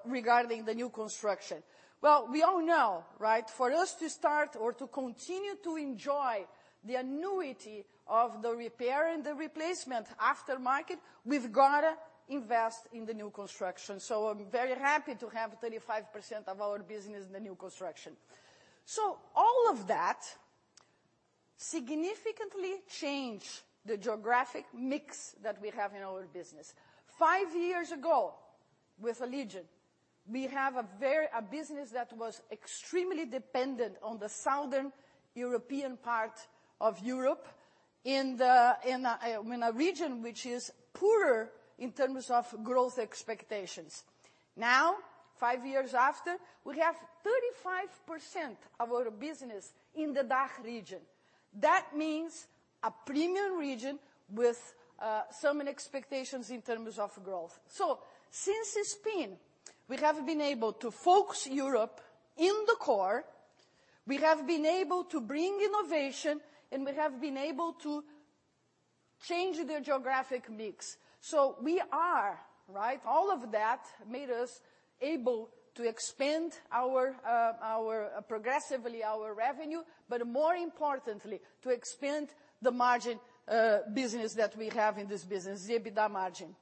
regarding the new construction. Well, we all know for us to start or to continue to enjoy the annuity of the repair and the replacement aftermarket, we have got to invest in the new construction. I am very happy to have 35% of our business in the new construction. All of that significantly changed the geographic mix that we have in our business. Five years ago, with Allegion, we had a business that was extremely dependent on the southern European part of Europe, in a region which is poorer in terms of growth expectations. Now, five years after, we have 35% of our business in the DACH region. That means a premium region with some expectations in terms of growth. Since spin, we have been able to focus Europe in the core, we have been able to bring innovation, and we have been able to change the geographic mix. All of that made us able to expand progressively our revenue, but more importantly, to expand the margin business that we have in this business, the EBITDA margin.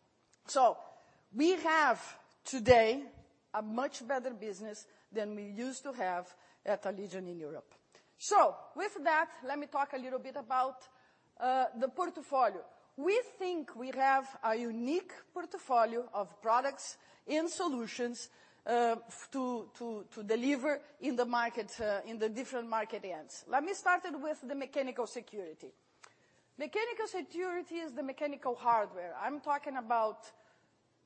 We have today a much better business than we used to have at Allegion in Europe. With that, let me talk a little bit about the portfolio. We think we have a unique portfolio of products and solutions to deliver in the different market ends. Let me start with the mechanical security. Mechanical security is the mechanical hardware. I am talking about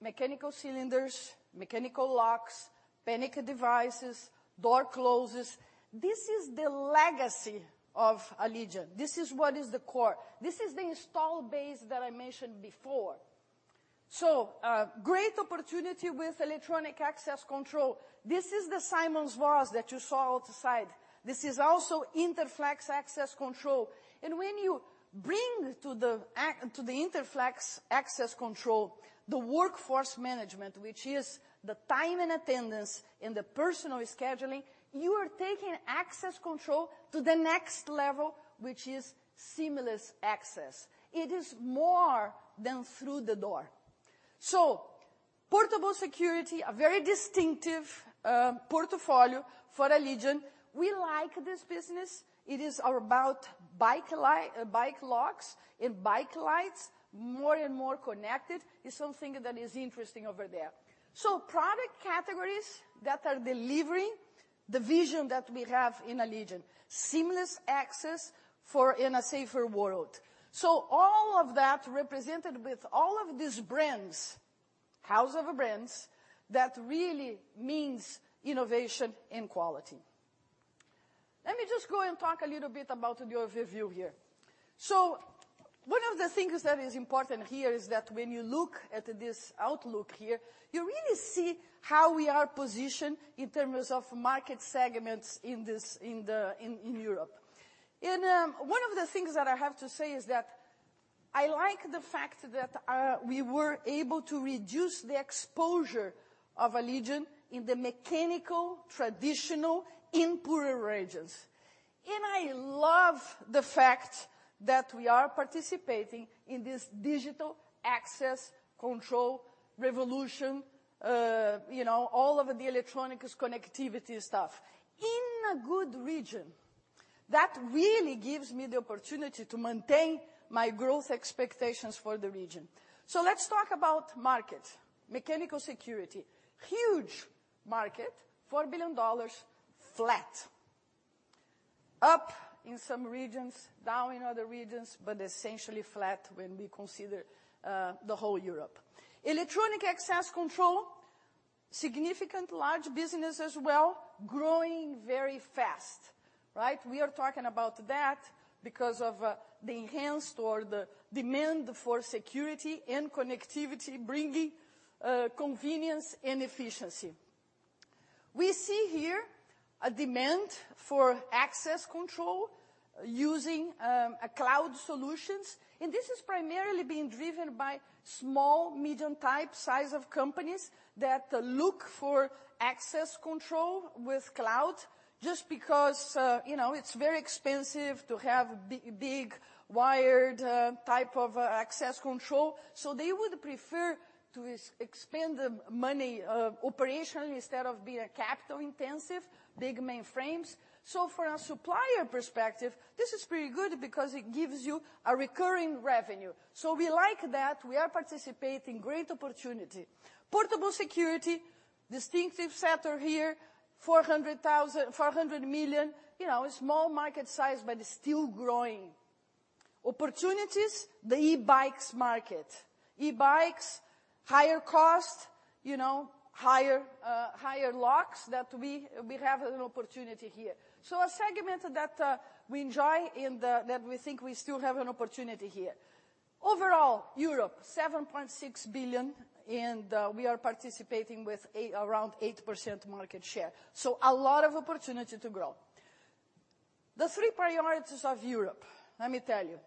mechanical cylinders, mechanical locks, panic devices, door closers. This is the legacy of Allegion. This is what is the core. This is the install base that I mentioned before. Great opportunity with electronic access control. This is the SimonsVoss that you saw outside. This is also Interflex access control, and when you bring to the Interflex access control, the workforce management, which is the time and attendance and the personal scheduling, you are taking access control to the next level, which is seamless access. It is more than through the door. Portable security, a very distinctive portfolio for Allegion. We like this business. It is about bike locks and bike lights, more and more connected. It is something that is interesting over there. Product categories that are delivering the vision that we have in Allegion, seamless access in a safer world. All of that represented with all of these brands, House of brands that really means innovation and quality. Let me just go and talk a little bit about the overview here. One of the things that is important here is that when you look at this outlook here, you really see how we are positioned in terms of market segments in Europe. One of the things that I have to say is that I like the fact that we were able to reduce the exposure of Allegion in the mechanical, traditional, in poorer regions. I love the fact that we are participating in this digital access control revolution, all of the electronics connectivity stuff, in a good region. That really gives me the opportunity to maintain my growth expectations for the region. Let us talk about market. Mechanical security, huge market, $4 billion, flat. Up in some regions, down in other regions, but essentially flat when we consider the whole Europe. Electronic access control, significant large business as well, growing very fast. We are talking about that because of the enhanced or the demand for security and connectivity, bringing convenience and efficiency. We see here a demand for access control using cloud solutions. This is primarily being driven by small, medium type size of companies that look for access control with cloud just because it's very expensive to have big wired type of access control. They would prefer to expand the money operationally instead of being a capital intensive, big mainframes. From a supplier perspective, this is pretty good because it gives you a recurring revenue. We like that. We are participating great opportunity. Portable security, distinctive sector here, $400 million. A small market size but still growing. Opportunities, the e-bikes market. E-bikes, higher cost, higher locks that we have an opportunity here. A segment that we enjoy and that we think we still have an opportunity here. Overall, Europe, $7.6 billion, and we are participating with around 8% market share. A lot of opportunity to grow. The three priorities of Europe, let me tell you.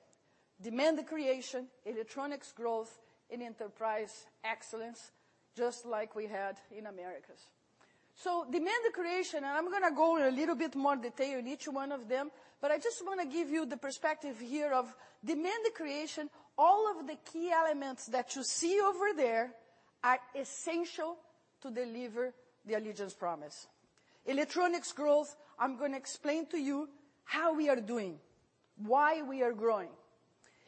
Demand creation, electronics growth, and enterprise excellence, just like we had in Americas. Demand creation, and I'm going to go in a little bit more detail in each one of them, but I just want to give you the perspective here of demand creation. All of the key elements that you see over there are essential to deliver the Allegion's promise. Electronics growth, I'm going to explain to you how we are doing, why we are growing.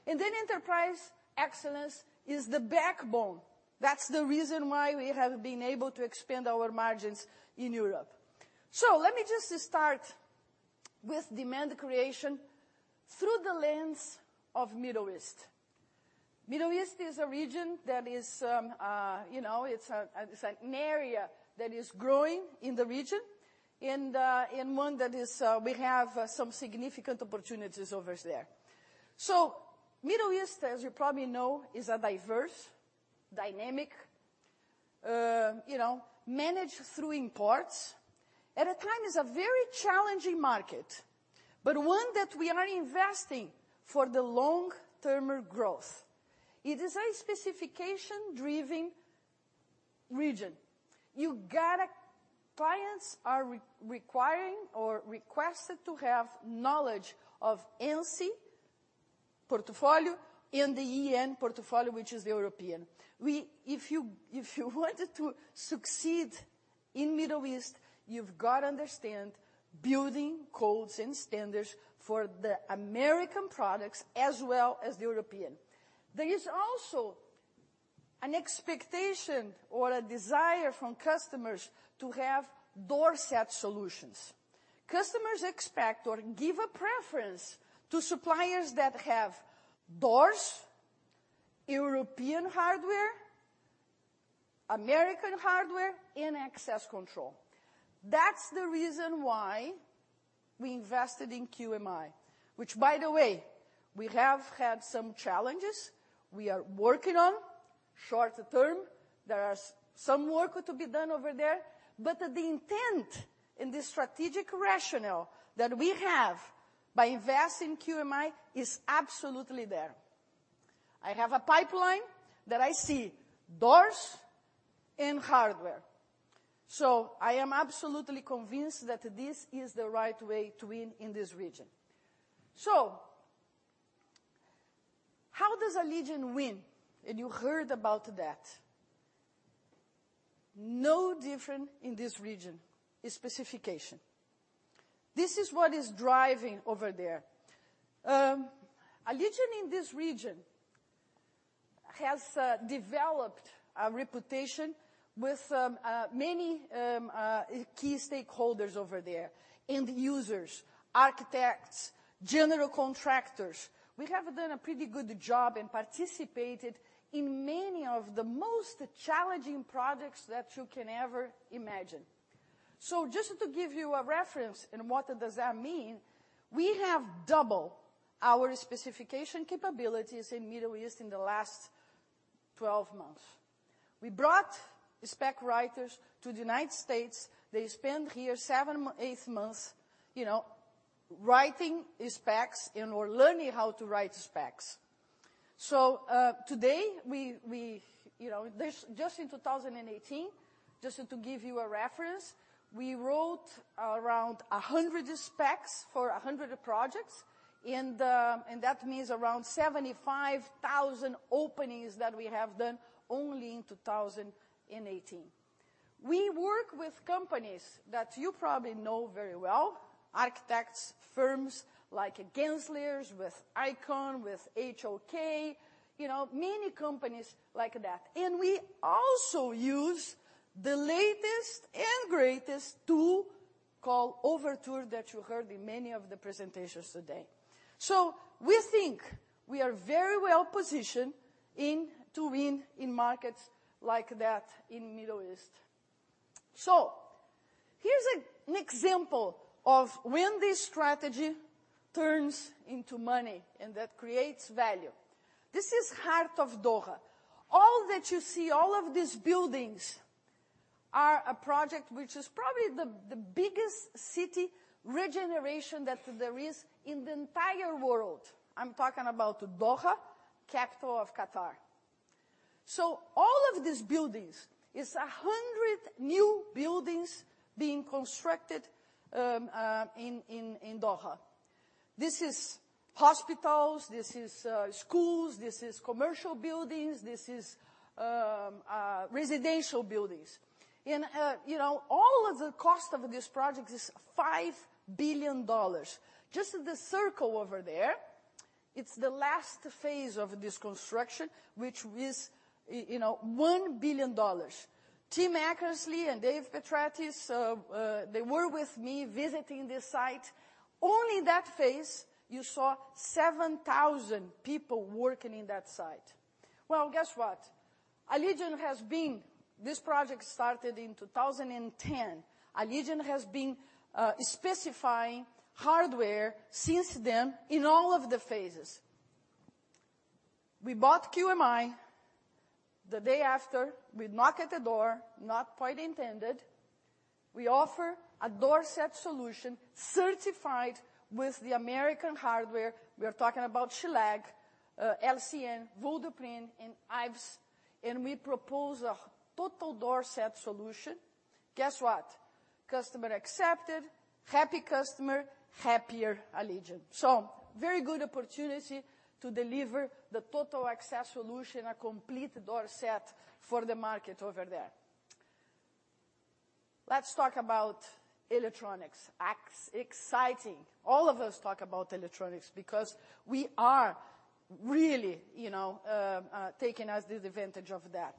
Enterprise excellence is the backbone. That's the reason why we have been able to expand our margins in Europe. Let me just start with demand creation through the lens of Middle East. Middle East is an area that is growing in the region, and one that we have some significant opportunities over there. Middle East, as you probably know, is a diverse, dynamic, managed through imports. At a time, is a very challenging market, but one that we are investing for the long-term growth. It is a specification-driven region. Clients are requiring or requested to have knowledge of ANSI portfolio and the EN portfolio, which is the European. If you wanted to succeed in Middle East, you've got to understand building codes and standards for the American products as well as the European. There is also an expectation or a desire from customers to have doorset solutions. Customers expect or give a preference to suppliers that have doors, European hardware, American hardware, and access control. That's the reason why we invested in QMI, which by the way, we have had some challenges we are working on short-term. There are some work to be done over there. The intent and the strategic rationale that we have by investing in QMI is absolutely there. I have a pipeline that I see doors and hardware. I am absolutely convinced that this is the right way to win in this region. How does Allegion win? You heard about that. No different in this region, is specification. This is what is driving over there. Allegion in this region has developed a reputation with many key stakeholders over there. End users, architects, general contractors. Just to give you a reference on what does that mean, we have double our specification capabilities in Middle East in the last 12 months. We brought spec writers to the United States. They spent here 7, 8 months writing specs and/or learning how to write specs. Today, just in 2018, just to give you a reference, we wrote around 100 specs for 100 projects, and that means around 75,000 openings that we have done only in 2018. We work with companies that you probably know very well, architects firms like Gensler, with Icon, with HOK, many companies like that. We also use the latest and greatest tool called Overtur that you heard in many of the presentations today. We think we are very well-positioned in to win in markets like that in Middle East. Here's an example of when this strategy turns into money and that creates value. This is heart of Doha. All that you see, all of these buildings are a project, which is probably the biggest city regeneration that there is in the entire world. I'm talking about Doha, capital of Qatar. All of these buildings is 100 new buildings being constructed in Doha. This is hospitals, this is schools, this is commercial buildings, this is residential buildings. All of the cost of this project is $5 billion. Just the circle over there, it's the last phase of this construction, which is $1 billion. Tim Eckersley and Dave Petratis, they were with me visiting this site. Only that phase, you saw 7,000 people working in that site. Guess what? This project started in 2010. Allegion has been specifying hardware since then in all of the phases. We bought QMI the day after. We knock at the door, not quite intended. We offer a door set solution certified with the American hardware. We are talking about Schlage, LCN, Von Duprin, and Ives, and we propose a total door set solution. Guess what? Customer accepted. Happy customer, happier Allegion. Very good opportunity to deliver the total access solution, a complete door set for the market over there. Let's talk about electronics. Acts exciting. All of us talk about electronics because we are really taking as the advantage of that.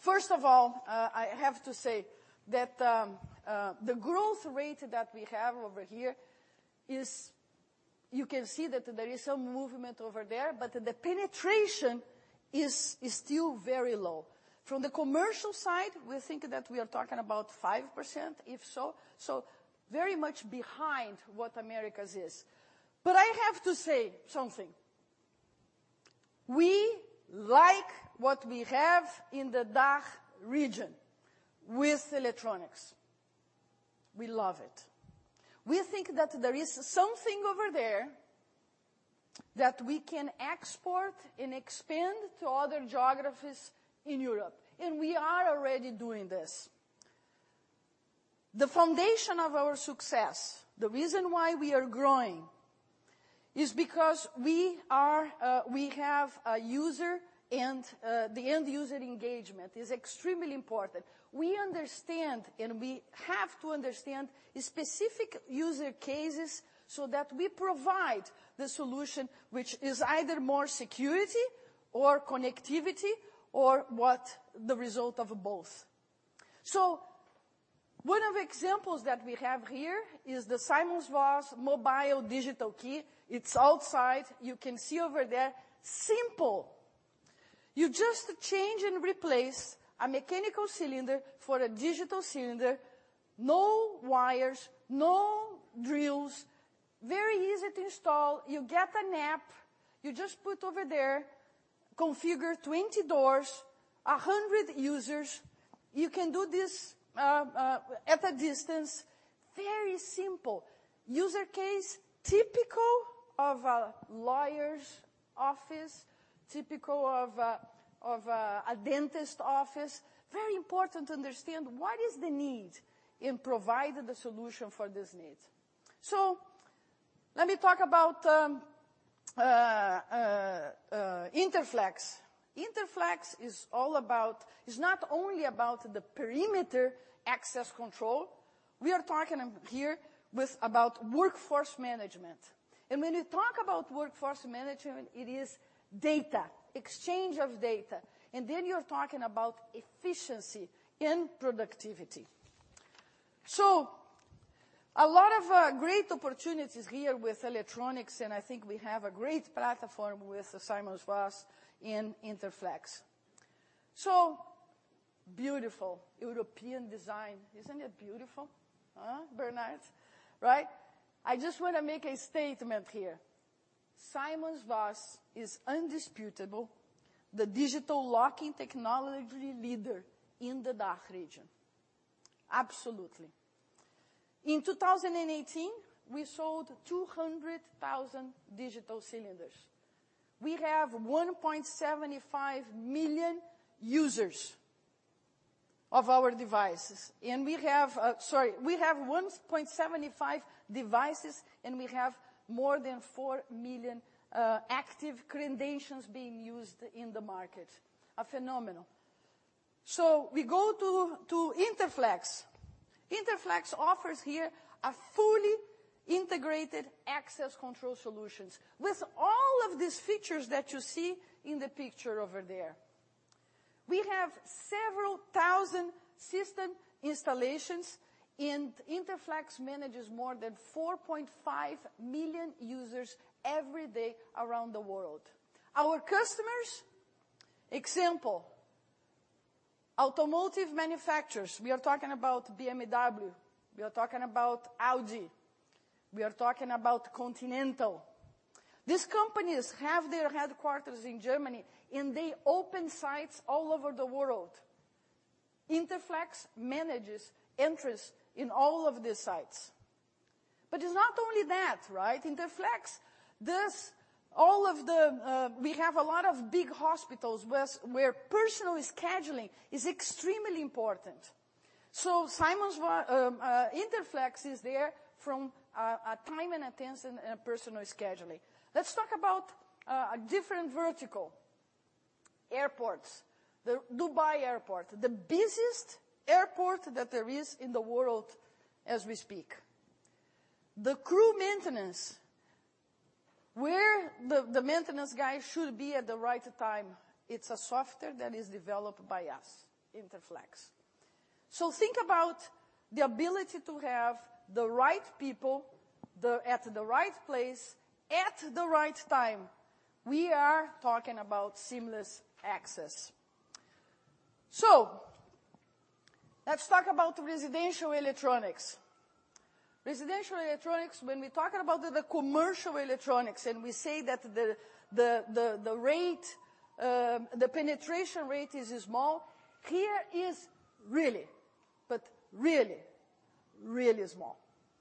First of all, I have to say that, the growth rate that we have over here is. You can see that there is some movement over there, but the penetration is still very low. From the commercial side, we think that we are talking about 5%, if so. Very much behind what Americas is. I have to say something. We like what we have in the DACH region with electronics. We love it. We think that there is something over there that we can export and expand to other geographies in Europe, and we are already doing this. The foundation of our success, the reason why we are growing, is because we have a user, and the end user engagement is extremely important. We understand and we have to understand specific user cases so that we provide the solution, which is either more security or connectivity or what the result of both. One of examples that we have here is the SimonsVoss mobile digital key. It's outside. You can see over there. Simple. You just change and replace a mechanical cylinder for a digital cylinder. No wires, no drills. Very easy to install. You get an app. You just put over there, configure 20 doors, 100 users. You can do this at a distance. Very simple. User case, typical of a lawyer's office, typical of a dentist office. Very important to understand what is the need in providing the solution for this need. Let me talk about Interflex. Interflex is not only about the perimeter access control, we are talking here about workforce management. When you talk about workforce management, it is data, exchange of data, and then you're talking about efficiency and productivity. A lot of great opportunities here with electronics, and I think we have a great platform with SimonsVoss in Interflex. Beautiful European design. Isn't it beautiful? Huh, Bernhard? Right. I just want to make a statement here. SimonsVoss is indisputable, the digital locking technology leader in the DACH region. Absolutely. In 2018, we sold 200,000 digital cylinders. We have 1.75 million users of our devices. Sorry. We have 1.75 devices, and we have more than 4 million active credentials being used in the market. A phenomenon. We go to Interflex. Interflex offers here a fully integrated access control solutions with all of these features that you see in the picture over there. We have several thousand system installations, and Interflex manages more than 4.5 million users every day around the world. Our customers, example, automotive manufacturers. We are talking about BMW. We are talking about Audi. We are talking about Continental. These companies have their headquarters in Germany, and they open sites all over the world. Interflex manages entries in all of these sites. It's not only that, right? Interflex, we have a lot of big hospitals where personal scheduling is extremely important. Interflex is there from a time and attendance and personal scheduling. Let's talk about a different vertical. Airports. The Dubai Airport, the busiest airport that there is in the world as we speak. The crew maintenance, where the maintenance guy should be at the right time, it's a software that is developed by us, Interflex. Think about the ability to have the right people at the right place at the right time. We are talking about seamless access. Let's talk about residential electronics. Residential electronics, when we talk about the commercial electronics and we say that the penetration rate is small, here is really, but really, really small.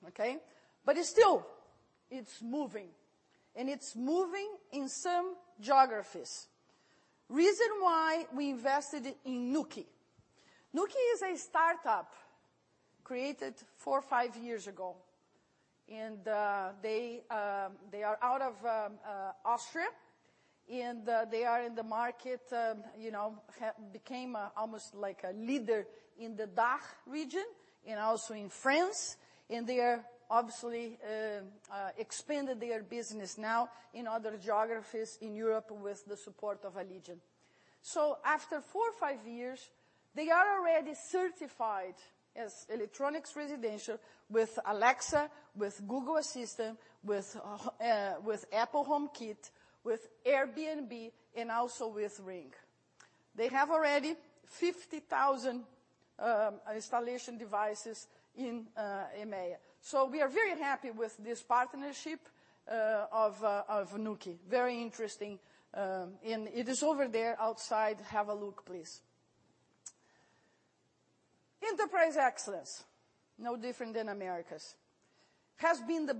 Okay? It's still it's moving, and it's moving in some geographies. Reason why we invested in Nuki. Nuki is a startup created four or five years ago. They are out of Austria, and they are in the market, became almost like a leader in the DACH region and also in France. They are obviously expanded their business now in other geographies in Europe with the support of Allegion. After four or five years, they are already certified as electronics residential with Alexa, with Google Assistant, with Apple HomeKit, with Airbnb, and also with Ring. They have already 50,000 installation devices in EMEA. We are very happy with this partnership of Nuki. Very interesting. It is over there outside. Have a look, please. Enterprise access, no different than Americas. Has been the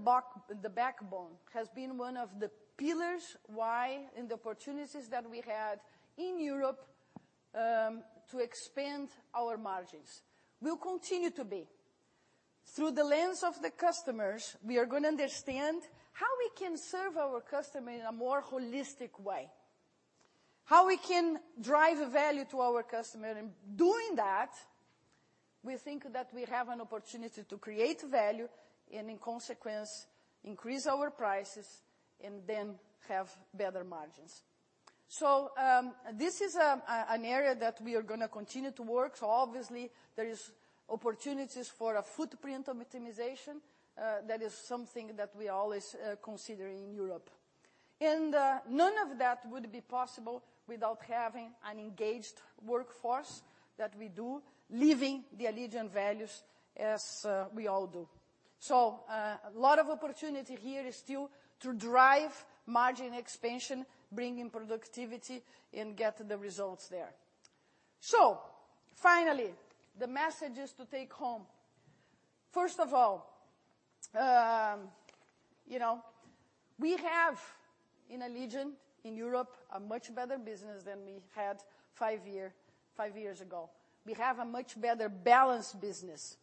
backbone, has been one of the pillars why in the opportunities that we had in Europe to expand our margins. Will continue to be. Through the lens of the customers, we are going to understand how we can serve our customer in a more holistic way. How we can drive value to our customer, and doing that, we think that we have an opportunity to create value, and in consequence, increase our prices and then have better margins. This is an area that we are going to continue to work. Obviously, there is opportunities for a footprint optimization. That is something that we always consider in Europe. None of that would be possible without having an engaged workforce that we do, living the Allegion values as we all do. A lot of opportunity here is still to drive margin expansion, bring in productivity, and get the results there. Finally, the messages to take home. First of all, we have in Allegion, in Europe, a much better business than we had five years ago. We have a much better balanced business.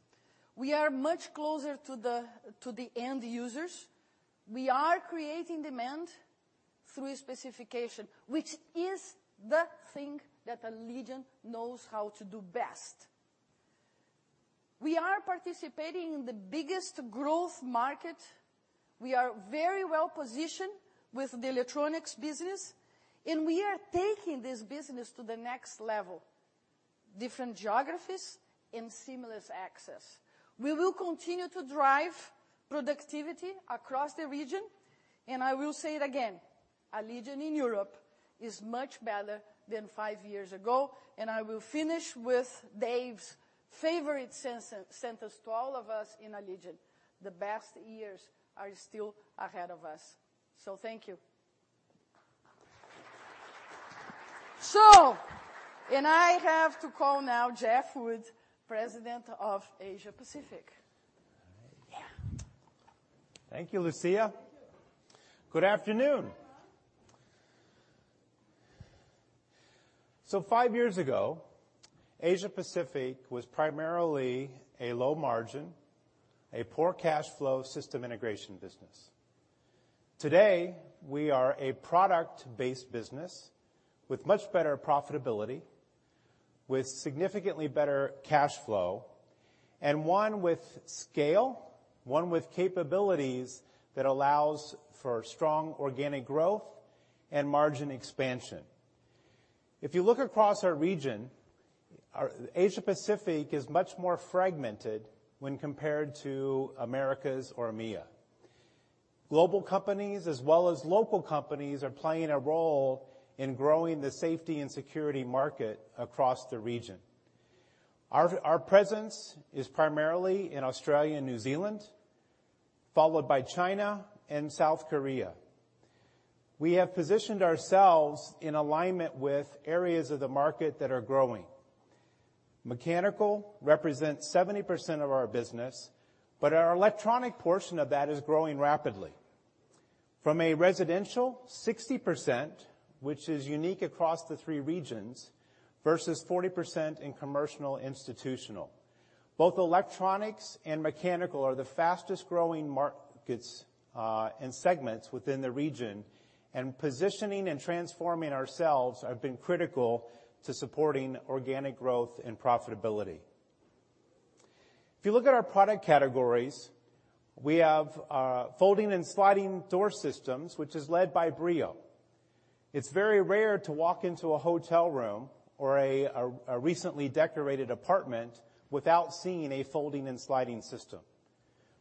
We are much closer to the end users. We are creating demand through specification, which is the thing that Allegion knows how to do best. We are participating in the biggest growth market. We are very well positioned with the electronics business, and we are taking this business to the next level, different geographies and seamless access. We will continue to drive productivity across the region. I will say it again, Allegion in Europe is much better than five years ago. I will finish with Dave's favorite sentence to all of us in Allegion, "The best years are still ahead of us." Thank you. I have to call now Jeff Wood, President of Asia Pacific. All right. Yeah. Thank you, Lucia. Thank you. Good afternoon. Five years ago, Asia-Pacific was primarily a low margin, a poor cash flow system integration business. Today, we are a product-based business with much better profitability, with significantly better cash flow, and one with scale, one with capabilities that allows for strong organic growth and margin expansion. If you look across our region, Asia-Pacific is much more fragmented when compared to Americas or EMEA. Global companies as well as local companies are playing a role in growing the safety and security market across the region. Our presence is primarily in Australia and New Zealand, followed by China and South Korea. We have positioned ourselves in alignment with areas of the market that are growing. Mechanical represents 70% of our business, but our electronic portion of that is growing rapidly. From a residential, 60%, which is unique across the three regions, versus 40% in commercial institutional. Both electronics and mechanical are the fastest-growing markets and segments within the region, and positioning and transforming ourselves have been critical to supporting organic growth and profitability. If you look at our product categories, we have folding and sliding door systems, which is led by Brio. It's very rare to walk into a hotel room or a recently decorated apartment without seeing a folding and sliding system.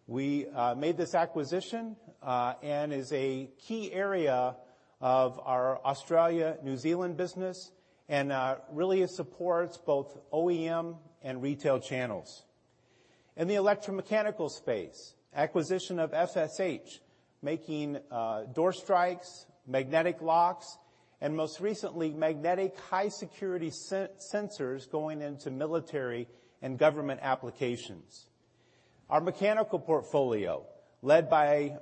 We made this acquisition and is a key area of our Australia and New Zealand business, and really it supports both OEM and retail channels. In the electromechanical space, acquisition of FSH, making door strikes, magnetic locks, and most recently, magnetic high security sensors going into military and government applications. Our mechanical portfolio, led by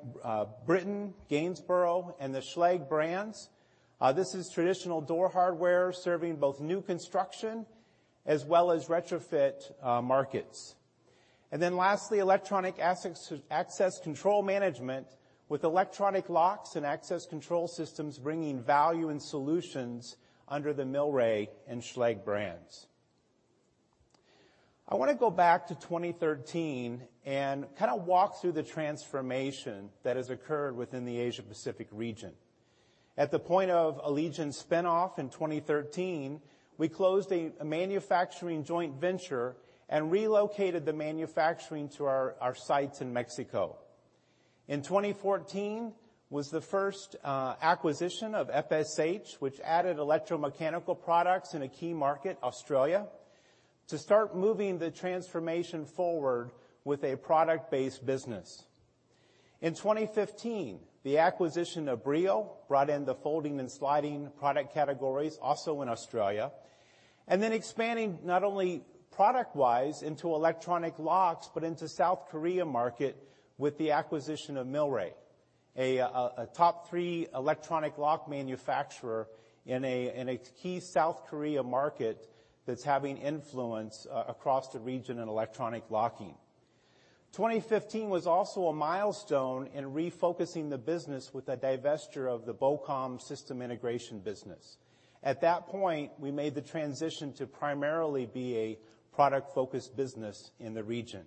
Briton, Gainsborough, and the Schlage brands, this is traditional door hardware serving both new construction as well as retrofit markets. Lastly, electronic access control management with electronic locks and access control systems bringing value and solutions under the Milre and Schlage brands. I want to go back to 2013 and kind of walk through the transformation that has occurred within the Asia-Pacific region. At the point of Allegion's spin-off in 2013, we closed a manufacturing joint venture and relocated the manufacturing to our sites in Mexico. In 2014 was the first acquisition of FSH, which added electromechanical products in a key market, Australia, to start moving the transformation forward with a product-based business. In 2015, the acquisition of Brio brought in the folding and sliding product categories also in Australia. Expanding not only product-wise into electronic locks, but into South Korea market with the acquisition of Milre, a top three electronic lock manufacturer in a key South Korea market that's having influence across the region in electronic locking. 2015 was also a milestone in refocusing the business with the divesture of the Bocom system integration business. At that point, we made the transition to primarily be a product-focused business in the region.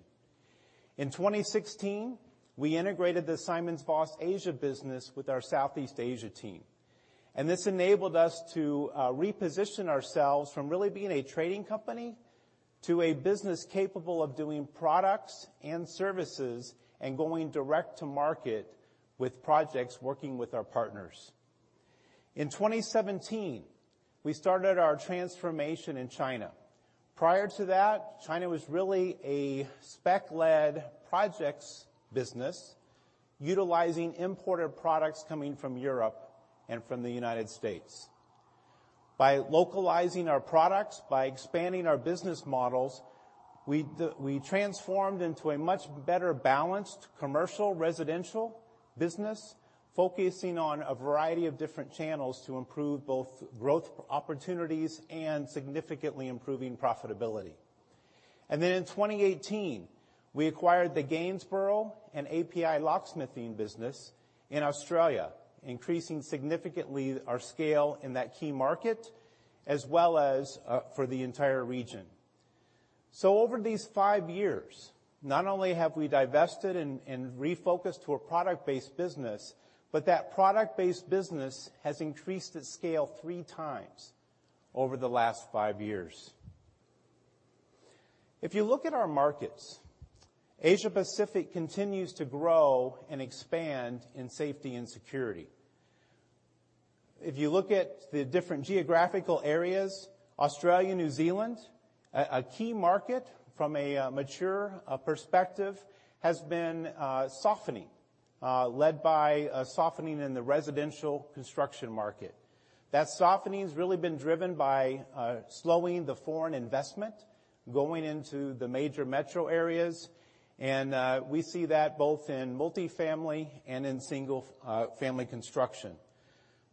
In 2016, we integrated the SimonsVoss Asia business with our Southeast Asia team, this enabled us to reposition ourselves from really being a trading company to a business capable of doing products and services and going direct-to-market with projects working with our partners. In 2017, we started our transformation in China. Prior to that, China was really a spec-led projects business utilizing imported products coming from Europe and from the U.S. By localizing our products, by expanding our business models, we transformed into a much better balanced commercial, residential business, focusing on a variety of different channels to improve both growth opportunities and significantly improving profitability. In 2018, we acquired the Gainsborough and API locksmithing business in Australia, increasing significantly our scale in that key market as well as for the entire region. So over these five years, not only have we divested and refocused to a product-based business, but that product-based business has increased its scale three times over the last five years. If you look at our markets, Asia-Pacific continues to grow and expand in safety and security. If you look at the different geographical areas, Australia, New Zealand, a key market from a mature perspective, has been softening, led by a softening in the residential construction market. That softening has really been driven by slowing the foreign investment going into the major metro areas, and we see that both in multifamily and in single-family construction.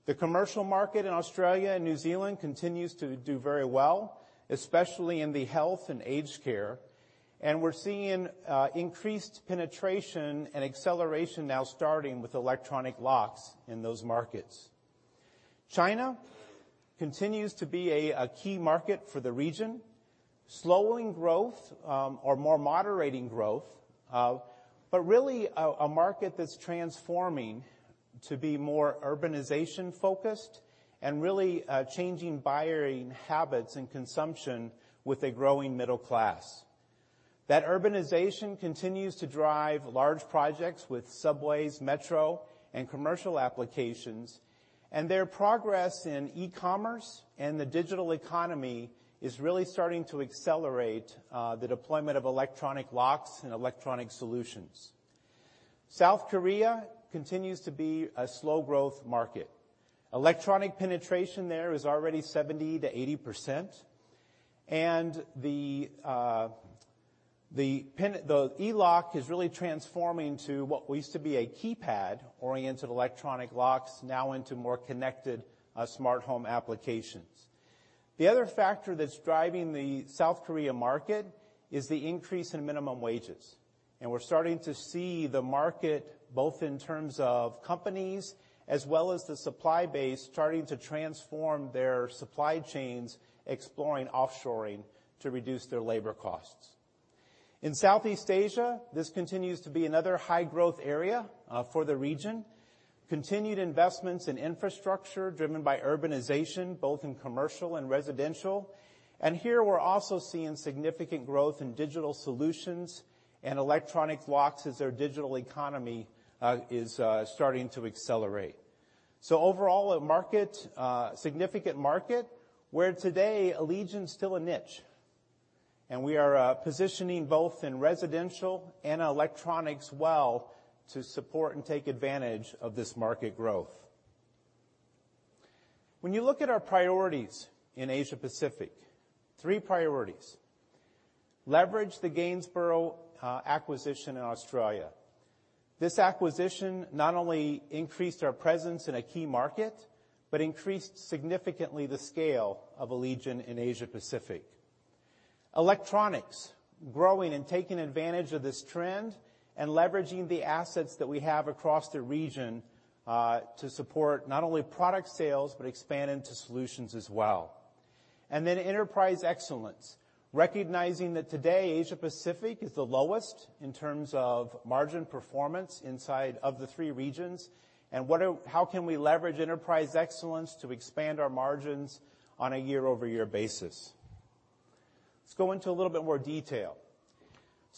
The commercial market in Australia and New Zealand continues to do very well, especially in the health and aged care, and we're seeing increased penetration and acceleration now starting with electronic locks in those markets. China continues to be a key market for the region. Slowing growth, or more moderating growth, but really a market that's transforming to be more urbanization focused and really changing buying habits and consumption with a growing middle class. That urbanization continues to drive large projects with subways, metro, and commercial applications, their progress in e-commerce and the digital economy is really starting to accelerate the deployment of electronic locks and electronic solutions. South Korea continues to be a slow growth market. Electronic penetration there is already 70%-80%, and the e-lock is really transforming to what used to be a keypad-oriented electronic locks now into more connected smart home applications. The other factor that's driving the South Korea market is the increase in minimum wages, and we're starting to see the market, both in terms of companies as well as the supply base, starting to transform their supply chains, exploring offshoring to reduce their labor costs. In Southeast Asia, this continues to be another high growth area for the region. Continued investments in infrastructure driven by urbanization, both in commercial and residential. Here we're also seeing significant growth in digital solutions and electronic locks as their digital economy is starting to accelerate. Overall, a significant market where today Allegion's still a niche, and we are positioning both in residential and electronics well to support and take advantage of this market growth. When you look at our priorities in Asia Pacific, three priorities. Leverage the Gainsborough acquisition in Australia. This acquisition not only increased our presence in a key market, but increased significantly the scale of Allegion in Asia Pacific. Electronics, growing and taking advantage of this trend and leveraging the assets that we have across the region to support not only product sales, but expand into solutions as well. Enterprise excellence, recognizing that today Asia Pacific is the lowest in terms of margin performance inside of the three regions, and how can we leverage enterprise excellence to expand our margins on a year-over-year basis? Let's go into a little bit more detail.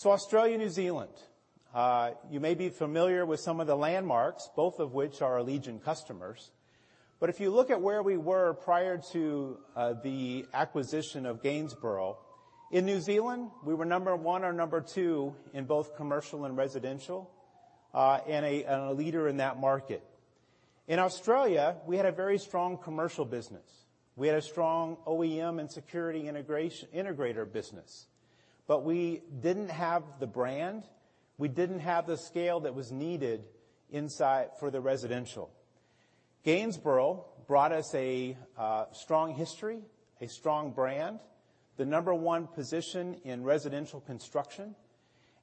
Australia, New Zealand. You may be familiar with some of the landmarks, both of which are Allegion customers. If you look at where we were prior to the acquisition of Gainsborough, in New Zealand, we were number 1 or number 2 in both commercial and residential, and a leader in that market. In Australia, we had a very strong commercial business. We had a strong OEM and security integrator business, but we didn't have the brand, we didn't have the scale that was needed for the residential. Gainsborough brought us a strong history, a strong brand, the number 1 position in residential construction,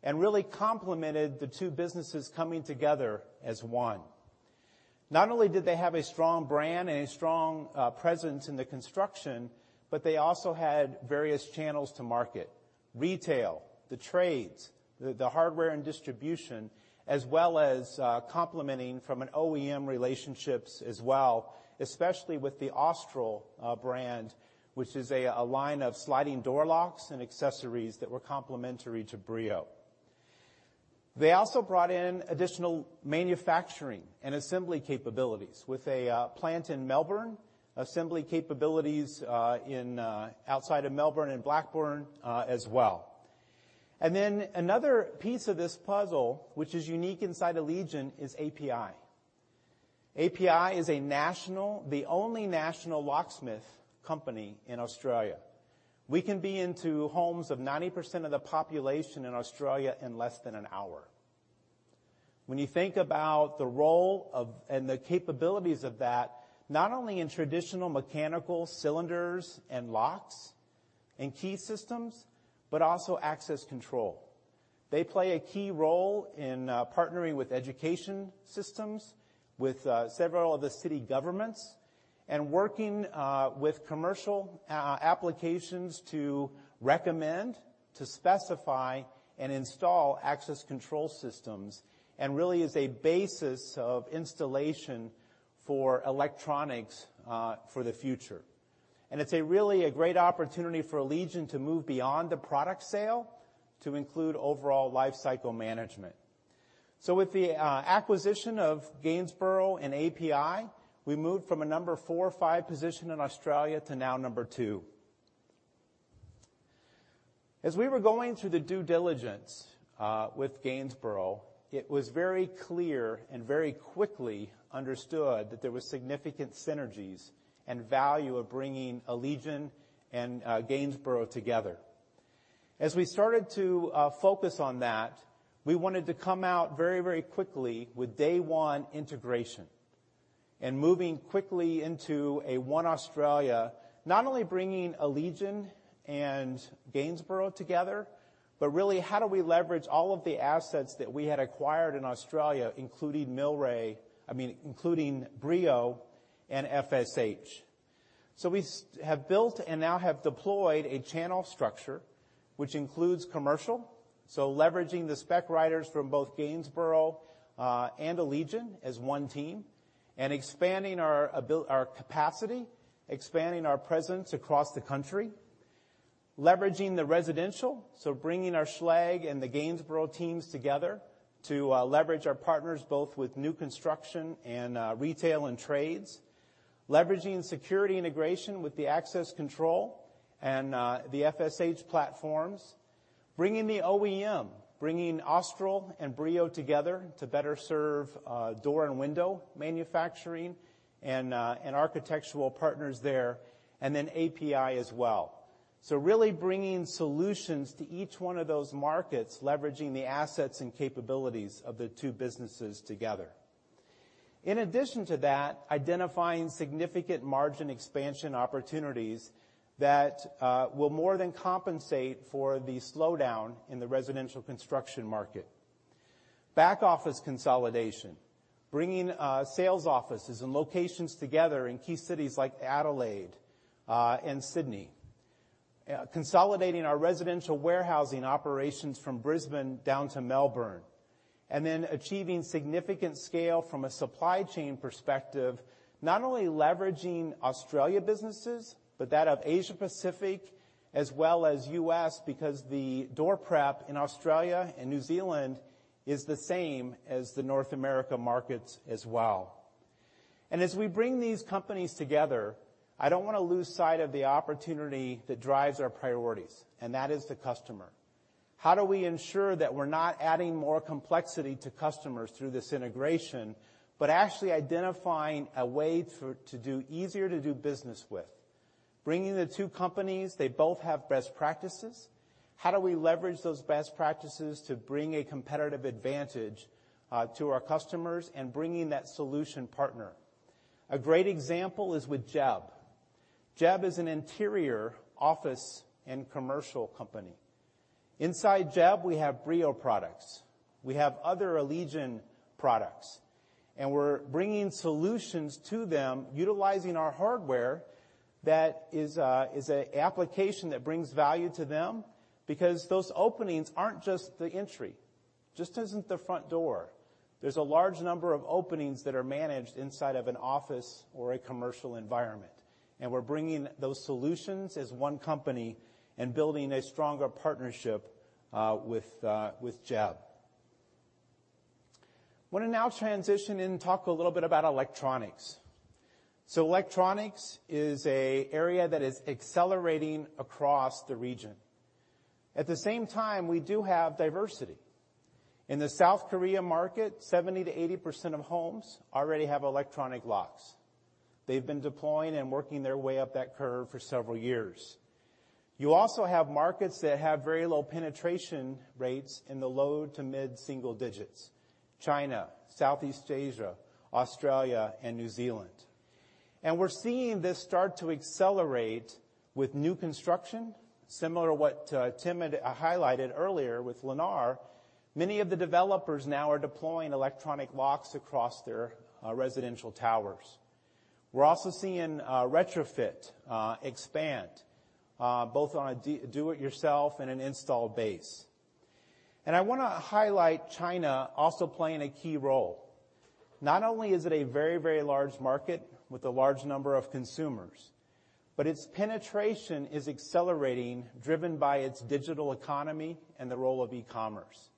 and really complemented the two businesses coming together as one. Not only did they have a strong brand and a strong presence in the construction, but they also had various channels to market. Retail, the trades, the hardware and distribution, as well as complementing from an OEM relationships as well, especially with the Austral brand, which is a line of sliding door locks and accessories that were complementary to Brio. They also brought in additional manufacturing and assembly capabilities with a plant in Melbourne, assembly capabilities outside of Melbourne in Blackburn as well. Another piece of this puzzle, which is unique inside Allegion, is API. API is the only national locksmith company in Australia. We can be into homes of 90% of the population in Australia in less than an hour. When you think about the role of and the capabilities of that, not only in traditional mechanical cylinders and locks and key systems, but also access control. They play a key role in partnering with education systems, with several of the city governments, and working with commercial applications to recommend, to specify, and install access control systems, and really is a basis of installation for electronics for the future. It's a really a great opportunity for Allegion to move beyond the product sale to include overall lifecycle management. With the acquisition of Gainsborough and API, we moved from a number 4 or 5 position in Australia to now number 2. As we were going through the due diligence with Gainsborough, it was very clear and very quickly understood that there was significant synergies and value of bringing Allegion and Gainsborough together. As we started to focus on that, we wanted to come out very quickly with day one integration and moving quickly into a one Australia, not only bringing Allegion and Gainsborough together, but really how do we leverage all of the assets that we had acquired in Australia, including Brio and FSH. We have built and now have deployed a channel structure which includes commercial, leveraging the spec writers from both Gainsborough and Allegion as one team, and expanding our capacity, expanding our presence across the country. Leveraging the residential, bringing our Schlage and the Gainsborough teams together to leverage our partners both with new construction and retail and trades. Leveraging security integration with the access control and the FSH platforms. Bringing the OEM, bringing Austral and Brio together to better serve door and window manufacturing and architectural partners there. API as well. Really bringing solutions to each one of those markets, leveraging the assets and capabilities of the two businesses together. In addition to that, identifying significant margin expansion opportunities that will more than compensate for the slowdown in the residential construction market. Back office consolidation, bringing sales offices and locations together in key cities like Adelaide and Sydney. Consolidating our residential warehousing operations from Brisbane down to Melbourne, achieving significant scale from a supply chain perspective, not only leveraging Australia businesses, but that of Asia Pacific as well as U.S., because the door prep in Australia and New Zealand is the same as the North America markets as well. As we bring these companies together, I don't want to lose sight of the opportunity that drives our priorities, and that is the customer. How do we ensure that we're not adding more complexity to customers through this integration, but actually identifying a way to do easier to do business with? Bringing the two companies, they both have best practices. How do we leverage those best practices to bring a competitive advantage to our customers and bringing that solution partner? A great example is with JAB. JAB is an interior office and commercial company. Inside JAB, we have Brio products. We have other Allegion products, we're bringing solutions to them utilizing our hardware that is an application that brings value to them because those openings aren't just the entry, just isn't the front door. There's a large number of openings that are managed inside of an office or a commercial environment. We're bringing those solutions as one company and building a stronger partnership with JAB. want to now transition and talk a little bit about electronics. Electronics is a area that is accelerating across the region. At the same time, we do have diversity. In the South Korea market, 70%-80% of homes already have electronic locks. They've been deploying and working their way up that curve for several years. You also have markets that have very low penetration rates in the low to mid-single digits, China, Southeast Asia, Australia, and New Zealand. We're seeing this start to accelerate with new construction. Similar to what Tim had highlighted earlier with Lennar, many of the developers now are deploying electronic locks across their residential towers. We're also seeing retrofit expand, both on a do-it-yourself and an install base. I want to highlight China also playing a key role. Not only is it a very large market with a large number of consumers, but its penetration is accelerating, driven by its digital economy and the role of e-commerce.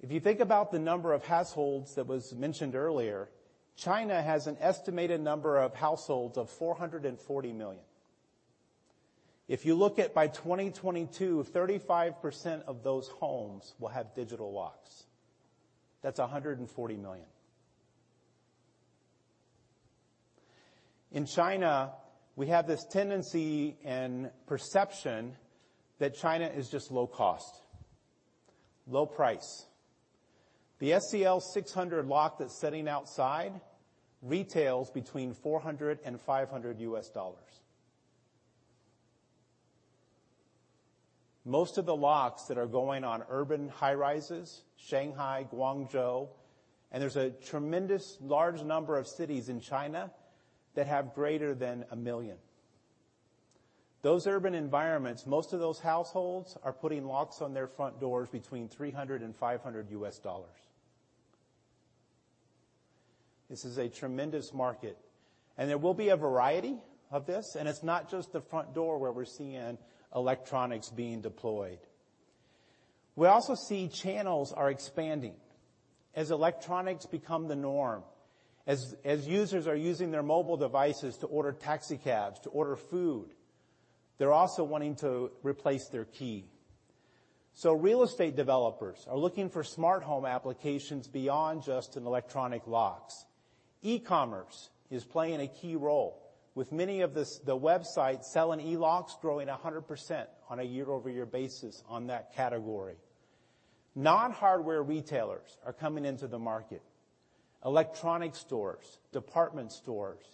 If you think about the number of households that was mentioned earlier, China has an estimated number of households of 440 million. If you look at by 2022, 35% of those homes will have digital locks. That's 140 million. In China, we have this tendency and perception that China is just low cost, low price. The SCL 600 lock that's sitting outside retails between $400 and $500. Most of the locks that are going on urban high-rises, Shanghai, Guangzhou, and there's a tremendous large number of cities in China that have greater than 1 million. Those urban environments, most of those households are putting locks on their front doors between $300 and $500. This is a tremendous market. There will be a variety of this, and it's not just the front door where we're seeing electronics being deployed. We also see channels are expanding as electronics become the norm, as users are using their mobile devices to order taxi cabs, to order food. They're also wanting to replace their key. Real estate developers are looking for smart home applications beyond just in electronic locks. E-commerce is playing a key role with many of the websites selling e-locks growing 100% on a year-over-year basis on that category. Non-hardware retailers are coming into the market. Electronic stores, department stores,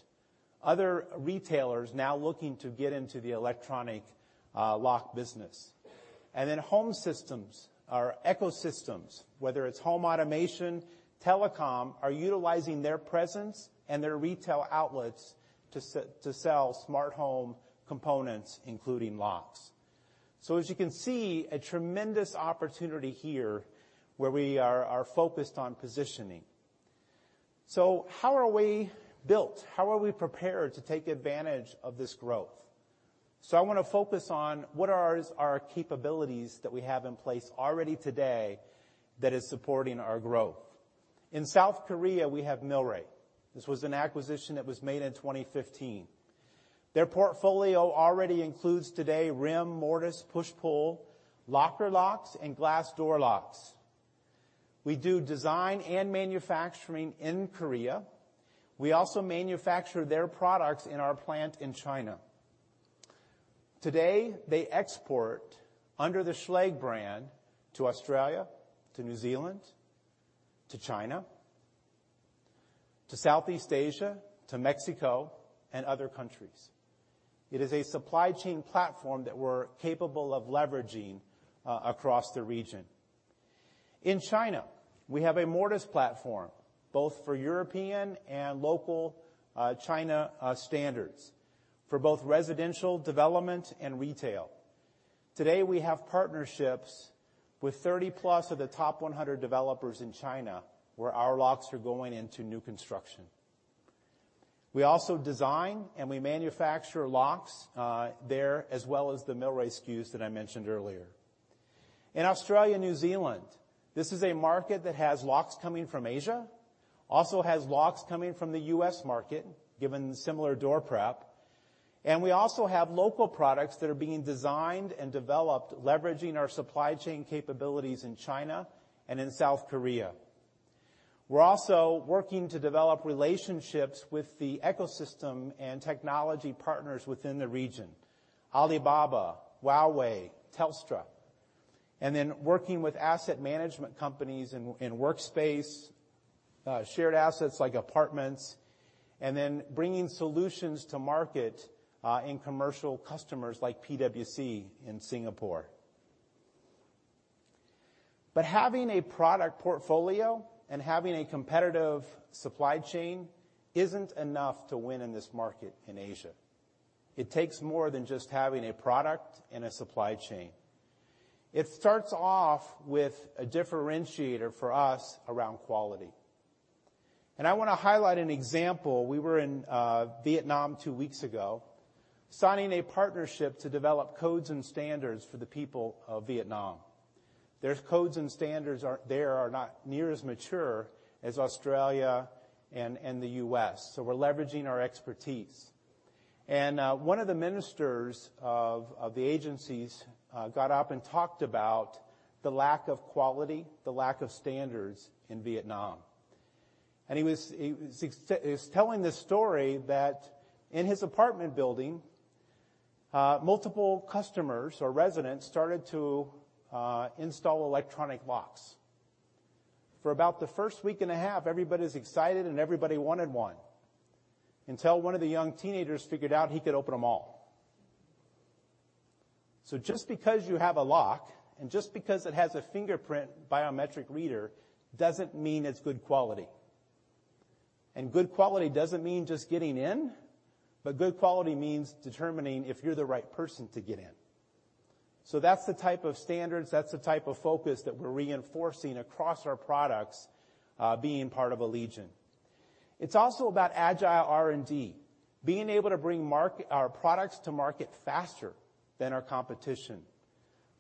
other retailers now looking to get into the electronic lock business. Home systems or ecosystems, whether it's home automation, telecom, are utilizing their presence and their retail outlets to sell smart home components, including locks. As you can see, a tremendous opportunity here where we are focused on positioning. How are we built? How are we prepared to take advantage of this growth? I want to focus on what are our capabilities that we have in place already today that is supporting our growth. In South Korea, we have Milre. This was an acquisition that was made in 2015. Their portfolio already includes today rim, mortise, push-pull, locker locks, and glass door locks. We do design and manufacturing in Korea. We also manufacture their products in our plant in China. Today, they export under the Schlage brand to Australia, to New Zealand, to China, to Southeast Asia, to Mexico, and other countries. It is a supply chain platform that we're capable of leveraging across the region. In China, we have a mortise platform, both for European and local China standards, for both residential development and retail. Today, we have partnerships with 30+ of the top 100 developers in China, where our locks are going into new construction. We also design and we manufacture locks there as well as the Milre SKUs that I mentioned earlier. In Australia and New Zealand, this is a market that has locks coming from Asia, also has locks coming from the U.S. market, given the similar door prep. We also have local products that are being designed and developed leveraging our supply chain capabilities in China and in South Korea. We're also working to develop relationships with the ecosystem and technology partners within the region, Alibaba, Huawei, Telstra. Working with asset management companies in workspace, shared assets like apartments, then bringing solutions to market in commercial customers like PwC in Singapore. Having a product portfolio and having a competitive supply chain isn't enough to win in this market in Asia. It takes more than just having a product and a supply chain. It starts off with a differentiator for us around quality. I want to highlight an example. We were in Vietnam two weeks ago, signing a partnership to develop codes and standards for the people of Vietnam. Their codes and standards there are not near as mature as Australia and the U.S. We're leveraging our expertise. One of the ministers of the agencies got up and talked about the lack of quality, the lack of standards in Vietnam. He was telling this story that in his apartment building, multiple customers or residents started to install electronic locks. For about the first week and a half, everybody's excited and everybody wanted one, until one of the young teenagers figured out he could open them all. Just because you have a lock and just because it has a fingerprint biometric reader, doesn't mean it's good quality. Good quality doesn't mean just getting in, but good quality means determining if you're the right person to get in. That's the type of standards, that's the type of focus that we're reinforcing across our products being part of Allegion. It's also about agile R&D. Being able to bring our products to market faster than our competition.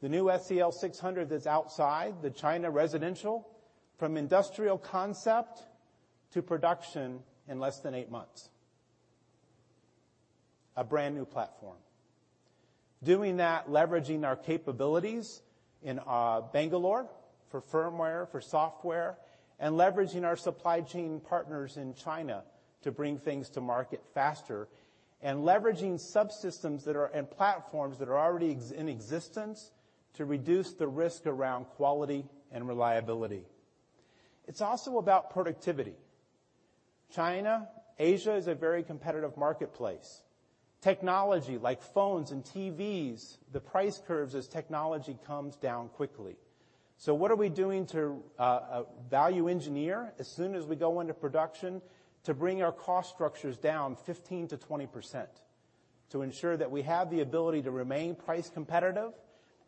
The new SCL600 that's outside the China residential, from industrial concept to production in less than eight months. A brand-new platform. Doing that, leveraging our capabilities in Bangalore for firmware, for software, and leveraging our supply chain partners in China to bring things to market faster, and leveraging subsystems and platforms that are already in existence to reduce the risk around quality and reliability. It's also about productivity. China, Asia is a very competitive marketplace. Technology like phones and TVs, the price curves as technology comes down quickly. What are we doing to value engineer as soon as we go into production to bring our cost structures down 15%-20%, to ensure that we have the ability to remain price competitive,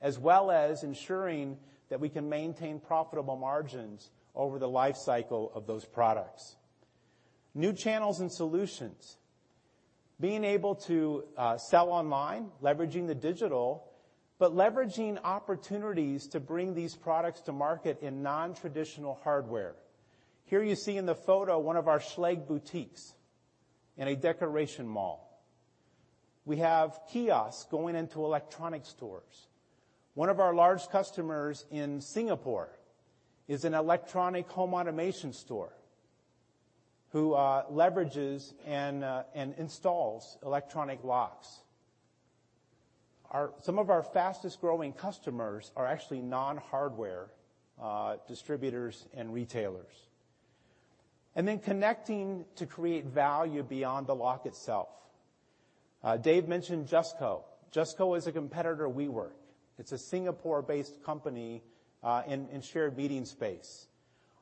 as well as ensuring that we can maintain profitable margins over the life cycle of those products? New channels and solutions. Being able to sell online, leveraging the digital, but leveraging opportunities to bring these products to market in non-traditional hardware. Here you see in the photo one of our Schlage boutiques in a decoration mall. We have kiosks going into electronic stores. One of our large customers in Singapore is an electronic home automation store who leverages and installs electronic locks. Some of our fastest-growing customers are actually non-hardware distributors and retailers. Connecting to create value beyond the lock itself. Dave mentioned JustCo. JustCo is a competitor we work. It's a Singapore-based company in shared meeting space.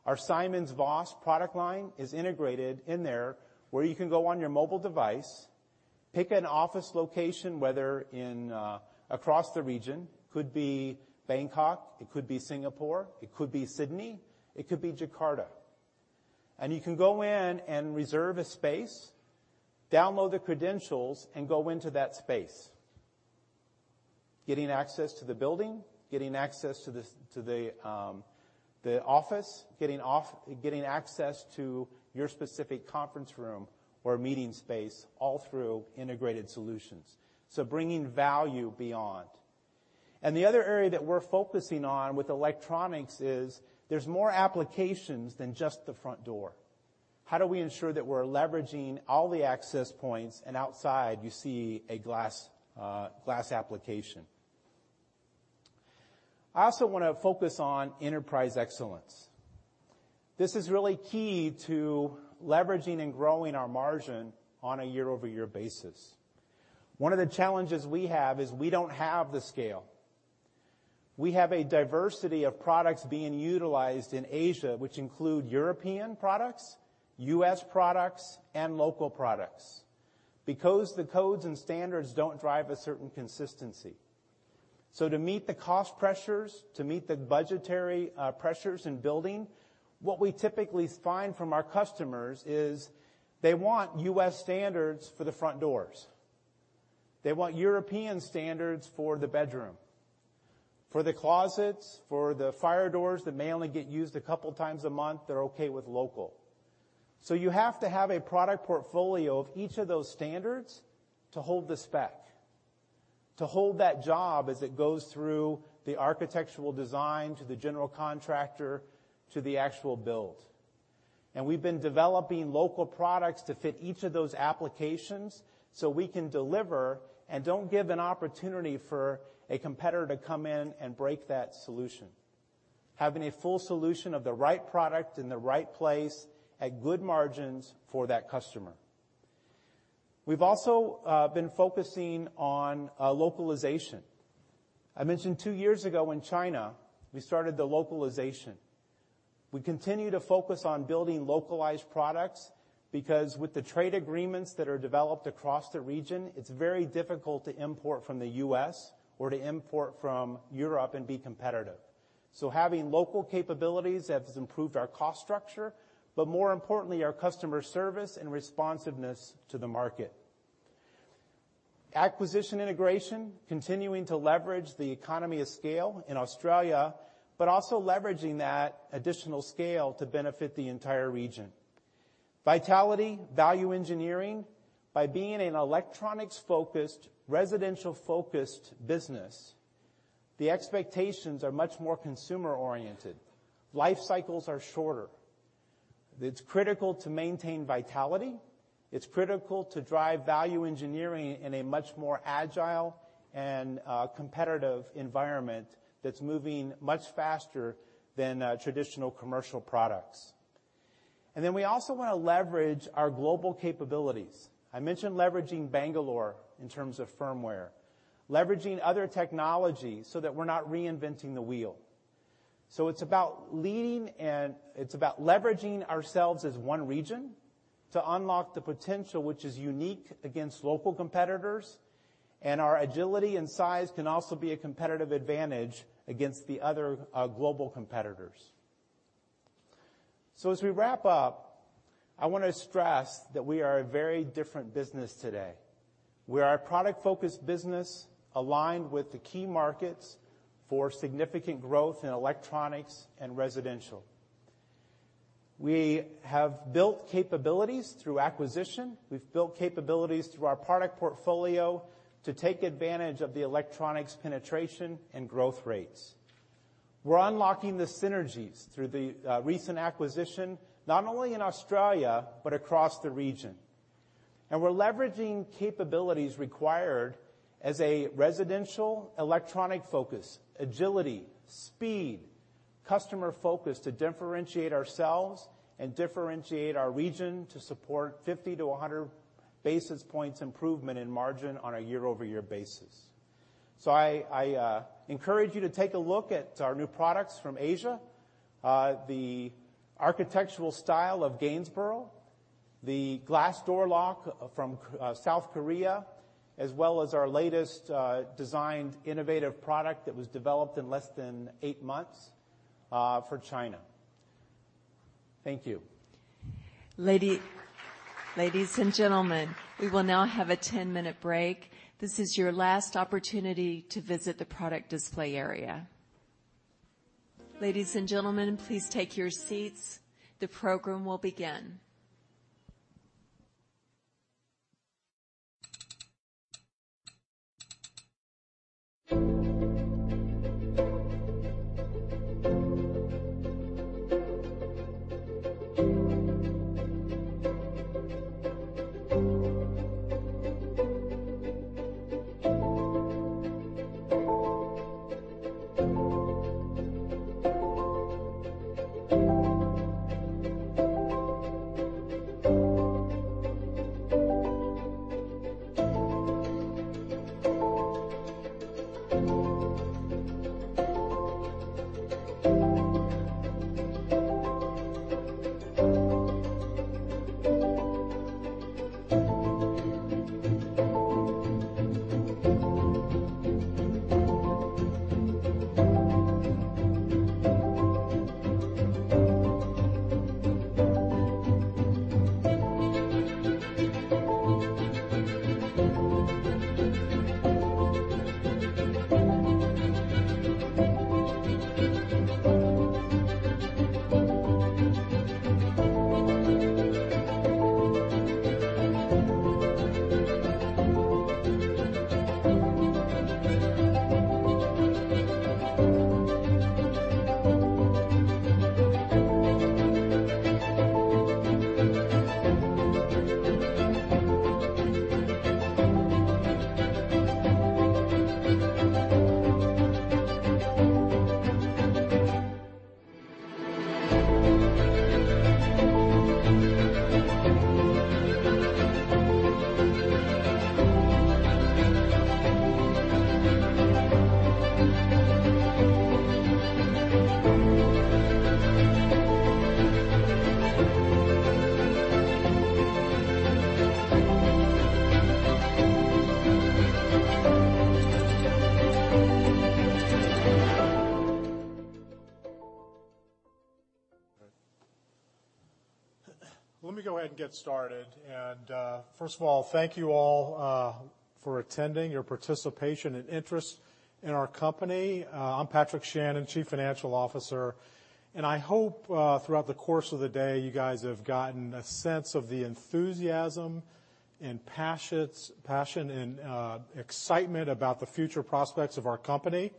Our SimonsVoss product line is integrated in there, where you can go on your mobile device, pick an office location, whether across the region, could be Bangkok, it could be Singapore, it could be Sydney, it could be Jakarta. You can go in and reserve a space, download the credentials, and go into that space. Getting access to the building, getting access to the office, getting access to your specific conference room or meeting space all through integrated solutions. Bringing value beyond. The other area that we're focusing on with electronics is there's more applications than just the front door. How do we ensure that we're leveraging all the access points and outside you see a glass application? I also want to focus on enterprise excellence. This is really key to leveraging and growing our margin on a year-over-year basis. One of the challenges we have is we don't have the scale. We have a diversity of products being utilized in Asia, which include European products, U.S. products, and local products, because the codes and standards don't drive a certain consistency. To meet the cost pressures, to meet the budgetary pressures in building, what we typically find from our customers is they want U.S. standards for the front doors. They want European standards for the bedroom. For the closets, for the fire doors that may only get used a couple times a month, they're okay with local. You have to have a product portfolio of each of those standards to hold the spec, to hold that job as it goes through the architectural design to the general contractor to the actual build. We've been developing local products to fit each of those applications so we can deliver and don't give an opportunity for a competitor to come in and break that solution. Having a full solution of the right product in the right place at good margins for that customer. We've also been focusing on localization. I mentioned two years ago in China, we started the localization. We continue to focus on building localized products because with the trade agreements that are developed across the region, it's very difficult to import from the U.S. or to import from Europe and be competitive. Having local capabilities has improved our cost structure, but more importantly, our customer service and responsiveness to the market. Acquisition integration, continuing to leverage the economy of scale in Australia, but also leveraging that additional scale to benefit the entire region. Vitality, value engineering. By being an electronics-focused, residential-focused business, the expectations are much more consumer-oriented. Life cycles are shorter. It's critical to maintain vitality. It's critical to drive value engineering in a much more agile and competitive environment that's moving much faster than traditional commercial products. We also want to leverage our global capabilities. I mentioned leveraging Bangalore in terms of firmware, leveraging other technology so that we're not reinventing the wheel. It's about leading and it's about leveraging ourselves as one region to unlock the potential which is unique against local competitors, and our agility and size can also be a competitive advantage against the other global competitors. As we wrap up, I want to stress that we are a very different business today. We are a product-focused business aligned with the key markets for significant growth in electronics and residential. We have built capabilities through acquisition. We've built capabilities through our product portfolio to take advantage of the electronics penetration and growth rates. We're unlocking the synergies through the recent acquisition, not only in Australia but across the region. We're leveraging capabilities required as a residential electronic focus, agility, speed, customer focus to differentiate ourselves and differentiate our region to support 50 to 100 basis points improvement in margin on a year-over-year basis. I encourage you to take a look at our new products from Asia, the architectural style of Gainsborough, the glass door lock from South Korea, as well as our latest designed innovative product that was developed in less than eight months for China. Thank you. Ladies and gentlemen, we will now have a 10-minute break. This is your last opportunity to visit the product display area. Ladies and gentlemen, please take your seats. The program will begin. Let me go ahead and get started. First of all, thank you all for attending, your participation and interest in our company. I'm Patrick Shannon, Chief Financial Officer, and I hope throughout the course of the day, you guys have gotten a sense of the enthusiasm and passion and excitement about the future prospects of our company.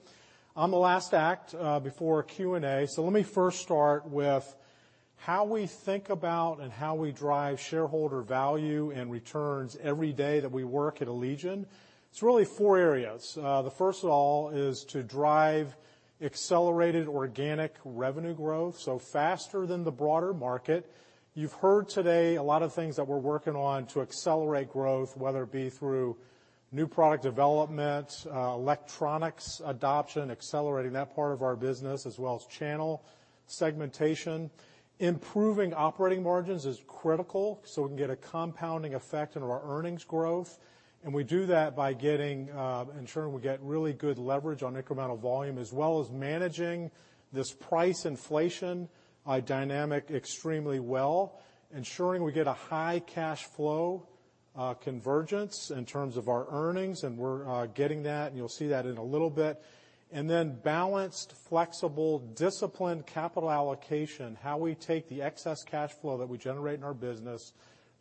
I'm the last act before Q&A. Let me first start with how we think about and how we drive shareholder value and returns every day that we work at Allegion. It's really four areas. The first of all is to drive accelerated organic revenue growth, faster than the broader market. You've heard today a lot of things that we're working on to accelerate growth, whether it be through new product development, electronics adoption, accelerating that part of our business, as well as channel segmentation. Improving operating margins is critical so we can get a compounding effect on our earnings growth, and we do that by ensuring we get really good leverage on incremental volume, as well as managing this price inflation dynamic extremely well, ensuring we get a high cash flow convergence in terms of our earnings, and we're getting that, and you'll see that in a little bit. Then balanced, flexible, disciplined capital allocation, how we take the excess cash flow that we generate in our business,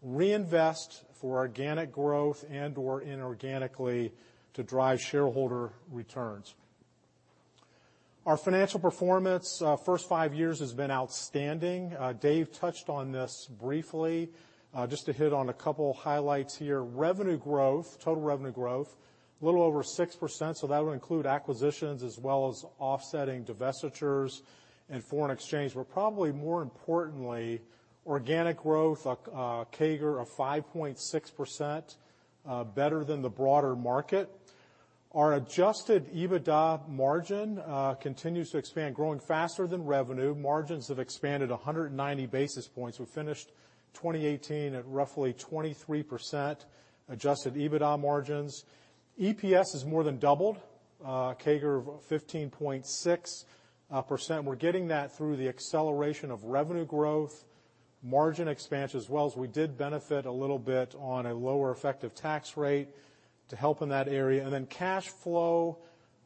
reinvest for organic growth and/or inorganically to drive shareholder returns. Our financial performance first five years has been outstanding. Dave touched on this briefly. Just to hit on a couple highlights here. Revenue growth, total revenue growth, a little over 6%. That would include acquisitions as well as offsetting divestitures and foreign exchange. Probably more importantly, organic growth, a CAGR of 5.6%, better than the broader market. Our adjusted EBITDA margin continues to expand, growing faster than revenue. Margins have expanded 190 basis points. We finished 2018 at roughly 23% adjusted EBITDA margins. EPS has more than doubled, a CAGR of 15.6%. We're getting that through the acceleration of revenue growth, margin expansion, as well as we did benefit a little bit on a lower effective tax rate to help in that area. Cash flow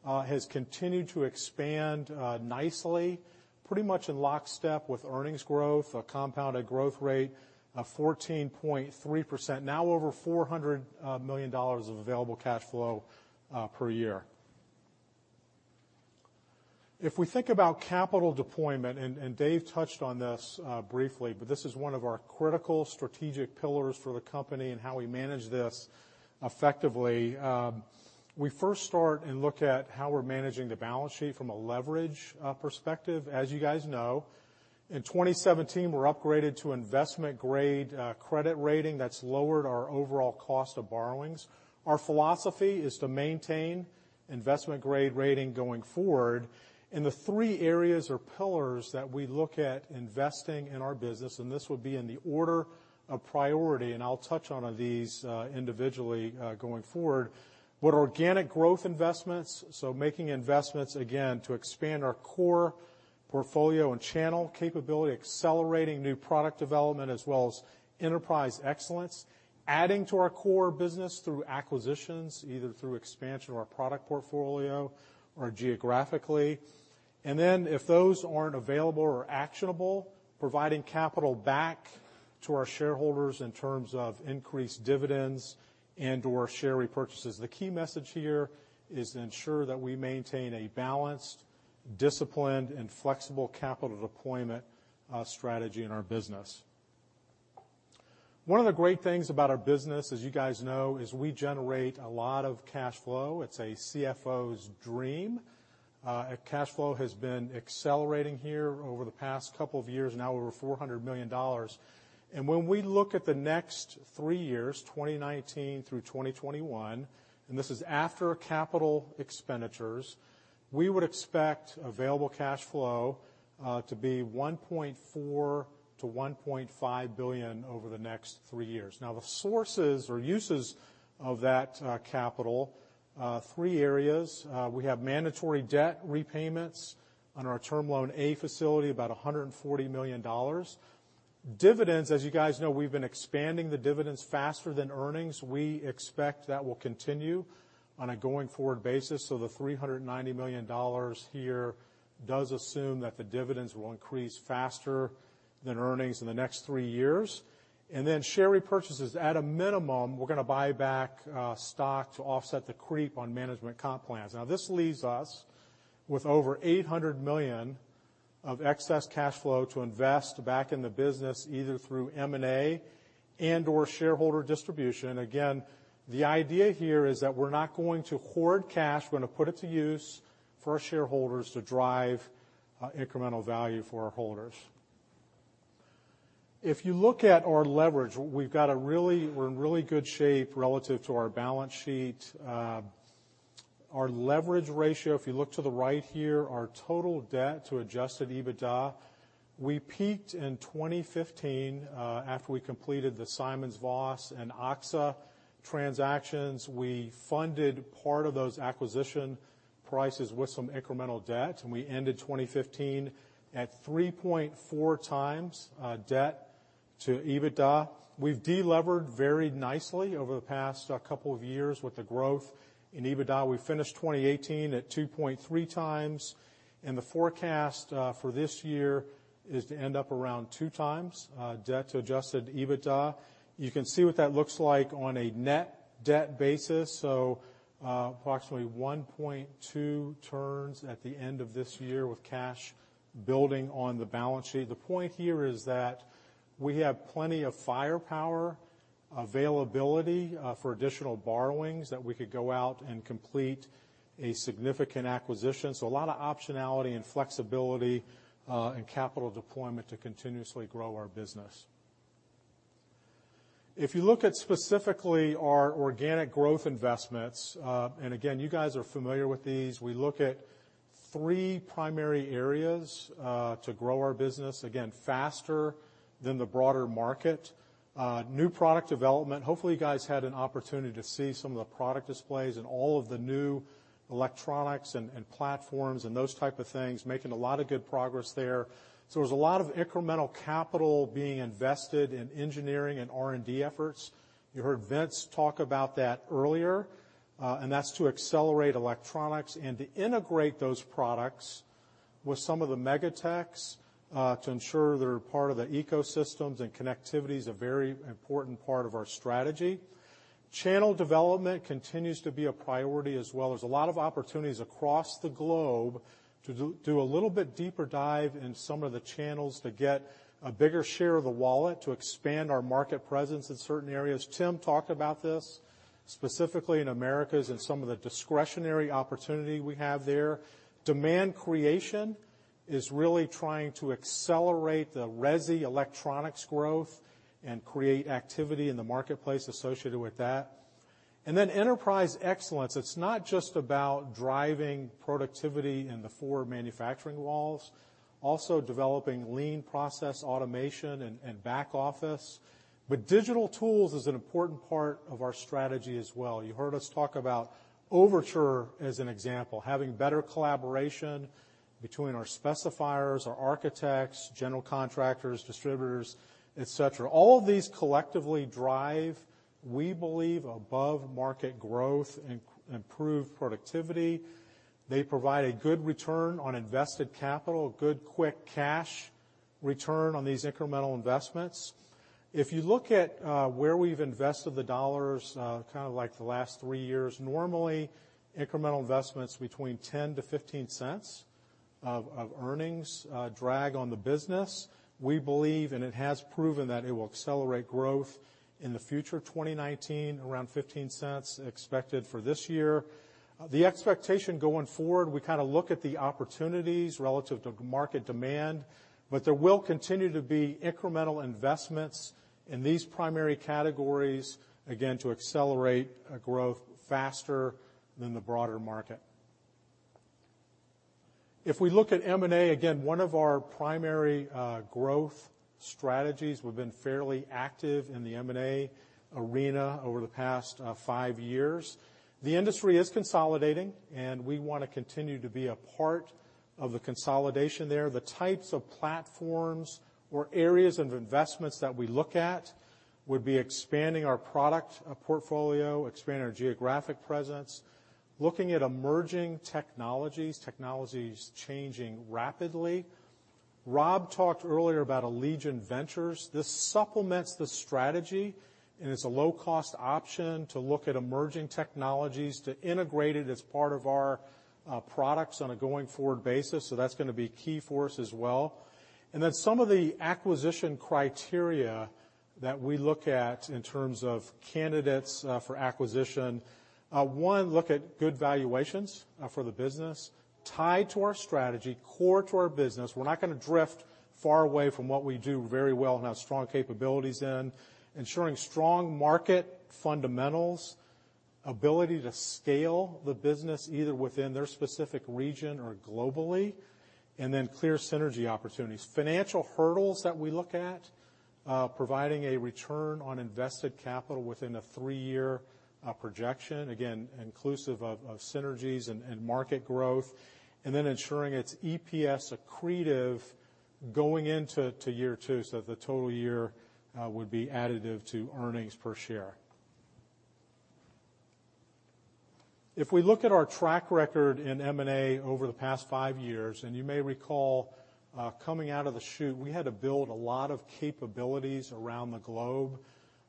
has continued to expand nicely, pretty much in lockstep with earnings growth, a compounded growth rate of 14.3%, now over $400 million of available cash flow per year. If we think about capital deployment, Dave touched on this briefly. This is one of our critical strategic pillars for the company and how we manage this effectively. We first start and look at how we're managing the balance sheet from a leverage perspective. As you guys know, in 2017, we're upgraded to investment-grade credit rating that's lowered our overall cost of borrowings. Our philosophy is to maintain investment-grade rating going forward. The three areas or pillars that we look at investing in our business, and this would be in the order of priority, and I'll touch on these individually going forward, but organic growth investments, so making investments again to expand our core portfolio and channel capability, accelerating new product development, as well as enterprise excellence, adding to our core business through acquisitions, either through expansion of our product portfolio or geographically. If those aren't available or actionable, providing capital back to our shareholders in terms of increased dividends and/or share repurchases. The key message here is to ensure that we maintain a balanced, disciplined, and flexible capital deployment strategy in our business. One of the great things about our business, as you guys know, is we generate a lot of cash flow. It's a CFO's dream. Cash flow has been accelerating here over the past couple of years, now over $400 million. When we look at the next three years, 2019 through 2021, and this is after capital expenditures, we would expect available cash flow to be $1.4 billion-$1.5 billion over the next three years. The sources or uses of that capital, three areas, we have mandatory debt repayments on our Term Loan A facility, about $140 million. Dividends, as you guys know, we've been expanding the dividends faster than earnings. We expect that will continue on a going-forward basis. The $390 million here does assume that the dividends will increase faster than earnings in the next three years. Share repurchases. At a minimum, we're going to buy back stock to offset the creep on management comp plans. This leaves us with over $800 million of excess cash flow to invest back in the business, either through M&A and/or shareholder distribution. Again, the idea here is that we're not going to hoard cash, we're going to put it to use for our shareholders to drive incremental value for our holders. If you look at our leverage, we're in really good shape relative to our balance sheet. Our leverage ratio, if you look to the right here, our total debt to adjusted EBITDA, we peaked in 2015, after we completed the SimonsVoss and AXA transactions. We funded part of those acquisition prices with some incremental debt. We ended 2015 at 3.4 times debt to EBITDA. We've delevered very nicely over the past couple of years with the growth in EBITDA. We finished 2018 at 2.3 times, and the forecast for this year is to end up around two times debt to adjusted EBITDA. You can see what that looks like on a net debt basis, so approximately 1.2 turns at the end of this year with cash building on the balance sheet. The point here is that we have plenty of firepower availability for additional borrowings that we could go out and complete a significant acquisition. A lot of optionality and flexibility in capital deployment to continuously grow our business. If you look at specifically our organic growth investments, again, you guys are familiar with these, we look at three primary areas to grow our business, again, faster than the broader market. New product development. Hopefully, you guys had an opportunity to see some of the product displays and all of the new electronics and platforms and those type of things, making a lot of good progress there. There's a lot of incremental capital being invested in engineering and R&D efforts. You heard Vince talk about that earlier. That's to accelerate electronics and to integrate those products with some of the mega techs to ensure they're part of the ecosystems and connectivities, a very important part of our strategy. Channel development continues to be a priority as well. There's a lot of opportunities across the globe to do a little bit deeper dive in some of the channels to get a bigger share of the wallet to expand our market presence in certain areas. Tim talked about this, specifically in Allegion Americas and some of the discretionary opportunity we have there. Demand creation is really trying to accelerate the resi electronics growth and create activity in the marketplace associated with that. Enterprise excellence, it's not just about driving productivity in the four manufacturing walls, also developing lean process automation and back office. Digital tools is an important part of our strategy as well. You heard us talk about Overtur as an example, having better collaboration between our specifiers, our architects, general contractors, distributors, et cetera. All of these collectively drive, we believe, above-market growth and improve productivity. They provide a good return on invested capital, good quick cash return on these incremental investments. If you look at where we've invested the dollars, kind of like the last three years, normally incremental investments between $0.10 to $0.15 of earnings drag on the business. We believe it has proven that it will accelerate growth in the future. 2019, around $0.15 expected for this year. The expectation going forward, we kind of look at the opportunities relative to market demand, there will continue to be incremental investments in these primary categories, again, to accelerate growth faster than the broader market. If we look at M&A, again, one of our primary growth strategies, we've been fairly active in the M&A arena over the past five years. The industry is consolidating. We want to continue to be a part of the consolidation there. The types of platforms or areas of investments that we look at would be expanding our product portfolio, expanding our geographic presence, looking at emerging technologies. Technology is changing rapidly. Rob talked earlier about Allegion Ventures. This supplements the strategy, and it's a low-cost option to look at emerging technologies to integrate it as part of our products on a going-forward basis. That's going to be key for us as well. Some of the acquisition criteria that we look at in terms of candidates for acquisition. One, look at good valuations for the business tied to our strategy, core to our business. We're not going to drift far away from what we do very well and have strong capabilities in ensuring strong market fundamentals, ability to scale the business either within their specific region or globally, and then clear synergy opportunities. Financial hurdles that we look at, providing a return on invested capital within a three-year projection, again, inclusive of synergies and market growth, and then ensuring its EPS accretive going into year two so that the total year would be additive to earnings per share. If we look at our track record in M&A over the past five years, and you may recall, coming out of the chute, we had to build a lot of capabilities around the globe,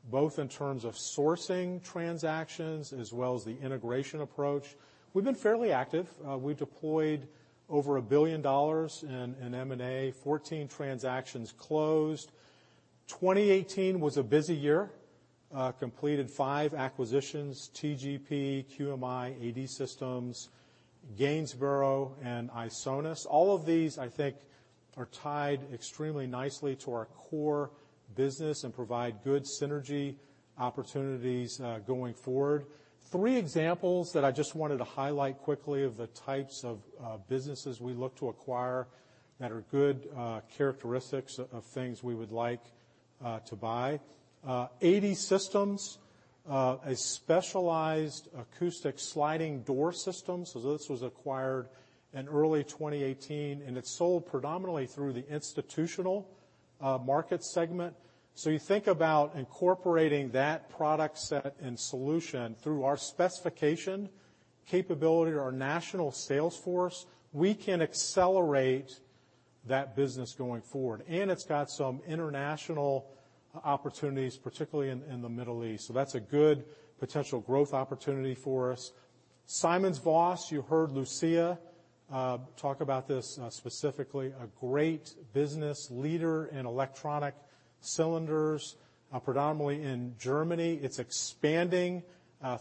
both in terms of sourcing transactions as well as the integration approach. We've been fairly active. We deployed over $1 billion in M&A, 14 transactions closed. 2018 was a busy year. Completed five acquisitions, TGP, QMI, AD Systems, Gainsborough, and ISONAS. All of these, I think, are tied extremely nicely to our core business and provide good synergy opportunities going forward. Three examples that I just wanted to highlight quickly of the types of businesses we look to acquire that are good characteristics of things we would like to buy. AD Systems, a specialized acoustic sliding door system. This was acquired in early 2018, and it's sold predominantly through the institutional market segment. You think about incorporating that product set and solution through our specification capability to our national sales force, we can accelerate that business going forward. It's got some international opportunities, particularly in the Middle East. That's a good potential growth opportunity for us. SimonsVoss, you heard Lucia talk about this specifically, a great business leader in electronic cylinders, predominantly in Germany. It's expanding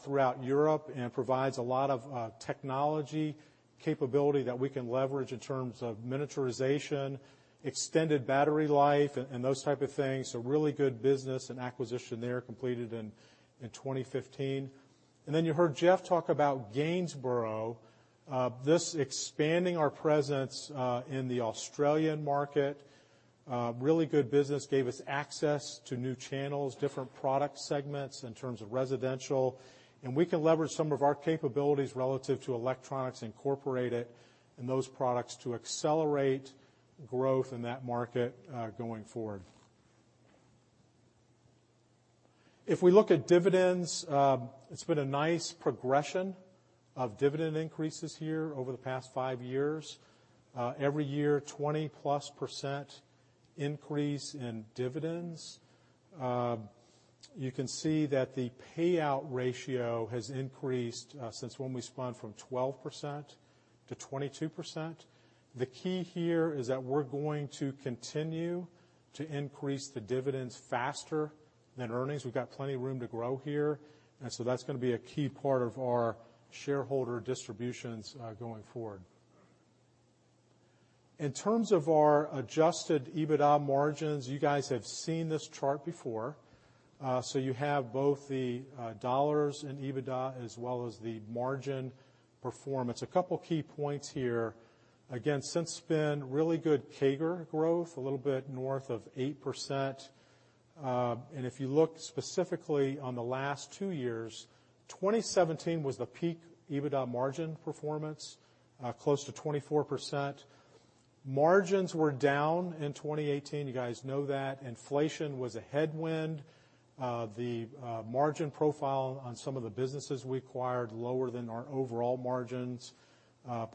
throughout Europe and provides a lot of technology capability that we can leverage in terms of miniaturization, extended battery life, and those type of things. A really good business and acquisition there completed in 2015. You heard Jeff talk about Gainsborough. This expanding our presence in the Australian market. Really good business, gave us access to new channels, different product segments in terms of residential, and we can leverage some of our capabilities relative to electronics, incorporate it in those products to accelerate growth in that market going forward. If we look at dividends, it's been a nice progression of dividend increases here over the past five years. Every year, 20-plus % increase in dividends. You can see that the payout ratio has increased since when we spun from 12%-22%. The key here is that we're going to continue to increase the dividends faster than earnings. We've got plenty of room to grow here, that's going to be a key part of our shareholder distributions going forward. In terms of our adjusted EBITDA margins, you guys have seen this chart before. You have both the dollars in EBITDA as well as the margin performance. A couple of key points here. It's been really good CAGR growth, a little bit north of 8%. If you look specifically on the last two years, 2017 was the peak EBITDA margin performance, close to 24%. Margins were down in 2018. You guys know that. Inflation was a headwind. The margin profile on some of the businesses we acquired lower than our overall margins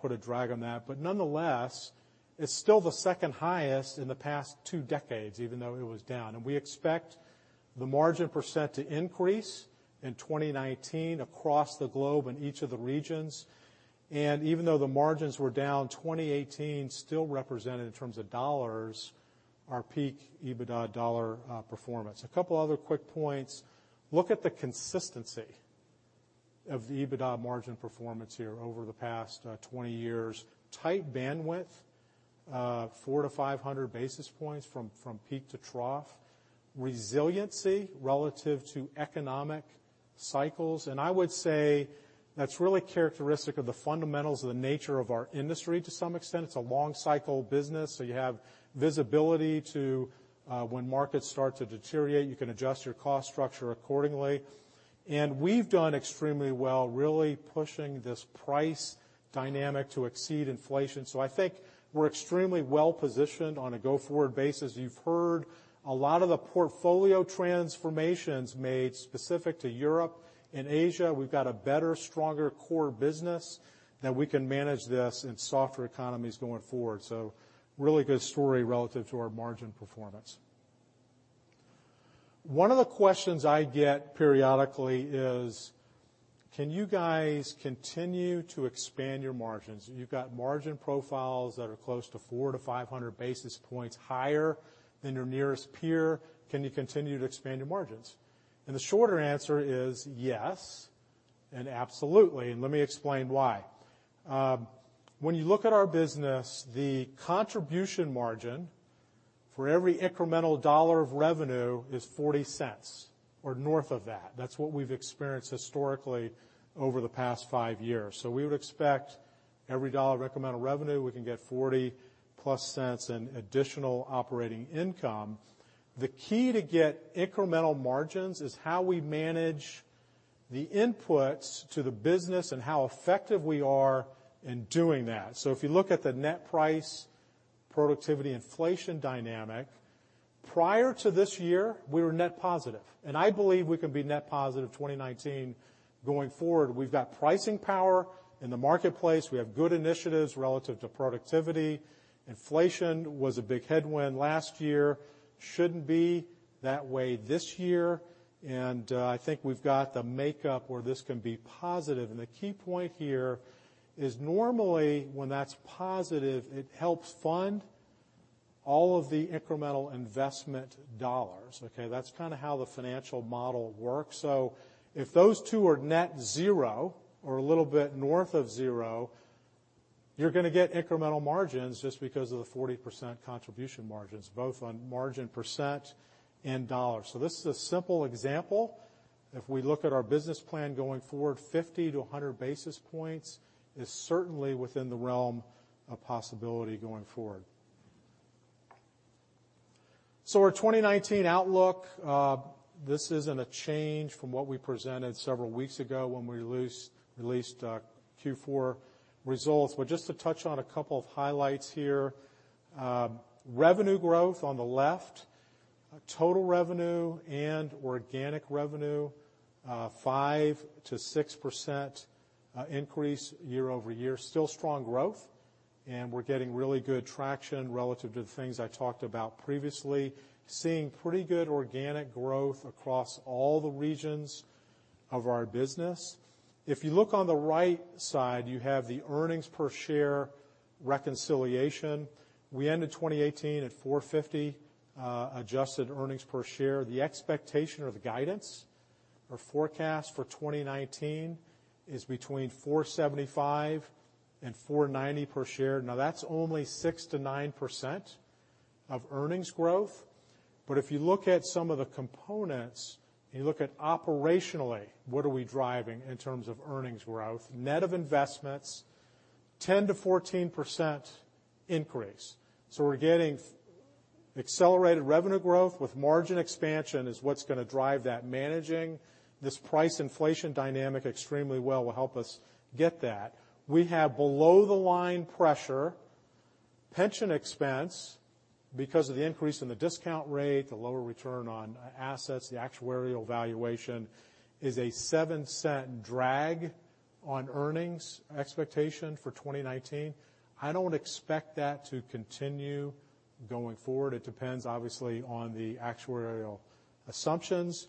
put a drag on that. Nonetheless, it's still the second highest in the past two decades, even though it was down. We expect the margin percent to increase in 2019 across the globe in each of the regions. Even though the margins were down, 2018 still represented, in terms of dollars, our peak EBITDA dollar performance. A couple other quick points. Look at the consistency of the EBITDA margin performance here over the past 20 years. Tight bandwidth, 400 to 500 basis points from peak to trough. Resiliency relative to economic cycles, I would say that's really characteristic of the fundamentals of the nature of our industry to some extent. It's a long-cycle business, you have visibility to when markets start to deteriorate. You can adjust your cost structure accordingly. We've done extremely well, really pushing this price dynamic to exceed inflation. I think we're extremely well-positioned on a go-forward basis. You've heard a lot of the portfolio transformations made specific to Europe and Asia. We've got a better, stronger core business that we can manage this in softer economies going forward. Really good story relative to our margin performance. One of the questions I get periodically is, "Can you guys continue to expand your margins? You've got margin profiles that are close to 400 to 500 basis points higher than your nearest peer. Can you continue to expand your margins?" The shorter answer is yes, absolutely, let me explain why. When you look at our business, the contribution margin for every incremental dollar of revenue is $0.40 or north of that. That's what we've experienced historically over the past five years. We would expect every dollar of incremental revenue, we can get $0.40-plus in additional operating income. The key to get incremental margins is how we manage the inputs to the business and how effective we are in doing that. If you look at the net price productivity inflation dynamic, prior to this year, we were net positive, I believe we can be net positive 2019 going forward. We've got pricing power in the marketplace. We have good initiatives relative to productivity. Inflation was a big headwind last year. Shouldn't be that way this year, I think we've got the makeup where this can be positive, the key point here is normally when that's positive, it helps fund all of the incremental investment dollars, okay? That's kind of how the financial model works. If those two are net zero or a little bit north of zero, you're going to get incremental margins just because of the 40% contribution margins, both on margin percent and dollars. This is a simple example. Our business plan going forward, 50 to 100 basis points is certainly within the realm of possibility going forward. Our 2019 outlook, this isn't a change from what we presented several weeks ago when we released Q4 results, but just to touch on a couple of highlights here. Revenue growth on the left, total revenue and organic revenue, 5%-6% increase year-over-year. Still strong growth, and we're getting really good traction relative to the things I talked about previously. Seeing pretty good organic growth across all the regions of our business. If you look on the right side, you have the earnings per share reconciliation. We ended 2018 at $4.50 adjusted earnings per share. The expectation or the guidance or forecast for 2019 is between $4.75 and $4.90 per share. That's only 6%-9% of earnings growth. If you look at some of the components and you look at operationally what are we driving in terms of earnings growth, net of investments, 10%-14% increase. We're getting accelerated revenue growth with margin expansion is what's going to drive that. Managing this price inflation dynamic extremely well will help us get that. We have below-the-line pressure. Pension expense, because of the increase in the discount rate, the lower return on assets, the actuarial valuation is a $0.07 drag on earnings expectation for 2019. I don't expect that to continue going forward. It depends, obviously, on the actuarial assumptions.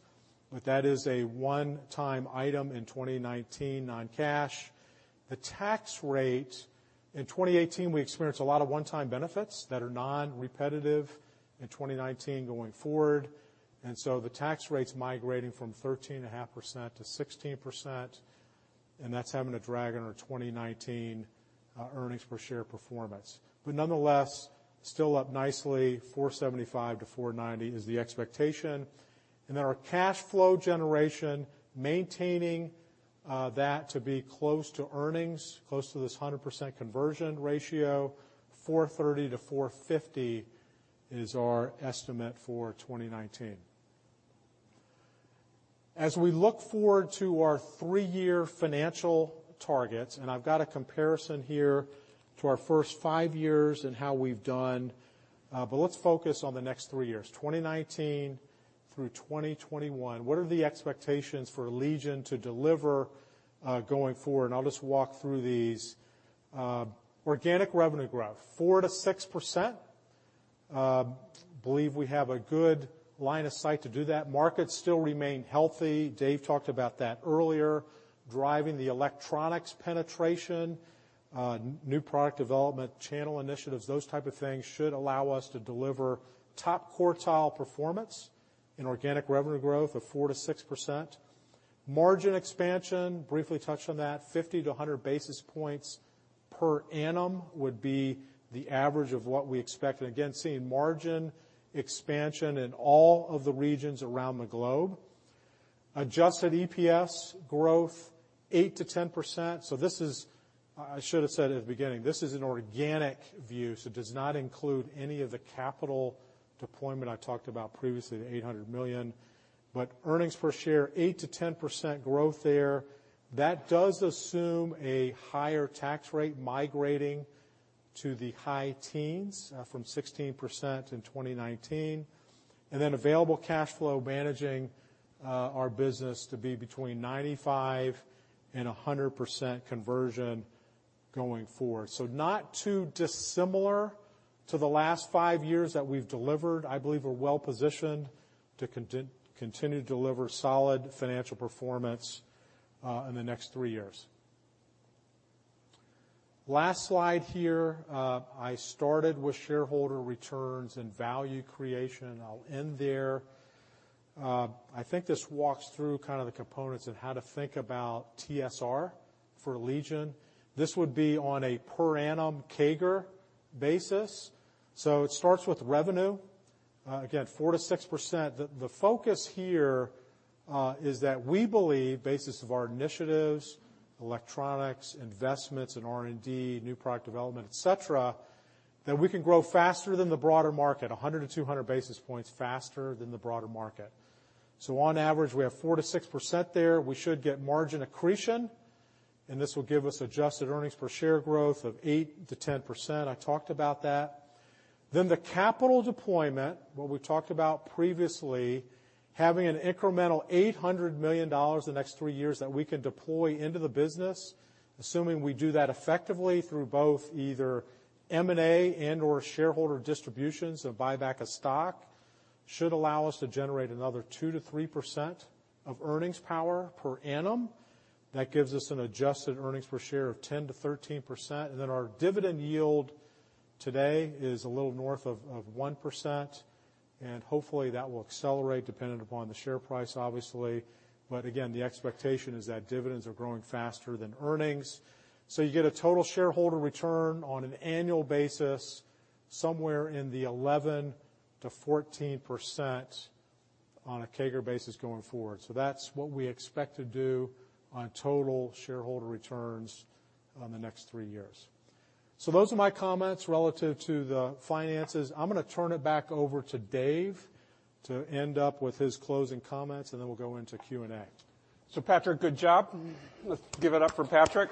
That is a one-time item in 2019 non-cash. The tax rate, in 2018, we experienced a lot of one-time benefits that are non-repetitive in 2019 going forward. The tax rate's migrating from 13.5%-16%, and that's having a drag on our 2019 earnings per share performance. Nonetheless, still up nicely, $4.75-$4.90 is the expectation. Our cash flow generation, maintaining that to be close to earnings, close to this 100% conversion ratio, $430 million-$450 million is our estimate for 2019. As we look forward to our three-year financial targets, I've got a comparison here to our first five years and how we've done, let's focus on the next three years, 2019 through 2021. What are the expectations for Allegion to deliver going forward? I'll just walk through these. Organic revenue growth 4%-6%. Believe we have a good line of sight to do that. Markets still remain healthy. Dave talked about that earlier, driving the electronics penetration, new product development, channel initiatives, those type of things should allow us to deliver top quartile performance in organic revenue growth of 4%-6%. Margin expansion, briefly touched on that, 50 to 100 basis points per annum would be the average of what we expect. Again, seeing margin expansion in all of the regions around the globe. Adjusted EPS growth 8%-10%. I should've said at the beginning, this is an organic view, does not include any of the capital deployment I talked about previously, the $800 million. Earnings per share, 8%-10% growth there. That does assume a higher tax rate migrating to the high teens from 16% in 2019, available cash flow managing our business to be between 95% and 100% conversion going forward. Not too dissimilar to the last five years that we've delivered. I believe we're well-positioned to continue to deliver solid financial performance in the next three years. Last slide here. I started with shareholder returns and value creation, and I'll end there. This walks through the components of how to think about TSR for Allegion. This would be on a per annum CAGR basis. It starts with revenue, again, 4%-6%. The focus here is that we believe, basis of our initiatives, electronics, investments in R&D, new product development, et cetera, that we can grow faster than the broader market, 100-200 basis points faster than the broader market. On average, we have 4%-6% there. We should get margin accretion, this will give us adjusted earnings per share growth of 8%-10%. I talked about that. The capital deployment, what we talked about previously, having an incremental $800 million the next three years that we can deploy into the business, assuming we do that effectively through both either M&A and/or shareholder distributions of buyback of stock, should allow us to generate another 2%-3% of earnings power per annum. That gives us an adjusted earnings per share of 10%-13%. Our dividend yield today is a little north of 1%. Hopefully, that will accelerate dependent upon the share price, obviously. Again, the expectation is that dividends are growing faster than earnings. You get a total shareholder return on an annual basis somewhere in the 11%-14% on a CAGR basis going forward. That's what we expect to do on total shareholder returns on the next three years. Those are my comments relative to the finances. I'm going to turn it back over to Dave to end up with his closing comments. We'll go into Q&A. Patrick, good job. Let's give it up for Patrick.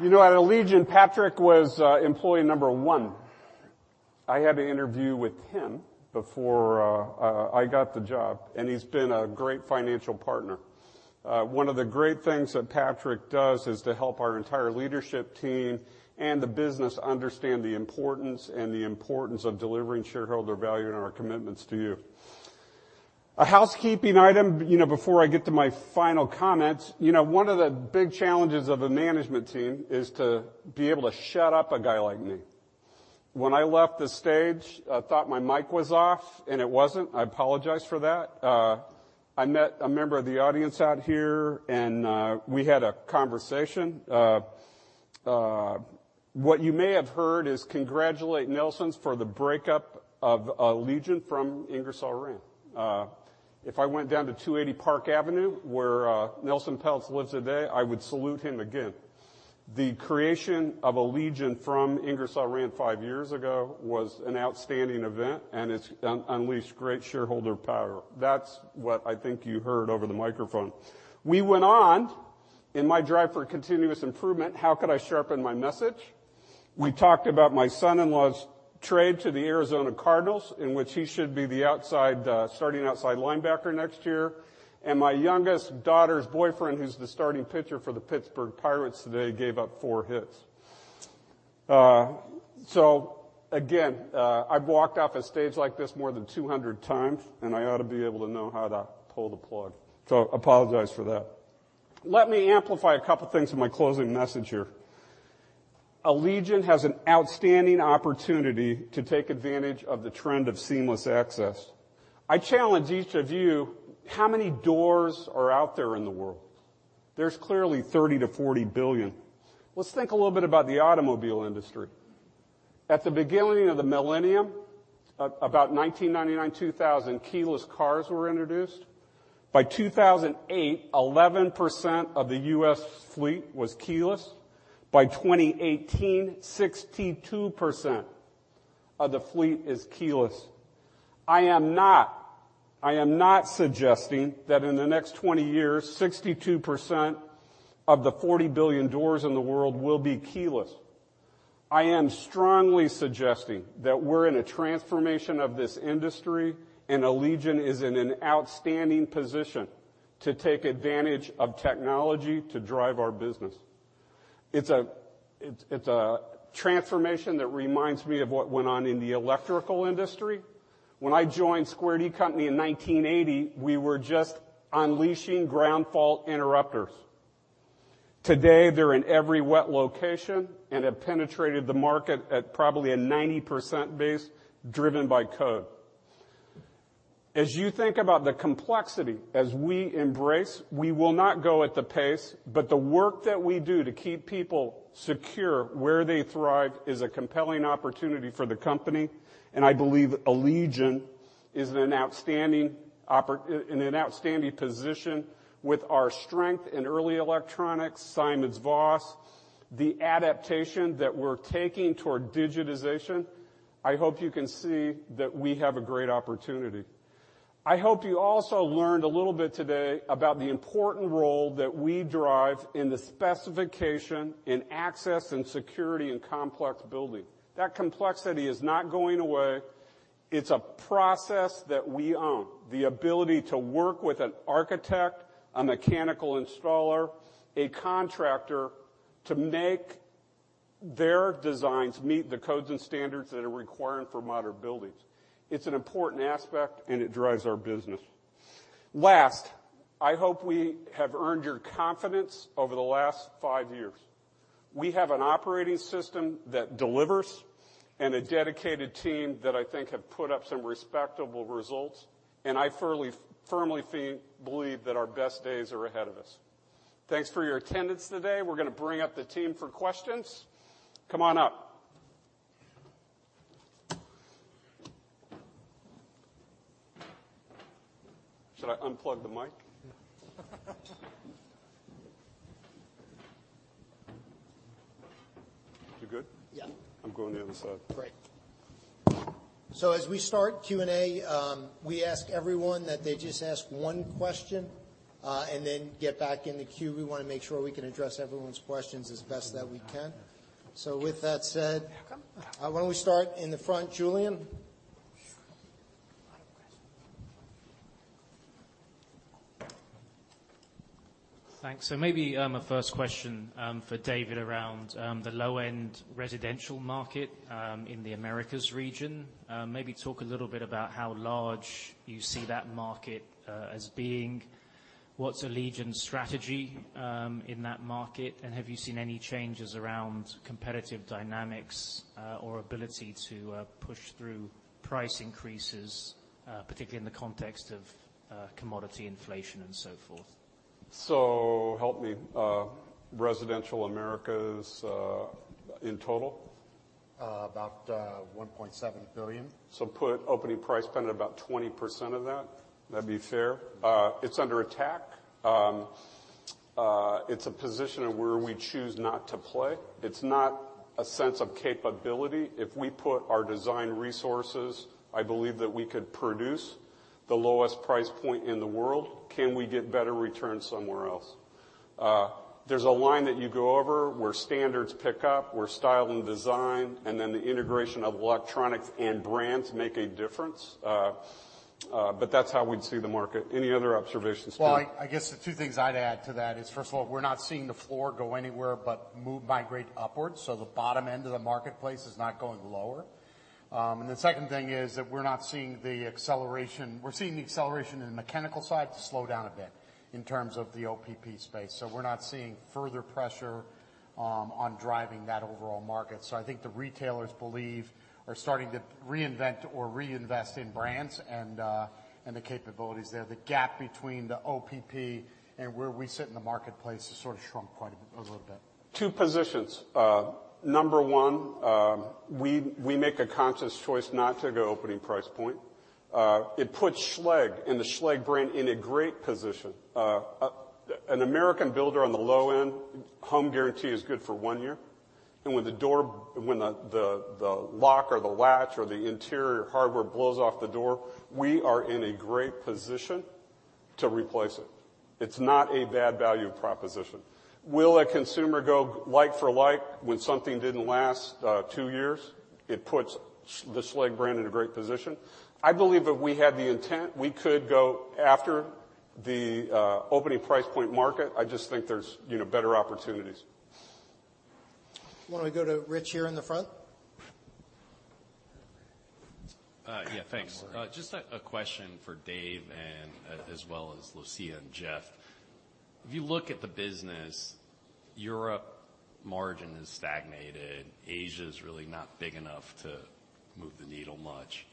At Allegion, Patrick was employee number one. I had to interview with him before I got the job. He's been a great financial partner. One of the great things that Patrick does is to help our entire leadership team and the business understand the importance of delivering shareholder value and our commitments to you. A housekeeping item before I get to my final comments. One of the big challenges of a management team is to be able to shut up a guy like me. When I left the stage, I thought my mic was off. It wasn't. I apologize for that. I met a member of the audience out here. We had a conversation. What you may have heard is congratulate Nelson Peltz for the breakup of Allegion from Ingersoll Rand. If I went down to 280 Park Avenue, where Nelson Peltz lives today, I would salute him again. The creation of Allegion from Ingersoll Rand five years ago was an outstanding event, and it's unleashed great shareholder power. That's what I think you heard over the microphone. We went on in my drive for continuous improvement. How could I sharpen my message? We talked about my son-in-law's trade to the Arizona Cardinals, in which he should be the starting outside linebacker next year, and my youngest daughter's boyfriend, who's the starting pitcher for the Pittsburgh Pirates today, gave up four hits. Again, I've walked off a stage like this more than 200 times, and I ought to be able to know how to pull the plug. Apologize for that. Let me amplify a couple things in my closing message here. Allegion has an outstanding opportunity to take advantage of the trend of seamless access. I challenge each of you, how many doors are out there in the world? There's clearly 30 to 40 billion. Let's think a little bit about the automobile industry. At the beginning of the millennium, about 1999, 2000, keyless cars were introduced. By 2008, 11% of the U.S. fleet was keyless. By 2018, 62% of the fleet is keyless. I am not suggesting that in the next 20 years, 62% of the 40 billion doors in the world will be keyless. I am strongly suggesting that we're in a transformation of this industry, and Allegion is in an outstanding position to take advantage of technology to drive our business. It's a transformation that reminds me of what went on in the electrical industry. When I joined Square D Company in 1980, we were just unleashing ground fault interrupters. Today, they're in every wet location and have penetrated the market at probably a 90% base driven by code. As you think about the complexity as we embrace, we will not go at the pace, but the work that we do to keep people secure where they thrive is a compelling opportunity for the company, and I believe Allegion is in an outstanding position with our strength in early electronics, SimonsVoss. The adaptation that we're taking toward digitization, I hope you can see that we have a great opportunity. I hope you also learned a little bit today about the important role that we drive in the specification in access and security in complex building. That complexity is not going away. It's a process that we own. The ability to work with an architect, a mechanical installer, a contractor to make their designs meet the codes and standards that are required for modern buildings. It's an important aspect, and it drives our business. Last, I hope we have earned your confidence over the last five years. We have an operating system that delivers and a dedicated team that I think have put up some respectable results, and I firmly believe that our best days are ahead of us. Thanks for your attendance today. We're going to bring up the team for questions. Come on up. Should I unplug the mic? No. You're good? Yeah. I'm going the other side. Great. As we start Q&A, we ask everyone that they just ask one question, and then get back in the queue. We want to make sure we can address everyone's questions as best that we can. With that said. Welcome Why don't we start in the front, Julian? A lot of questions. Thanks. Maybe, a first question for Dave around the low-end residential market, in the Americas region. Maybe talk a little bit about how large you see that market as being. What's Allegion's strategy in that market, and have you seen any changes around competitive dynamics or ability to push through price increases, particularly in the context of commodity inflation and so forth? Help me, residential Americas in total? About $1.7 billion. Put opening price point at about 20% of that. That'd be fair. It's under attack. It's a position of where we choose not to play. It's not a sense of capability. If we put our design resources, I believe that we could produce the lowest price point in the world. Can we get better returns somewhere else? There's a line that you go over where standards pick up, where style and design, and then the integration of electronics and brands make a difference. That's how we'd see the market. Any other observations, too? Well, I guess the two things I'd add to that is, first of all, we're not seeing the floor go anywhere but migrate upwards. The bottom end of the marketplace is not going lower. The second thing is that we're not seeing the acceleration in the mechanical side slow down a bit in terms of the OPP space. We're not seeing further pressure on driving that overall market. I think the retailers believe are starting to reinvent or reinvest in brands and the capabilities there. The gap between the OPP and where we sit in the marketplace has sort of shrunk quite a little bit. Two positions. Number one, we make a conscious choice not to go opening price point. It puts Schlage and the Schlage brand in a great position. An American builder on the low end, home guarantee is good for one year. When the lock or the latch or the interior hardware blows off the door, we are in a great position to replace it. It's not a bad value proposition. Will a consumer go like for like when something didn't last two years? It puts the Schlage brand in a great position. I believe if we had the intent, we could go after the opening price point market. I just think there's better opportunities. Why don't we go to Rich here in the front? Yeah, thanks. No worry. Just a question for Dave and as well as Lucia and Jeff. If you look at the business, Europe margin has stagnated. Asia's really not big enough to move the needle much.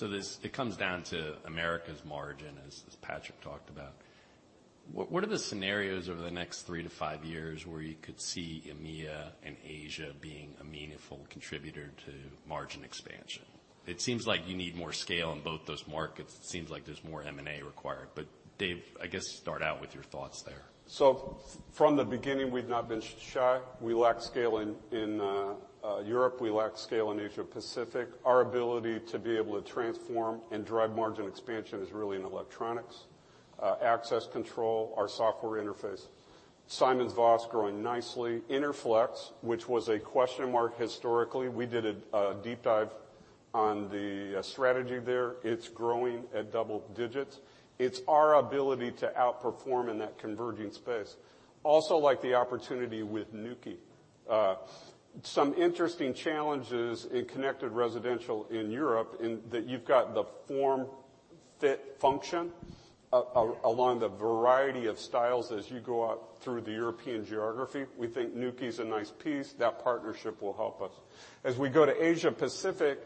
It comes down to Americas margin, as Patrick talked about. What are the scenarios over the next three to five years where you could see EMEA and Asia being a meaningful contributor to margin expansion? It seems like you need more scale in both those markets. It seems like there's more M&A required. Dave, I guess start out with your thoughts there. From the beginning, we've not been shy. We lack scale in Europe. We lack scale in Asia Pacific. Our ability to be able to transform and drive margin expansion is really in electronics, access control, our software interface, SimonsVoss growing nicely. Interflex, which was a question mark historically, we did a deep dive on the strategy there. It's growing at double digits. It's our ability to outperform in that converging space. Also like the opportunity with Nuki. Some interesting challenges in connected residential in Europe, in that you've got the form, fit, function along the variety of styles as you go out through the European geography. We think Nuki's a nice piece. That partnership will help us. As we go to Asia Pacific,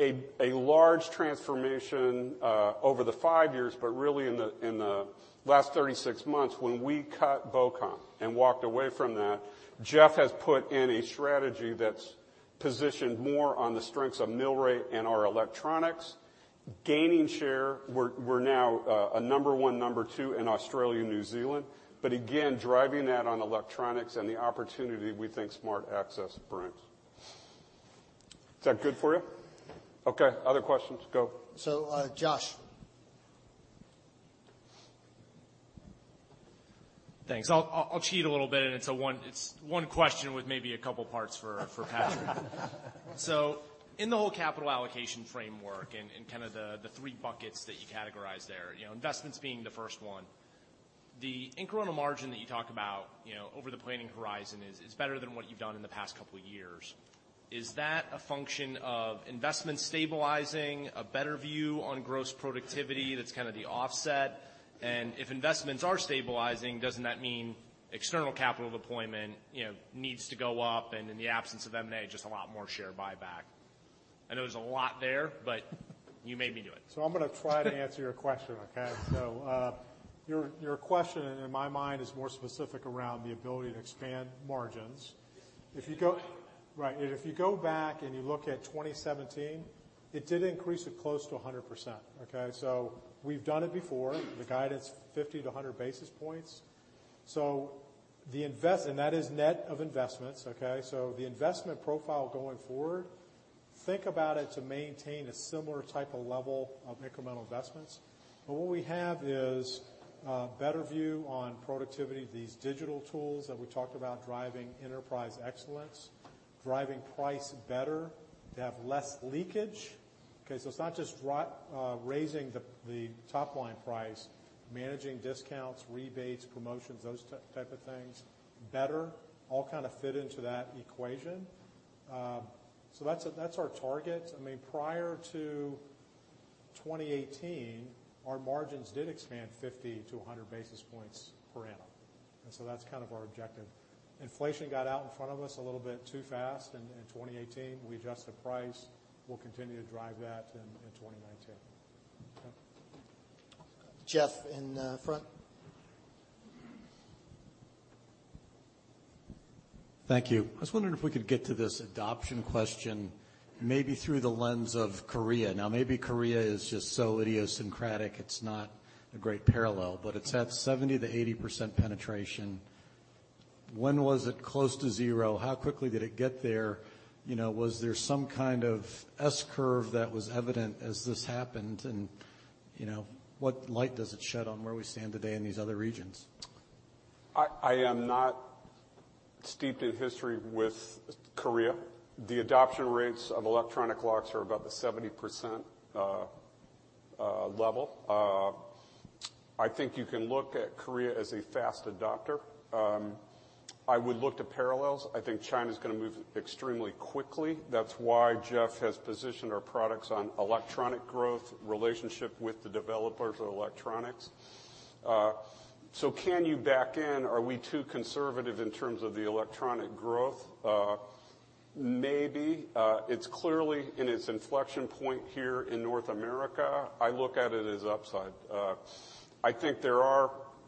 a large transformation over the five years, but really in the last 36 months, when we cut Bocom and walked away from that. Jeff has put in a strategy that's positioned more on the strengths of Milre and our electronics, gaining share. We're now a number one, number two in Australia, New Zealand, but again, driving that on electronics and the opportunity we think smart access brings. Is that good for you? Okay, other questions. Go. Josh. Thanks. I'll cheat a little bit, it's one question with maybe a couple parts for Patrick. In the whole capital allocation framework and kind of the three buckets that you categorize there, investments being the first one, the incremental margin that you talk about over the planning horizon is better than what you've done in the past couple of years. Is that a function of investment stabilizing, a better view on gross productivity that's kind of the offset? If investments are stabilizing, doesn't that mean external capital deployment needs to go up? In the absence of M&A, just a lot more share buyback. I know there's a lot there, you made me do it. I'm going to try to answer your question, okay? Your question, in my mind, is more specific around the ability to expand margins. Yes. Right. If you go back and you look at 2017, it did increase it close to 100%. We've done it before. The guidance, 50 to 100 basis points. That is net of investments. The investment profile going forward, think about it to maintain a similar type of level of incremental investments. What we have is a better view on productivity of these digital tools that we talked about, driving enterprise excellence, driving price better to have less leakage. It's not just raising the top-line price. Managing discounts, rebates, promotions, those type of things better all kind of fit into that equation. That's our target. Prior to 2018, our margins did expand 50 to 100 basis points per annum. That's kind of our objective. Inflation got out in front of us a little bit too fast in 2018. We adjusted price. We'll continue to drive that in 2019. Jeff in the front. Thank you. I was wondering if we could get to this adoption question, maybe through the lens of Korea. Now, maybe Korea is just so idiosyncratic it's not a great parallel, but it's at 70%-80% penetration. When was it close to zero? How quickly did it get there? Was there some kind of S-curve that was evident as this happened, and what light does it shed on where we stand today in these other regions? I am not steeped in history with Korea. The adoption rates of electronic locks are about the 70% level. I think you can look at Korea as a fast adopter. I would look to parallels. I think China's going to move extremely quickly. That's why Jeff has positioned our products on electronic growth, relationship with the developers of electronics. Can you back in? Are we too conservative in terms of the electronic growth? Maybe. It's clearly in its inflection point here in North America. I look at it as upside.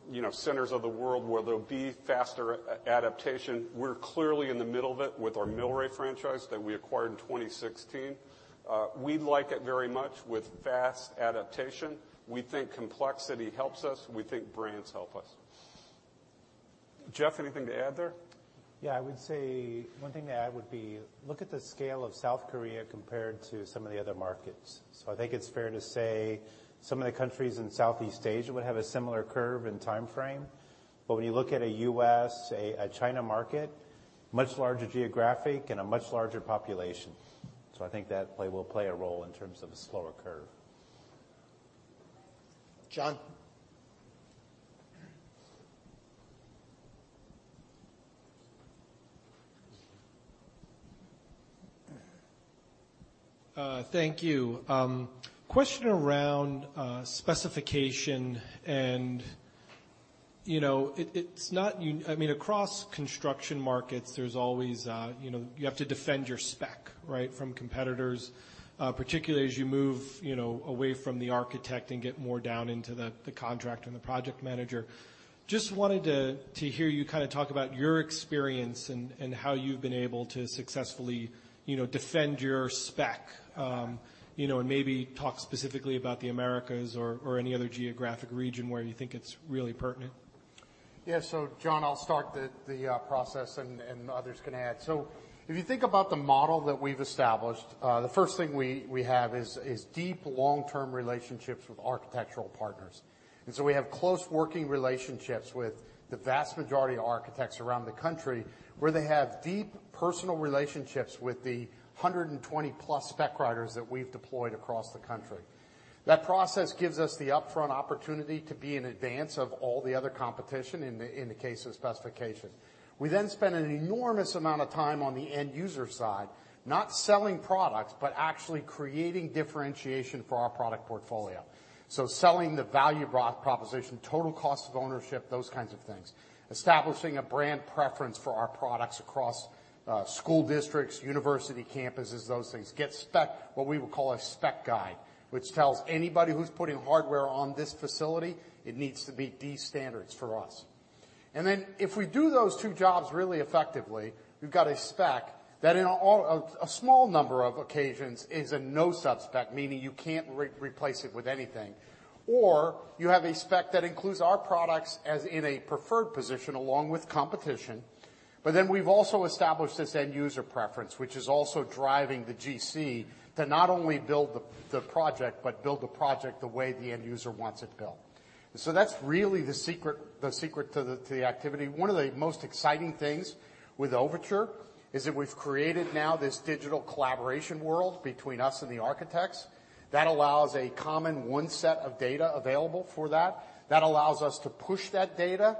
I think there are centers of the world where there'll be faster adaptation. We're clearly in the middle of it with our Milre franchise that we acquired in 2016. We like it very much with fast adaptation. We think complexity helps us. We think brands help us. Jeff, anything to add there? I would say one thing to add would be, look at the scale of South Korea compared to some of the other markets. I think it's fair to say some of the countries in Southeast Asia would have a similar curve and time frame. When you look at a U.S., a China market, much larger geographic and a much larger population. I think that will play a role in terms of a slower curve. John. Thank you. Question around specification and, across construction markets, you have to defend your spec, right, from competitors, particularly as you move away from the architect and get more down into the contract and the project manager. Wanted to hear you kind of talk about your experience and how you've been able to successfully defend your spec, and maybe talk specifically about the Americas or any other geographic region where you think it's really pertinent. John, I'll start the process and others can add. If you think about the model that we've established, the first thing we have is deep long-term relationships with architectural partners. We have close working relationships with the vast majority of architects around the country, where they have deep personal relationships with the 120-plus spec writers that we've deployed across the country. That process gives us the upfront opportunity to be in advance of all the other competition in the case of specification. We then spend an enormous amount of time on the end user side, not selling products, but actually creating differentiation for our product portfolio. Selling the value proposition, total cost of ownership, those kinds of things. Establishing a brand preference for our products across school districts, university campuses, those things. Get spec, what we would call a spec guide, which tells anybody who's putting hardware on this facility, it needs to meet these standards for us. If we do those two jobs really effectively, we've got a spec that on a small number of occasions is a no-sub spec, meaning you can't replace it with anything, or you have a spec that includes our products as in a preferred position along with competition. We've also established this end user preference, which is also driving the GC to not only build the project, but build the project the way the end user wants it built. That's really the secret to the activity. One of the most exciting things with Overtur is that we've created now this digital collaboration world between us and the architects that allows a common one set of data available for that. That allows us to push that data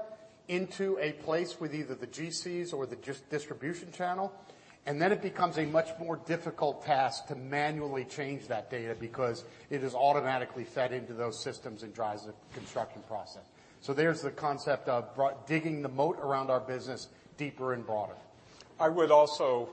into a place with either the GCs or the distribution channel, and then it becomes a much more difficult task to manually change that data because it is automatically fed into those systems and drives the construction process. There's the concept of digging the moat around our business deeper and broader. I would also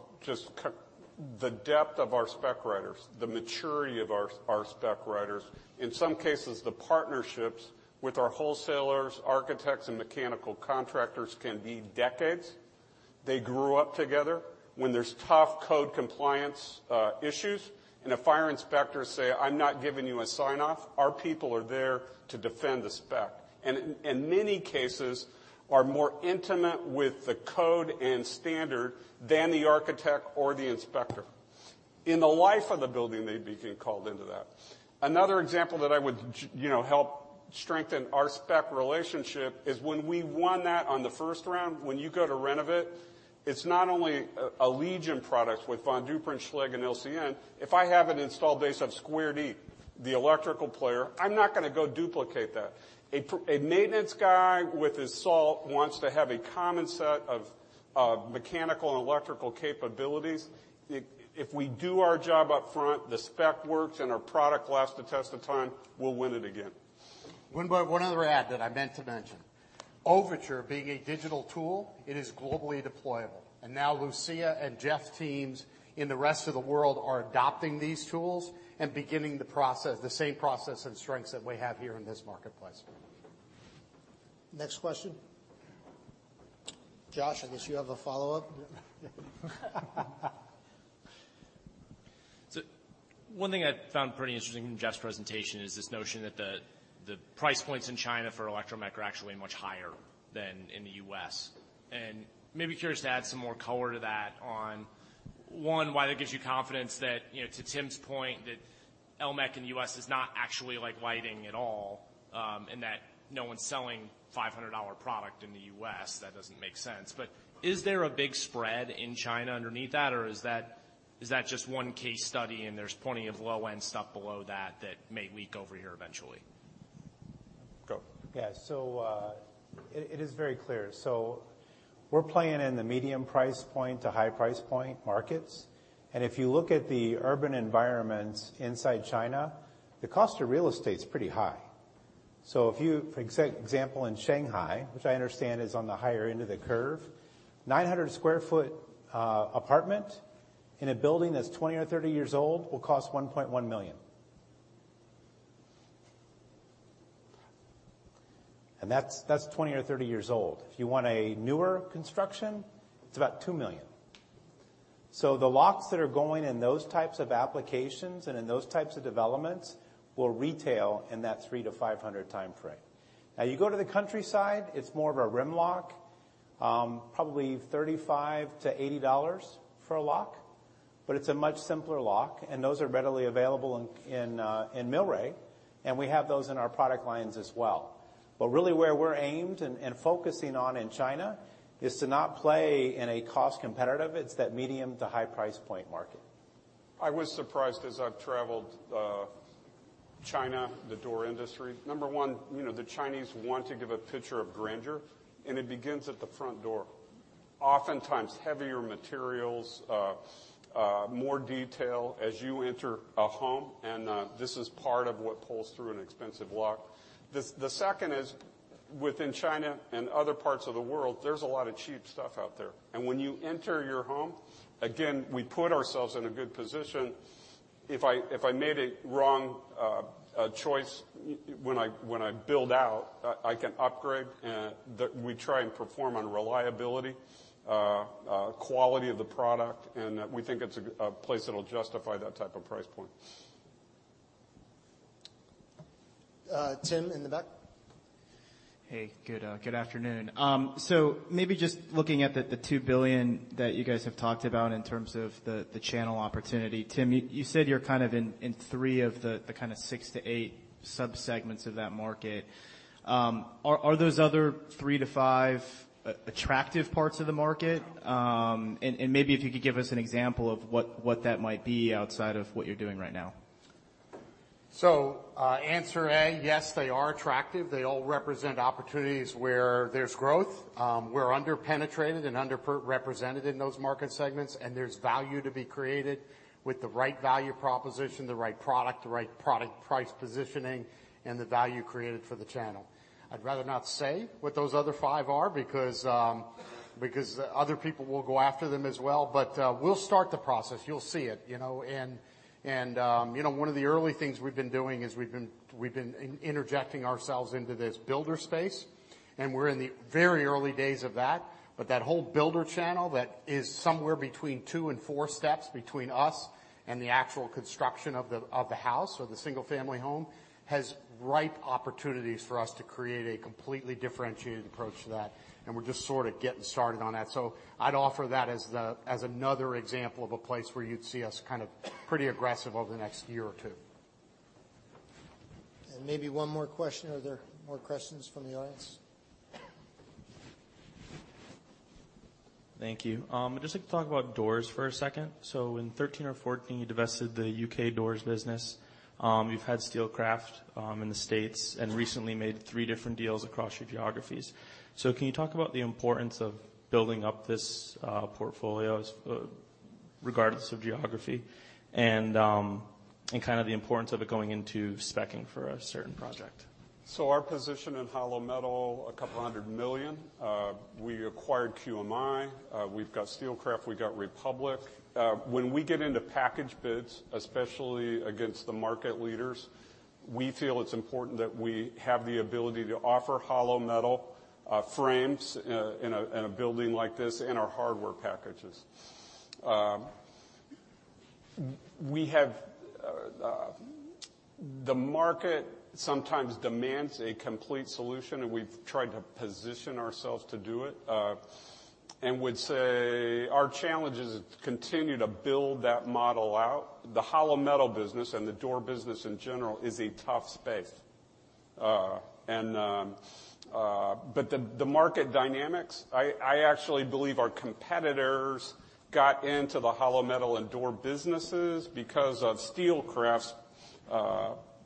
The depth of our spec writers, the maturity of our spec writers. In some cases, the partnerships with our wholesalers, architects, and mechanical contractors can be decades. They grew up together. When there's tough code compliance issues and a fire inspector say, "I'm not giving you a sign-off," our people are there to defend the spec. In many cases, are more intimate with the code and standard than the architect or the inspector. In the life of the building, they'd be getting called into that. Another example that I would help strengthen our spec relationship is when we won that on the first round, when you go to renovate, it's not only an Allegion product with Von Duprin, Schlage, and LCN. If I have an install base of Square D, the electrical player, I'm not going to go duplicate that. A maintenance guy with his salt wants to have a common set of mechanical and electrical capabilities. If we do our job up front, the spec works, and our product lasts the test of time, we'll win it again. One other add that I meant to mention. Overtur being a digital tool, it is globally deployable, and now Lucia and Jeff's teams in the rest of the world are adopting these tools and beginning the same process and strengths that we have here in this marketplace. Next question. Josh, I guess you have a follow-up? One thing I found pretty interesting in Jeff's presentation is this notion that the price points in China for electromech are actually much higher than in the U.S. Maybe curious to add some more color to that on, one, why that gives you confidence that, to Tim's point, that elmech in the U.S. is not actually like lighting at all, in that no one's selling $500 product in the U.S. That doesn't make sense. Is there a big spread in China underneath that, or is that just one case study and there's plenty of low-end stuff below that that may leak over here eventually? Go. Yeah. It is very clear. We're playing in the medium price point to high price point markets, and if you look at the urban environments inside China, the cost of real estate's pretty high. If you, for example, in Shanghai, which I understand is on the higher end of the curve, 900 square foot apartment in a building that's 20 or 30 years old will cost $1.1 million. That's 20 or 30 years old. If you want a newer construction, it's about $2 million. The locks that are going in those types of applications and in those types of developments will retail in that $300-$500 time frame. You go to the countryside, it's more of a rim lock, probably $35-$80 for a lock, it's a much simpler lock, and those are readily available in Milre, and we have those in our product lines as well. Really where we're aimed and focusing on in China is to not play in a cost competitive, it's that medium to high price point market. I was surprised as I've traveled China, the door industry. Number one, the Chinese want to give a picture of grandeur, and it begins at the front door. Oftentimes heavier materials, more detail as you enter a home, and this is part of what pulls through an expensive lock. The second is within China and other parts of the world, there's a lot of cheap stuff out there. When you enter your home, again, we put ourselves in a good position. If I made a wrong choice when I build out, I can upgrade. We try and perform on reliability, quality of the product, and we think it's a place that'll justify that type of price point. Tim, in the back. Hey, good afternoon. Maybe just looking at the $2 billion that you guys have talked about in terms of the channel opportunity. Tim, you said you're kind of in three of the kind of 6-8 sub-segments of that market. Are those other three to five attractive parts of the market? Maybe if you could give us an example of what that might be outside of what you're doing right now. Answer A, yes, they are attractive. They all represent opportunities where there's growth. We're under-penetrated and under-represented in those market segments, and there's value to be created with the right value proposition, the right product, the right product price positioning, and the value created for the channel. I'd rather not say what those other five are because other people will go after them as well. We'll start the process. You'll see it. One of the early things we've been doing is we've been interjecting ourselves into this builder space, and we're in the very early days of that. That whole builder channel that is somewhere between two and four steps between us and the actual construction of the house or the single-family home has ripe opportunities for us to create a completely differentiated approach to that, and we're just sort of getting started on that. I'd offer that as another example of a place where you'd see us kind of pretty aggressive over the next year or two. Maybe one more question. Are there more questions from the audience? Thank you. I'd just like to talk about doors for a second. In 2013 or 2014, you divested the U.K. doors business. You've had Steelcraft in the States and recently made three different deals across your geographies. Can you talk about the importance of building up this portfolio regardless of geography and kind of the importance of it going into speccing for a certain project? Our position in hollow metal, $200 million. We acquired QMI, we've got Steelcraft, we've got Republic. When we get into package bids, especially against the market leaders, we feel it's important that we have the ability to offer hollow metal frames in a building like this in our hardware packages. The market sometimes demands a complete solution, and we've tried to position ourselves to do it, and would say our challenge is to continue to build that model out. The hollow metal business and the door business in general is a tough space. The market dynamics, I actually believe our competitors got into the hollow metal and door businesses because of Steelcraft's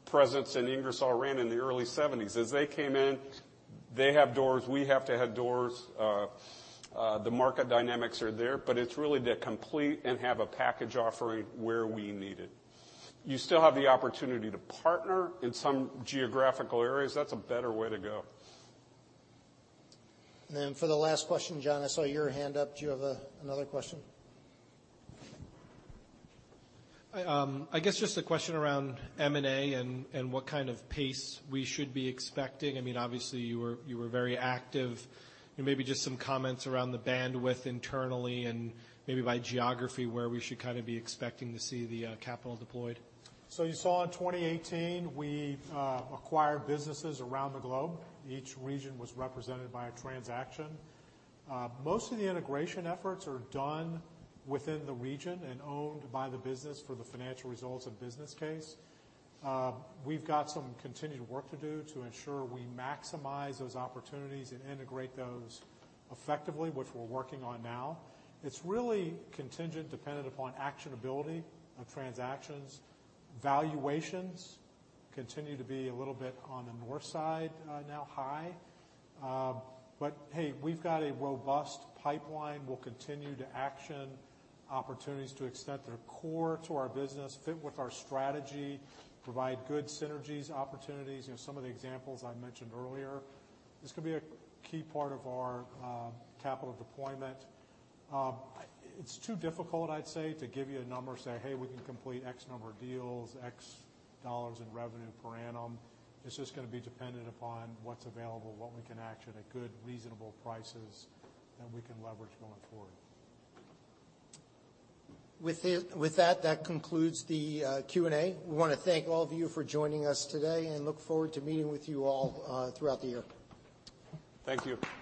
presence in Ingersoll Rand in the early 1970s. As they came in, they have doors, we have to have doors. The market dynamics are there, it's really to complete and have a package offering where we need it. You still have the opportunity to partner in some geographical areas. That's a better way to go. For the last question, John, I saw your hand up. Do you have another question? I guess just a question around M&A and what kind of pace we should be expecting. I mean, obviously, you were very active and maybe just some comments around the bandwidth internally and maybe by geography where we should kind of be expecting to see the capital deployed. You saw in 2018, we acquired businesses around the globe. Each region was represented by a transaction. Most of the integration efforts are done within the region and owned by the business for the financial results and business case. We've got some continued work to do to ensure we maximize those opportunities and integrate those effectively, which we're working on now. It's really contingent, dependent upon actionability of transactions. Valuations continue to be a little bit on the more side, now high. Hey, we've got a robust pipeline. We'll continue to action opportunities to extend their core to our business, fit with our strategy, provide good synergies, opportunities, some of the examples I mentioned earlier. This could be a key part of our capital deployment. It's too difficult, I'd say, to give you a number and say, "Hey, we can complete X number of deals, $X in revenue per annum." It's just going to be dependent upon what's available, what we can action at good, reasonable prices that we can leverage going forward. With that concludes the Q&A. We want to thank all of you for joining us today and look forward to meeting with you all throughout the year. Thank you.